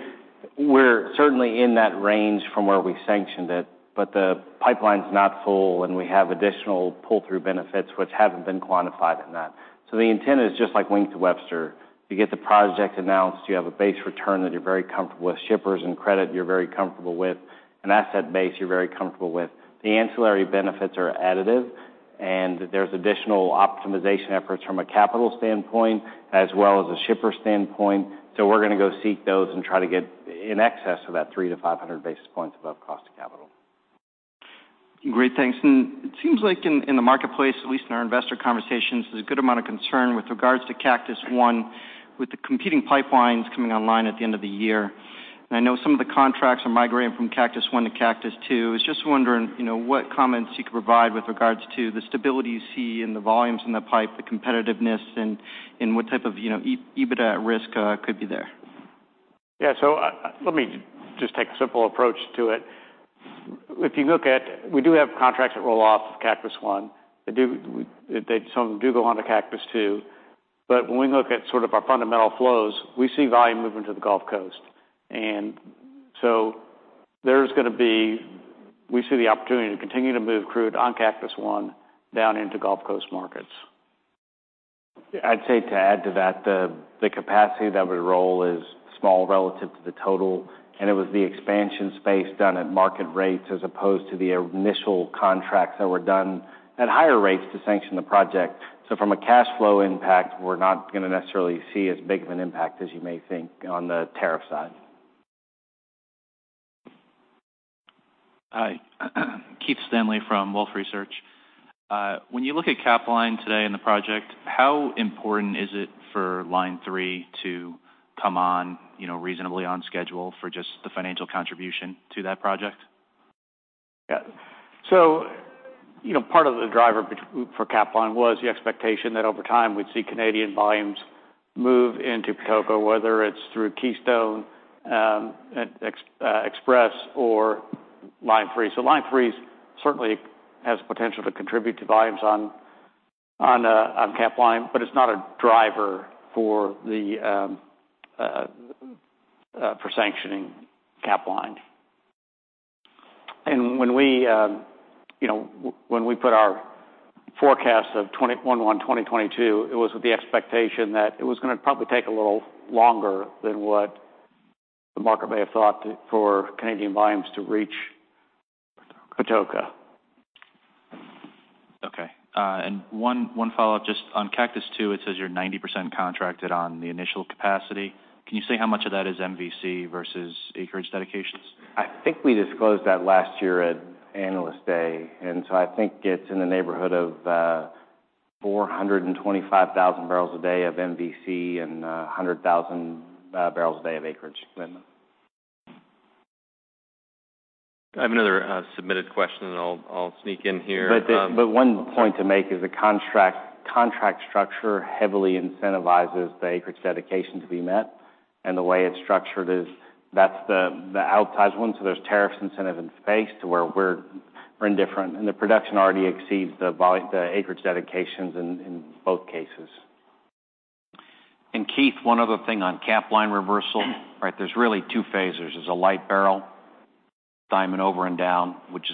we're certainly in that range from where we sanctioned it. The pipeline's not full. We have additional pull-through benefits which haven't been quantified in that. The intent is just like Wink to Webster. You get the project announced, you have a base return that you're very comfortable with, shippers and credit you're very comfortable with, an asset base you're very comfortable with. The ancillary benefits are additive. There's additional optimization efforts from a capital standpoint as well as a shipper standpoint. We're going to go seek those and try to get in excess of that 3 to 500 basis points above cost of capital. Great, thanks. It seems like in the marketplace, at least in our investor conversations, there's a good amount of concern with regards to Cactus I with the competing pipelines coming online at the end of the year. I know some of the contracts are migrating from Cactus I to Cactus II. I was wondering what comments you could provide with regards to the stability you see in the volumes in the pipe, the competitiveness, and what type of EBITDA at risk could be there. Yeah. Let me just take a simple approach to it. If you look at, we do have contracts that roll off of Cactus I. Some do go on to Cactus II. When we look at our fundamental flows, we see volume moving to the Gulf Coast. We see the opportunity to continue to move crude on Cactus I down into Gulf Coast markets. I'd say to add to that, the capacity that would roll is small relative to the total, and it was the expansion space done at market rates as opposed to the initial contracts that were done at higher rates to sanction the project. From a cash flow impact, we're not going to necessarily see as big of an impact as you may think on the tariff side. Hi. Keith Stanley from Wolfe Research. When you look at Capline today and the project, how important is it for Line 3 to come on reasonably on schedule for just the financial contribution to that project? Yeah. Part of the driver for Capline was the expectation that over time we'd see Canadian volumes move into Patoka, whether it's through Keystone Express or Line 3. Line 3 certainly has potential to contribute to volumes on Capline, but it's not a driver for sanctioning Capline. When we put our forecast of 2021-2022, it was with the expectation that it was going to probably take a little longer than what the market may have thought for Canadian volumes to reach Patoka. Okay. One follow-up just on Cactus II, it says you're 90% contracted on the initial capacity. Can you say how much of that is MVC versus acreage dedications? I think we disclosed that last year at Analyst Day, I think it's in the neighborhood of 425,000 barrels a day of MVC and 100,000 barrels a day of acreage. I have another submitted question, I'll sneak in here. One point to make is the contract structure heavily incentivizes the acreage dedication to be met, the way it's structured is that's the outsized one, there's tariffs incentive in space to where we're indifferent. The production already exceeds the acreage dedications in both cases. Keith, one other thing on Capline reversal, right? There's really two phases. There's a light barrel diamond over and down, which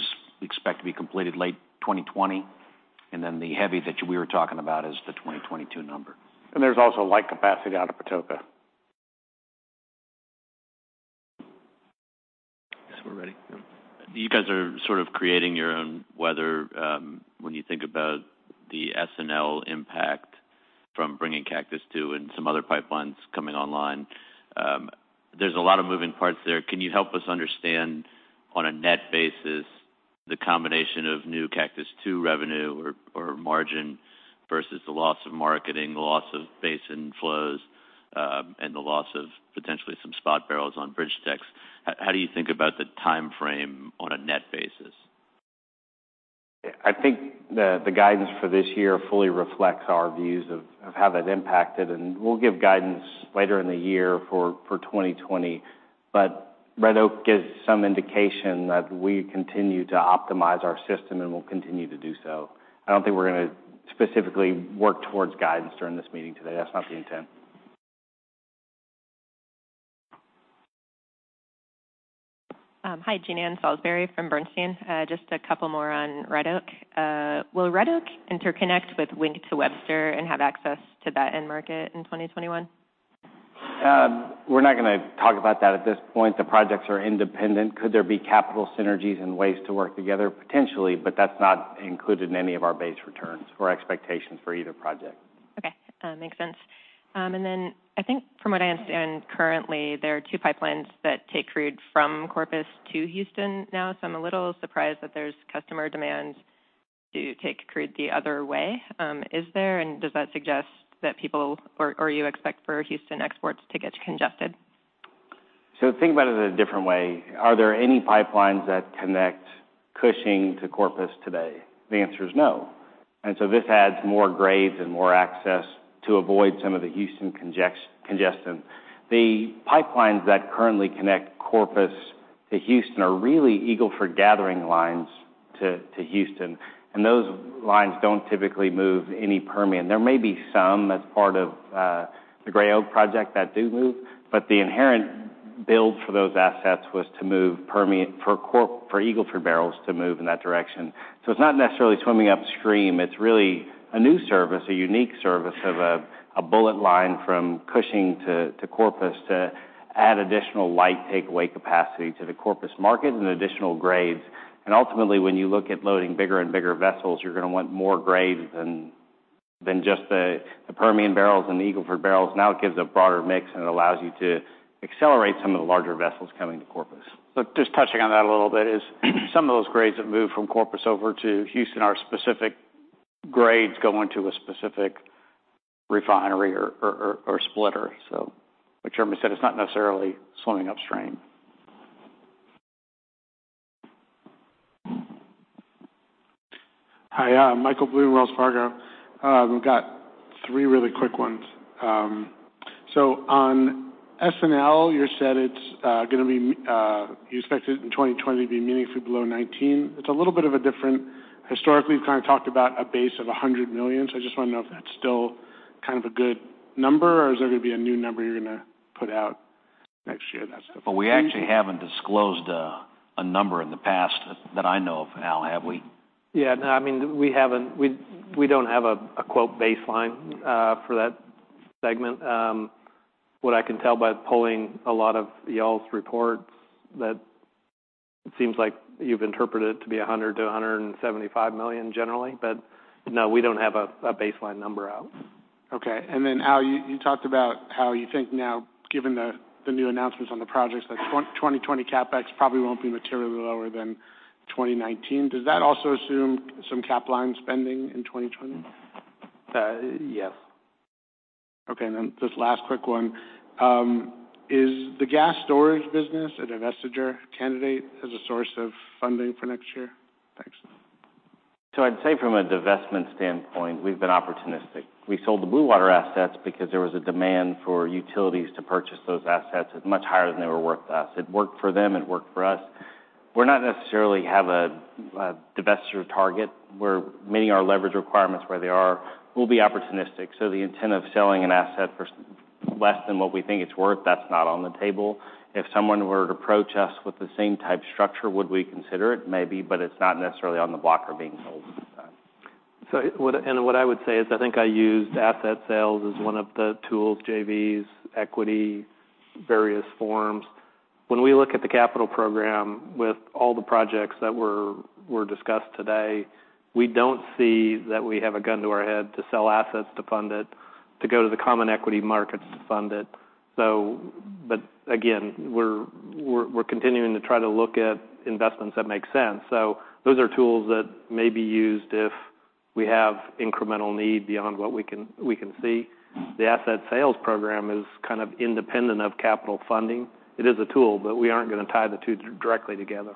we expect to be completed late 2020, the heavy that we were talking about is the 2022 number. There's also light capacity out of Patoka. I guess we're ready. Yeah. You guys are sort of creating your own weather when you think about the S&L impact from bringing Cactus II and some other pipelines coming online. There's a lot of moving parts there. Can you help us understand, on a net basis, the combination of new Cactus II revenue or margin versus the loss of marketing, the loss of Basin flows, and the loss of potentially some spot barrels on BridgeTex? How do you think about the timeframe on a net basis? I think the guidance for this year fully reflects our views of how that impacted, and we'll give guidance later in the year for 2020. Red Oak gives some indication that we continue to optimize our system, and we'll continue to do so. I don't think we're going to specifically work towards guidance during this meeting today. That's not the intent. Hi, Jean Ann Salisbury from Bernstein. Just a couple more on Red Oak. Will Red Oak interconnect with Wink to Webster and have access to that end market in 2021? We're not going to talk about that at this point. The projects are independent. Could there be capital synergies and ways to work together? Potentially, that's not included in any of our base returns or expectations for either project. Okay. Makes sense. I think from what I understand, currently, there are two pipelines that take crude from Corpus to Houston now. I'm a little surprised that there's customer demand to take crude the other way. Is there? Does that suggest that people, or you expect for Houston exports to get congested? Think about it in a different way. Are there any pipelines that connect Cushing to Corpus today? The answer is no. This adds more grades and more access to avoid some of the Houston congestion. The pipelines that currently connect Corpus to Houston are really Eagle Ford gathering lines to Houston, and those lines don't typically move any Permian. There may be some as part of the Gray Oak project that do move, but the inherent build for those assets was for Eagle Ford barrels to move in that direction. It's not necessarily swimming upstream. It's really a new service, a unique service of a bullet line from Cushing to Corpus to add additional light takeaway capacity to the Corpus market and additional grades. Ultimately, when you look at loading bigger and bigger vessels, you're going to want more grades than just the Permian barrels and the Eagle Ford barrels. Now it gives a broader mix, it allows you to accelerate some of the larger vessels coming to Corpus. Just touching on that a little bit is some of those grades that move from Corpus over to Houston are specific grades going to a specific refinery or splitter. Like Jeremy said, it's not necessarily swimming upstream. Hi, Michael Blum, Wells Fargo. I've got three really quick ones. On S&L, you said you expect it in 2020 to be meaningfully below 2019. Historically, you've kind of talked about a base of $100 million. I just want to know if that's still kind of a good number, or is there going to be a new number you're going to put out next year? That's the first. We actually haven't disclosed a number in the past that I know of, Al, have we? Yeah. No, we don't have a "baseline" for that segment. What I can tell by pulling a lot of y'all's reports, that it seems like you've interpreted it to be $100 million-$175 million generally. No, we don't have a baseline number out. Okay. Al, you talked about how you think now, given the new announcements on the projects, that 2020 CapEx probably won't be materially lower than 2019. Does that also assume some Capline spending in 2020? Yes. Okay. Just last quick one. Is the gas storage business a divestiture candidate as a source of funding for next year? Thanks. I'd say from a divestment standpoint, we've been opportunistic. We sold the Bluewater assets because there was a demand for utilities to purchase those assets at much higher than they were worth to us. It worked for them, it worked for us. We're not necessarily have a divestiture target. We're meeting our leverage requirements where they are. We'll be opportunistic. The intent of selling an asset for less than what we think it's worth, that's not on the table. If someone were to approach us with the same type structure, would we consider it? Maybe, but it's not necessarily on the block or being sold. What I would say is I think I used asset sales as one of the tools, JVs, equity, various forms. When we look at the capital program with all the projects that were discussed today, we don't see that we have a gun to our head to sell assets to fund it, to go to the common equity markets to fund it. Again, we're continuing to try to look at investments that make sense. Those are tools that may be used if we have incremental need beyond what we can see. The asset sales program is kind of independent of capital funding. It is a tool, but we aren't going to tie the two directly together.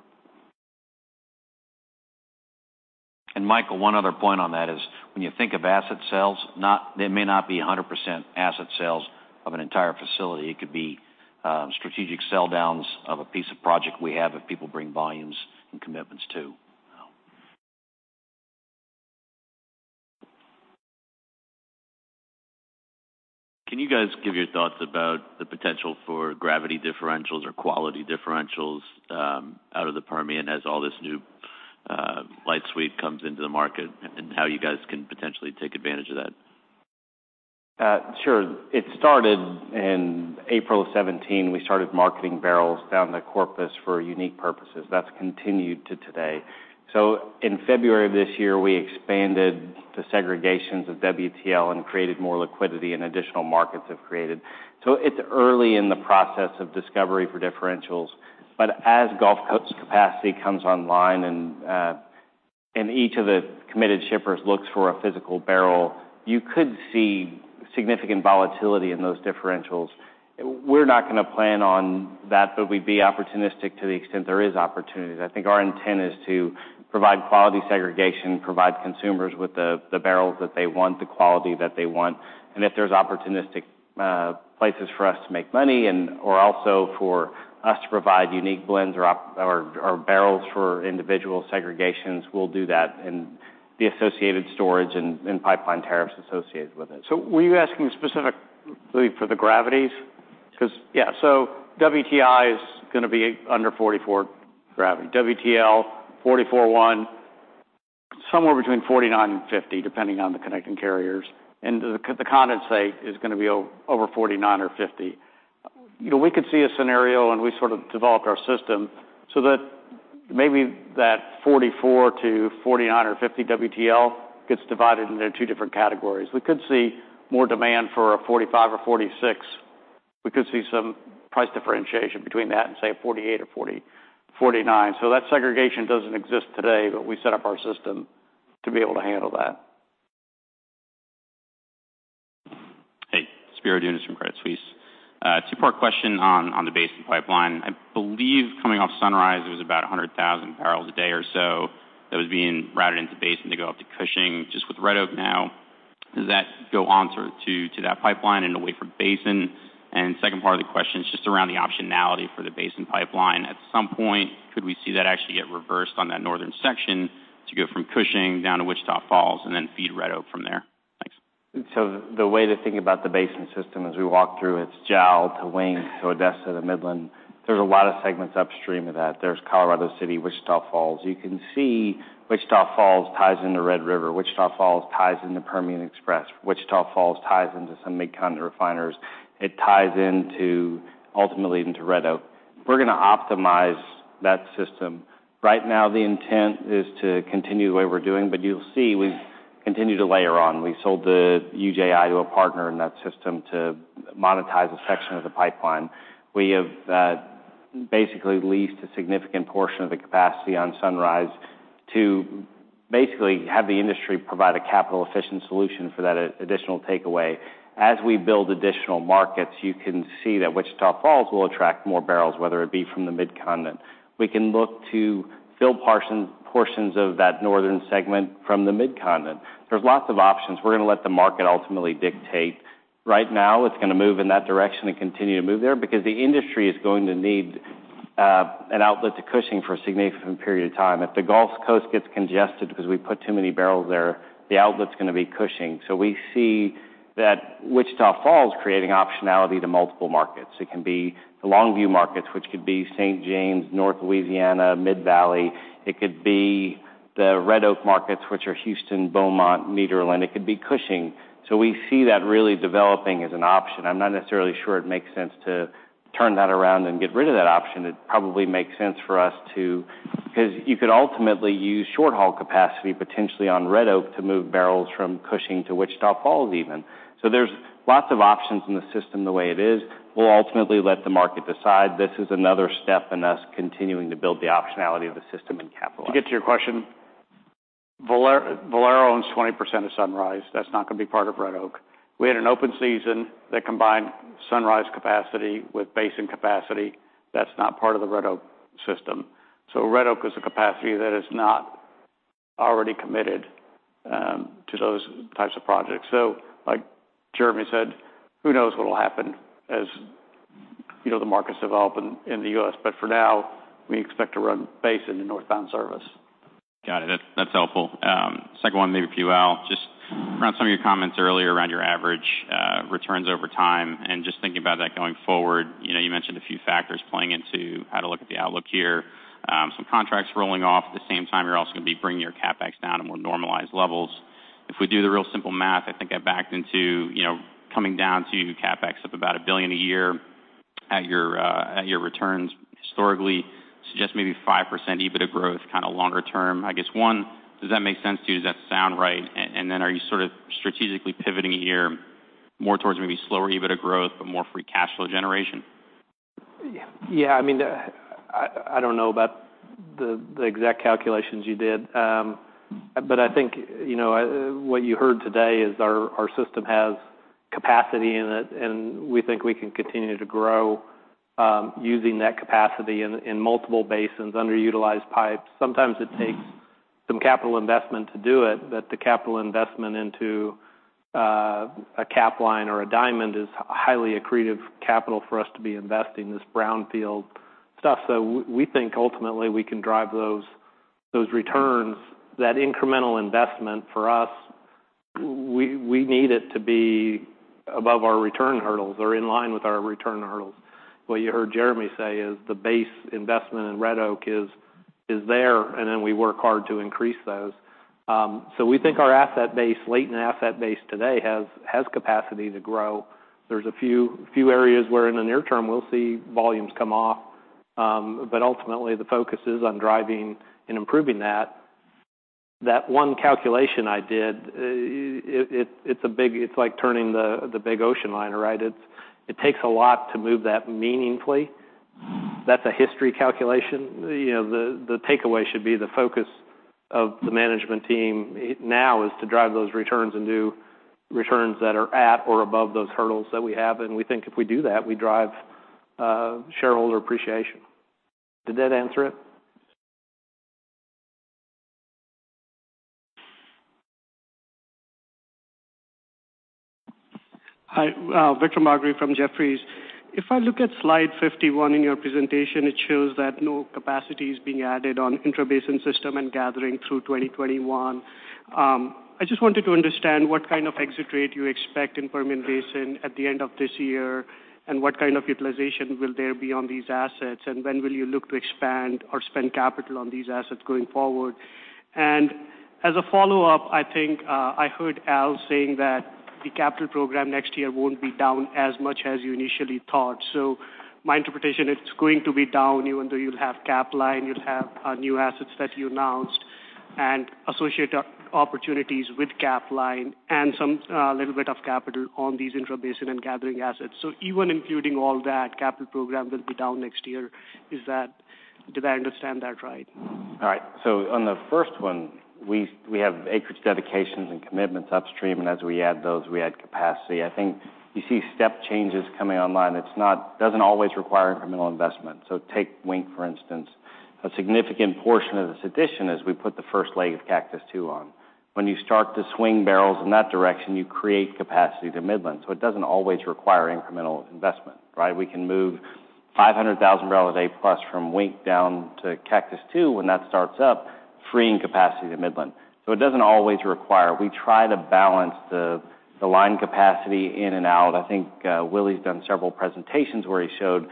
Michael, one other point on that is when you think of asset sales, they may not be 100% asset sales of an entire facility. It could be strategic sell downs of a piece of project we have if people bring volumes and commitments too. Can you guys give your thoughts about the potential for gravity differentials or quality differentials out of the Permian as all this new light sweet comes into the market, and how you guys can potentially take advantage of that? Sure. It started in April of 2017. We started marketing barrels down to Corpus for unique purposes. That's continued to today. In February of this year, we expanded the segregations of WTL and created more liquidity, and additional markets have created. It's early in the process of discovery for differentials. As Gulf Coast capacity comes online and each of the committed shippers looks for a physical barrel, you could see significant volatility in those differentials. We're not going to plan on that, but we'd be opportunistic to the extent there is opportunities. I think our intent is to provide quality segregation, provide consumers with the barrels that they want, the quality that they want. If there's opportunistic places for us to make money or also for us to provide unique blends or barrels for individual segregations, we'll do that and the associated storage and pipeline tariffs associated with it. Were you asking specifically for the gravities? Because yeah, WTI is going to be under 44 gravity. WTL, 44.1. Somewhere between 49 and 50, depending on the connecting carriers. The condensate is going to be over 49 or 50. We could see a scenario, and we sort of developed our system so that maybe that 44 to 49 or 50 WTL gets divided into 2 different categories. We could see more demand for a 45 or 46. We could see some price differentiation between that and, say, a 48 or 49. That segregation doesn't exist today, but we set up our system to be able to handle that. Hey, Spiro Dounis from Credit Suisse. Two-part question on the Basin Pipeline. I believe coming off Sunrise, it was about 100,000 barrels a day or so that was being routed into Basin to go up to Cushing. Just with Red Oak now, does that go on to that pipeline and away from Basin? Second part of the question is just around the optionality for the Basin Pipeline. At some point, could we see that actually get reversed on that northern section to go from Cushing down to Wichita Falls and then feed Red Oak from there? Thanks. The way to think about the Basin system as we walk through, it's Jal to Wink to Odessa to Midland. There's a lot of segments upstream of that. There's Colorado City, Wichita Falls. You can see Wichita Falls ties into Red River. Wichita Falls ties into Permian Express. Wichita Falls ties into some Mid-Continent refiners. It ties ultimately into Red Oak. We're going to optimize that system. Right now, the intent is to continue the way we're doing, but you'll see we've continued to layer on. We sold the UJI to a partner in that system to monetize a section of the pipeline. We have basically leased a significant portion of the capacity on Sunrise to basically have the industry provide a capital-efficient solution for that additional takeaway. As we build additional markets, you can see that Wichita Falls will attract more barrels, whether it be from the Mid-Continent. We can look to fill portions of that northern segment from the Mid-Continent. There's lots of options. We're going to let the market ultimately dictate. Right now, it's going to move in that direction and continue to move there because the industry is going to need an outlet to Cushing for a significant period of time. If the Gulf Coast gets congested because we put too many barrels there, the outlet's going to be Cushing. We see that Wichita Falls creating optionality to multiple markets. It can be the Longview markets, which could be St. James, North Louisiana, Mid-Valley. It could be the Red Oak markets, which are Houston, Beaumont, Nederland. It could be Cushing. We see that really developing as an option. I'm not necessarily sure it makes sense to turn that around and get rid of that option. It probably makes sense for us. Because you could ultimately use short-haul capacity potentially on Red Oak to move barrels from Cushing to Wichita Falls even. There's lots of options in the system the way it is. We'll ultimately let the market decide. This is another step in us continuing to build the optionality of the system and capitalize. To get to your question, Valero owns 20% of Sunrise. That's not going to be part of Red Oak. We had an open season that combined Sunrise capacity with Basin capacity. That's not part of the Red Oak system. Red Oak is a capacity that is not already committed to those types of projects. Like Jeremy said, who knows what'll happen as the markets develop in the U.S. But for now, we expect to run Basin in northbound service. Got it. That's helpful. Second one, maybe for you, Al. Just around some of your comments earlier around your average returns over time and just thinking about that going forward. You mentioned a few factors playing into how to look at the outlook here. Some contracts rolling off. At the same time, you're also going to be bringing your CapEx down to more normalized levels. If we do the real simple math, I think I backed into coming down to CapEx of about $1 billion a year at your returns historically. Suggest maybe 5% EBITDA growth kind of longer term. I guess one, does that make sense to you? Does that sound right? Are you sort of strategically pivoting a year more towards maybe slower EBITDA growth, but more free cash flow generation? Yeah. I don't know about the exact calculations you did. I think what you heard today is our system has capacity in it, and we think we can continue to grow using that capacity in multiple basins, underutilized pipes. Sometimes it takes some capital investment to do it, but the capital investment into a Capline or a Diamond is highly accretive capital for us to be investing this brownfield stuff. We think ultimately we can drive those returns. That incremental investment for us, we need it to be above our return hurdles or in line with our return hurdles. What you heard Jeremy say is the base investment in Red Oak is there, and then we work hard to increase those. We think our asset base, latent asset base today has capacity to grow. There's a few areas where in the near term we'll see volumes come off. Ultimately, the focus is on driving and improving that. That one calculation I did, it's like turning the big ocean liner, right? It takes a lot to move that meaningfully. That's a history calculation. The takeaway should be the focus of the management team now is to drive those returns and do returns that are at or above those hurdles that we have. We think if we do that, we drive shareholder appreciation. Did that answer it? Hi. Vikram Murarka from Jefferies. If I look at slide 51 in your presentation, it shows that no capacity is being added on intrabasin system and gathering through 2021. I just wanted to understand what kind of exit rate you expect in Permian Basin at the end of this year, and what kind of utilization will there be on these assets, and when will you look to expand or spend capital on these assets going forward? As a follow-up, I think I heard Al saying that the capital program next year won't be down as much as you initially thought. My interpretation, it's going to be down even though you'll have Capline, you'll have new assets that you announced and associated opportunities with Capline and some little bit of capital on these intrabasin and gathering assets. Even including all that, capital program will be down next year. Did I understand that right? On the first one, we have acreage dedications and commitments upstream. As we add those, we add capacity. I think you see step changes coming online. It doesn't always require incremental investment. Take Wink, for instance. A significant portion of this addition is we put the first leg of Cactus II on. When you start to swing barrels in that direction, you create capacity to Midland. It doesn't always require incremental investment, right? We can move 500,000 barrels a day plus from Wink down to Cactus II when that starts up, freeing capacity to Midland. It doesn't always require. We try to balance the line capacity in and out. I think Willie's done several presentations where he showed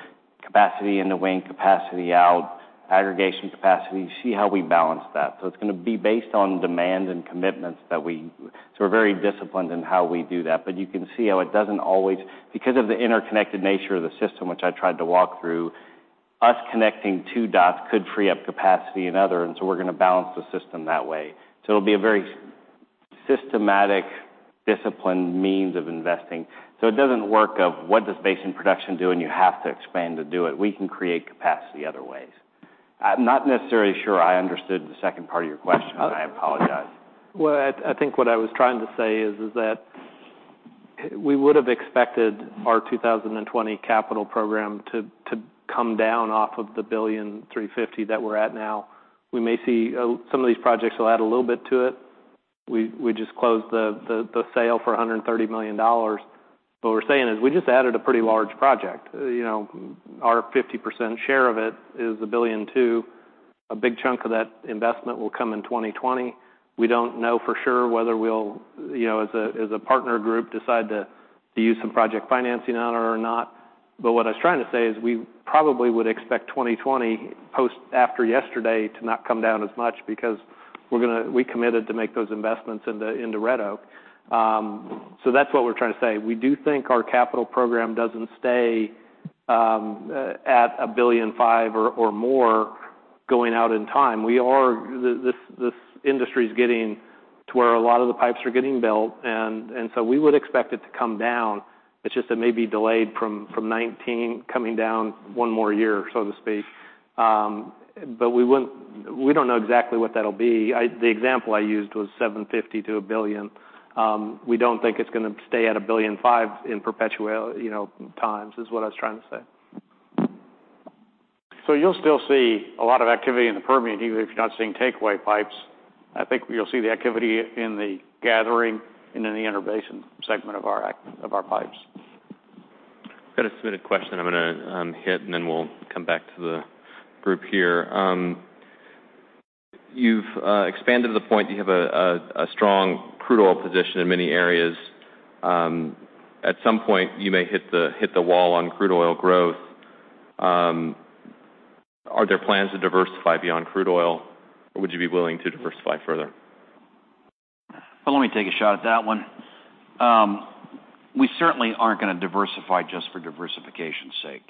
capacity in the Wink, capacity out, aggregation capacity. You see how we balance that. It's going to be based on demand and commitments. We're very disciplined in how we do that. You can see how it doesn't always. Because of the interconnected nature of the system, which I tried to walk through, us connecting two dots could free up capacity in other. We're going to balance the system that way. It'll be a very systematic, disciplined means of investing. It doesn't work of what does Basin production do, and you have to expand to do it. We can create capacity other ways. I'm not necessarily sure I understood the second part of your question. I apologize. I think what I was trying to say is that we would've expected our 2020 capital program to come down off of the $1.35 billion that we're at now. We may see some of these projects will add a little bit to it. We just closed the sale for $130 million. What we're saying is we just added a pretty large project. Our 50% share of it is $1.2 billion. A big chunk of that investment will come in 2020. We don't know for sure whether we'll, as a partner group, decide to use some project financing on it or not. What I was trying to say is we probably would expect 2020 post after yesterday to not come down as much because we committed to make those investments into Red Oak. That's what we're trying to say. We do think our capital program doesn't stay at $1.5 billion or more going out in time. This industry's getting to where a lot of the pipes are getting built. We would expect it to come down. It's just it may be delayed from 2019 coming down one more year, so to speak. We don't know exactly what that'll be. The example I used was $750 million to $1 billion. We don't think it's going to stay at $1.5 billion in perpetual times, is what I was trying to say. You'll still see a lot of activity in the Permian, even if you're not seeing takeaway pipes. I think you'll see the activity in the gathering and in the intrabasin segment of our pipes. Got a submitted question I'm going to hit, then we'll come back to the group here. You've expanded to the point that you have a strong crude oil position in many areas. At some point, you may hit the wall on crude oil growth. Are there plans to diversify beyond crude oil, or would you be willing to diversify further? Well, let me take a shot at that one. We certainly aren't going to diversify just for diversification's sake.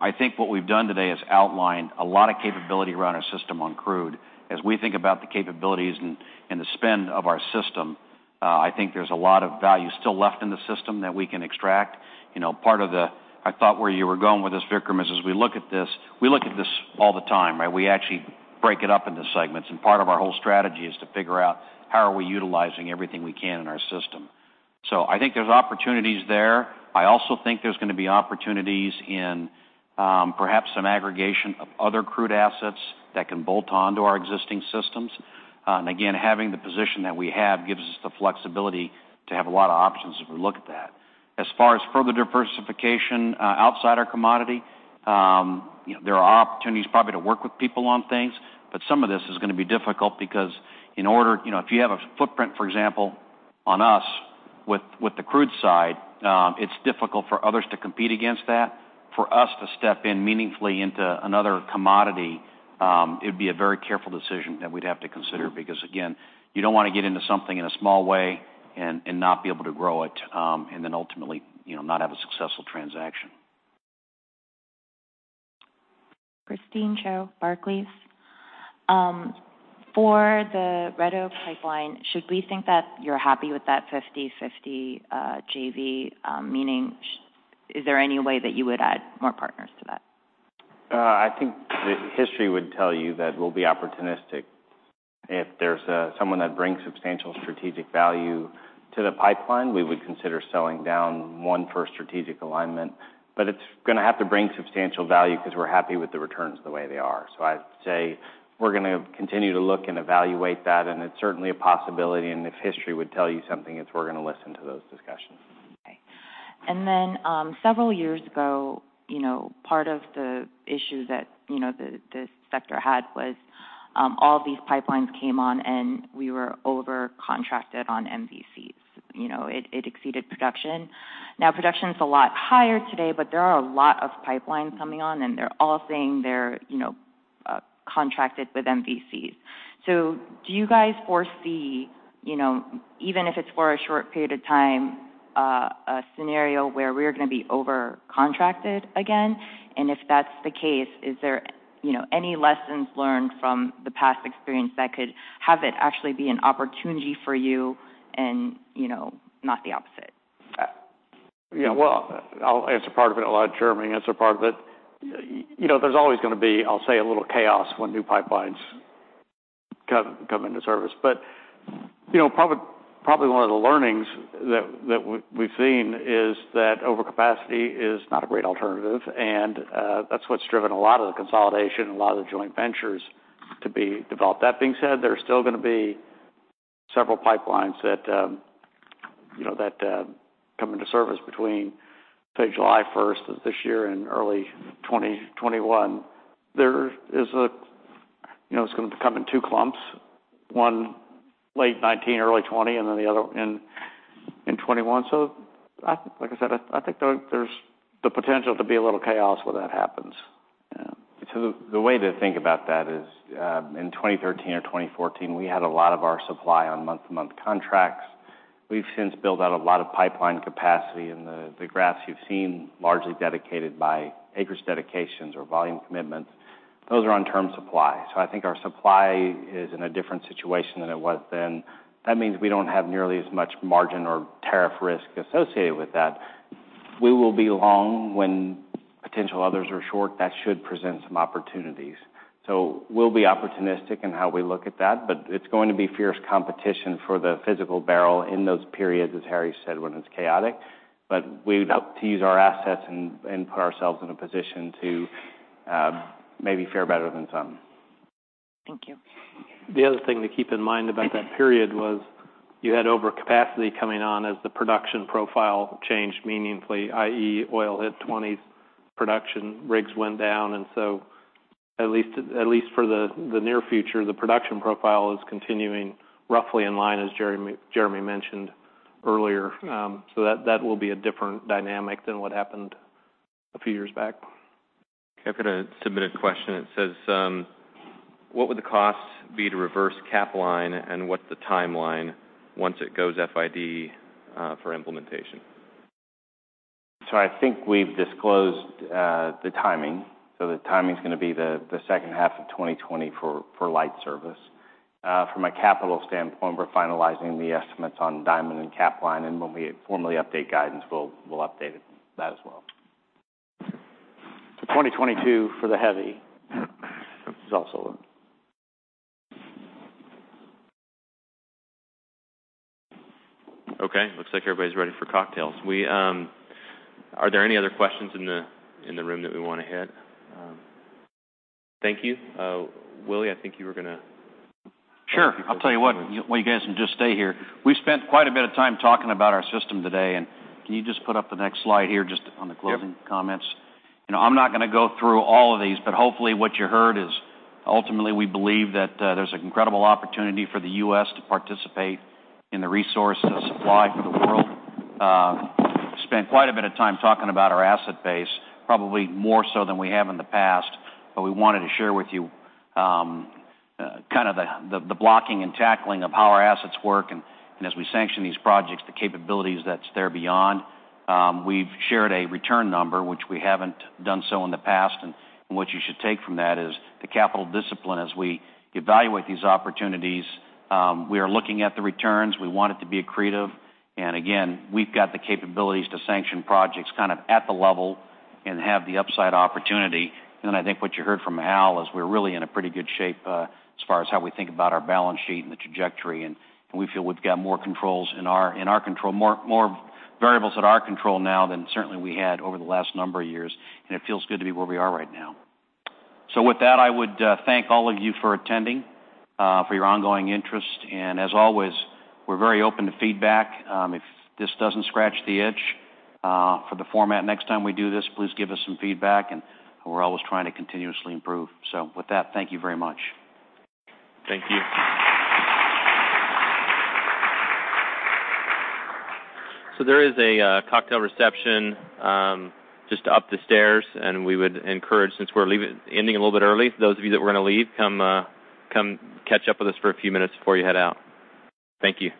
I think what we've done today is outline a lot of capability around our system on crude. As we think about the capabilities and the spend of our system, I think there's a lot of value still left in the system that we can extract. I thought where you were going with this, Vikram, is as we look at this, we look at this all the time, right? We actually break it up into segments, part of our whole strategy is to figure out how are we utilizing everything we can in our system. I think there's opportunities there. I also think there's going to be opportunities in perhaps some aggregation of other crude assets that can bolt onto our existing systems. Again, having the position that we have gives us the flexibility to have a lot of options as we look at that. As far as further diversification outside our commodity, there are opportunities probably to work with people on things. Some of this is going to be difficult because if you have a footprint, for example, on us with the crude side, it's difficult for others to compete against that. For us to step in meaningfully into another commodity, it would be a very careful decision that we'd have to consider, because again, you don't want to get into something in a small way and not be able to grow it, then ultimately not have a successful transaction. Christine Cho, Barclays. For the Red Oak Pipeline, should we think that you're happy with that 50/50 JV? Meaning, is there any way that you would add more partners to that? I think history would tell you that we'll be opportunistic. If there's someone that brings substantial strategic value to the pipeline, we would consider selling down one for strategic alignment. It's going to have to bring substantial value because we're happy with the returns the way they are. I'd say we're going to continue to look and evaluate that, it's certainly a possibility, if history would tell you something, it's we're going to listen to those discussions. Several years ago, part of the issue that the sector had was all these pipelines came on, we were over-contracted on MVCs. It exceeded production. Production's a lot higher today, there are a lot of pipelines coming on, they're all saying they're contracted with MVCs. Do you guys foresee, even if it's for a short period of time, a scenario where we are going to be over-contracted again? If that's the case, is there any lessons learned from the past experience that could have it actually be an opportunity for you and not the opposite? Yeah. Well, answer part of it, a lot of Jeremy answer part of it. There's always going to be, I'll say, a little chaos when new pipelines come into service. Probably one of the learnings that we've seen is that overcapacity is not a great alternative, that's what's driven a lot of the consolidation and a lot of the joint ventures to be developed. That being said, there are still going to be several pipelines that come into service between, say, July 1st of this year and early 2021. It's going to come in two clumps, one late 2019, early 2020, and then the other in 2021. Like I said, I think there's the potential to be a little chaos when that happens. Yeah. The way to think about that is in 2013 or 2014, we had a lot of our supply on month-to-month contracts. We've since built out a lot of pipeline capacity, and the graphs you've seen largely dedicated by acreage dedications or volume commitments. Those are on term supply. I think our supply is in a different situation than it was then. That means we don't have nearly as much margin or tariff risk associated with that. We will be long when potential others are short. That should present some opportunities. We'll be opportunistic in how we look at that, but it's going to be fierce competition for the physical barrel in those periods, as Harry said, when it's chaotic. We would hope to use our assets and put ourselves in a position to maybe fare better than some. Thank you. The other thing to keep in mind about that period was you had overcapacity coming on as the production profile changed meaningfully, i.e., oil hit 20s, production rigs went down. At least for the near future, the production profile is continuing roughly in line, as Jeremy mentioned earlier. That will be a different dynamic than what happened a few years back. Okay. I've got a submitted question. It says, "What would the cost be to reverse Capline, and what's the timeline once it goes FID for implementation? I think we've disclosed the timing. The timing's gonna be the second half of 2020 for light service. From a capital standpoint, we're finalizing the estimates on Diamond and Capline, and when we formally update guidance, we'll update that as well. 2022 for the heavy is also when. Looks like everybody's ready for cocktails. Are there any other questions in the room that we want to hit? Thank you. Willie, I think you were gonna. Sure. I'll tell you what. You guys can just stay here. We spent quite a bit of time talking about our system today, can you just put up the next slide here just on the closing. Yep comments? Hopefully what you heard is ultimately we believe that there's an incredible opportunity for the U.S. to participate in the resource and supply for the world. We spent quite a bit of time talking about our asset base, probably more so than we have in the past. We wanted to share with you kind of the blocking and tackling of how our assets work, and as we sanction these projects, the capabilities that's there beyond. We've shared a return number, which we haven't done so in the past, and what you should take from that is the capital discipline as we evaluate these opportunities. We are looking at the returns. We want it to be accretive, and again, we've got the capabilities to sanction projects kind of at the level and have the upside opportunity. I think what you heard from Al is we're really in a pretty good shape as far as how we think about our balance sheet and the trajectory, and we feel we've got more variables at our control now than certainly we had over the last number of years, and it feels good to be where we are right now. With that, I would thank all of you for attending, for your ongoing interest. As always, we're very open to feedback. If this doesn't scratch the itch for the format next time we do this, please give us some feedback, and we're always trying to continuously improve. With that, thank you very much. Thank you. There is a cocktail reception just up the stairs, and we would encourage, since we're ending a little bit early, for those of you that want to leave, come catch up with us for a few minutes before you head out. Thank you.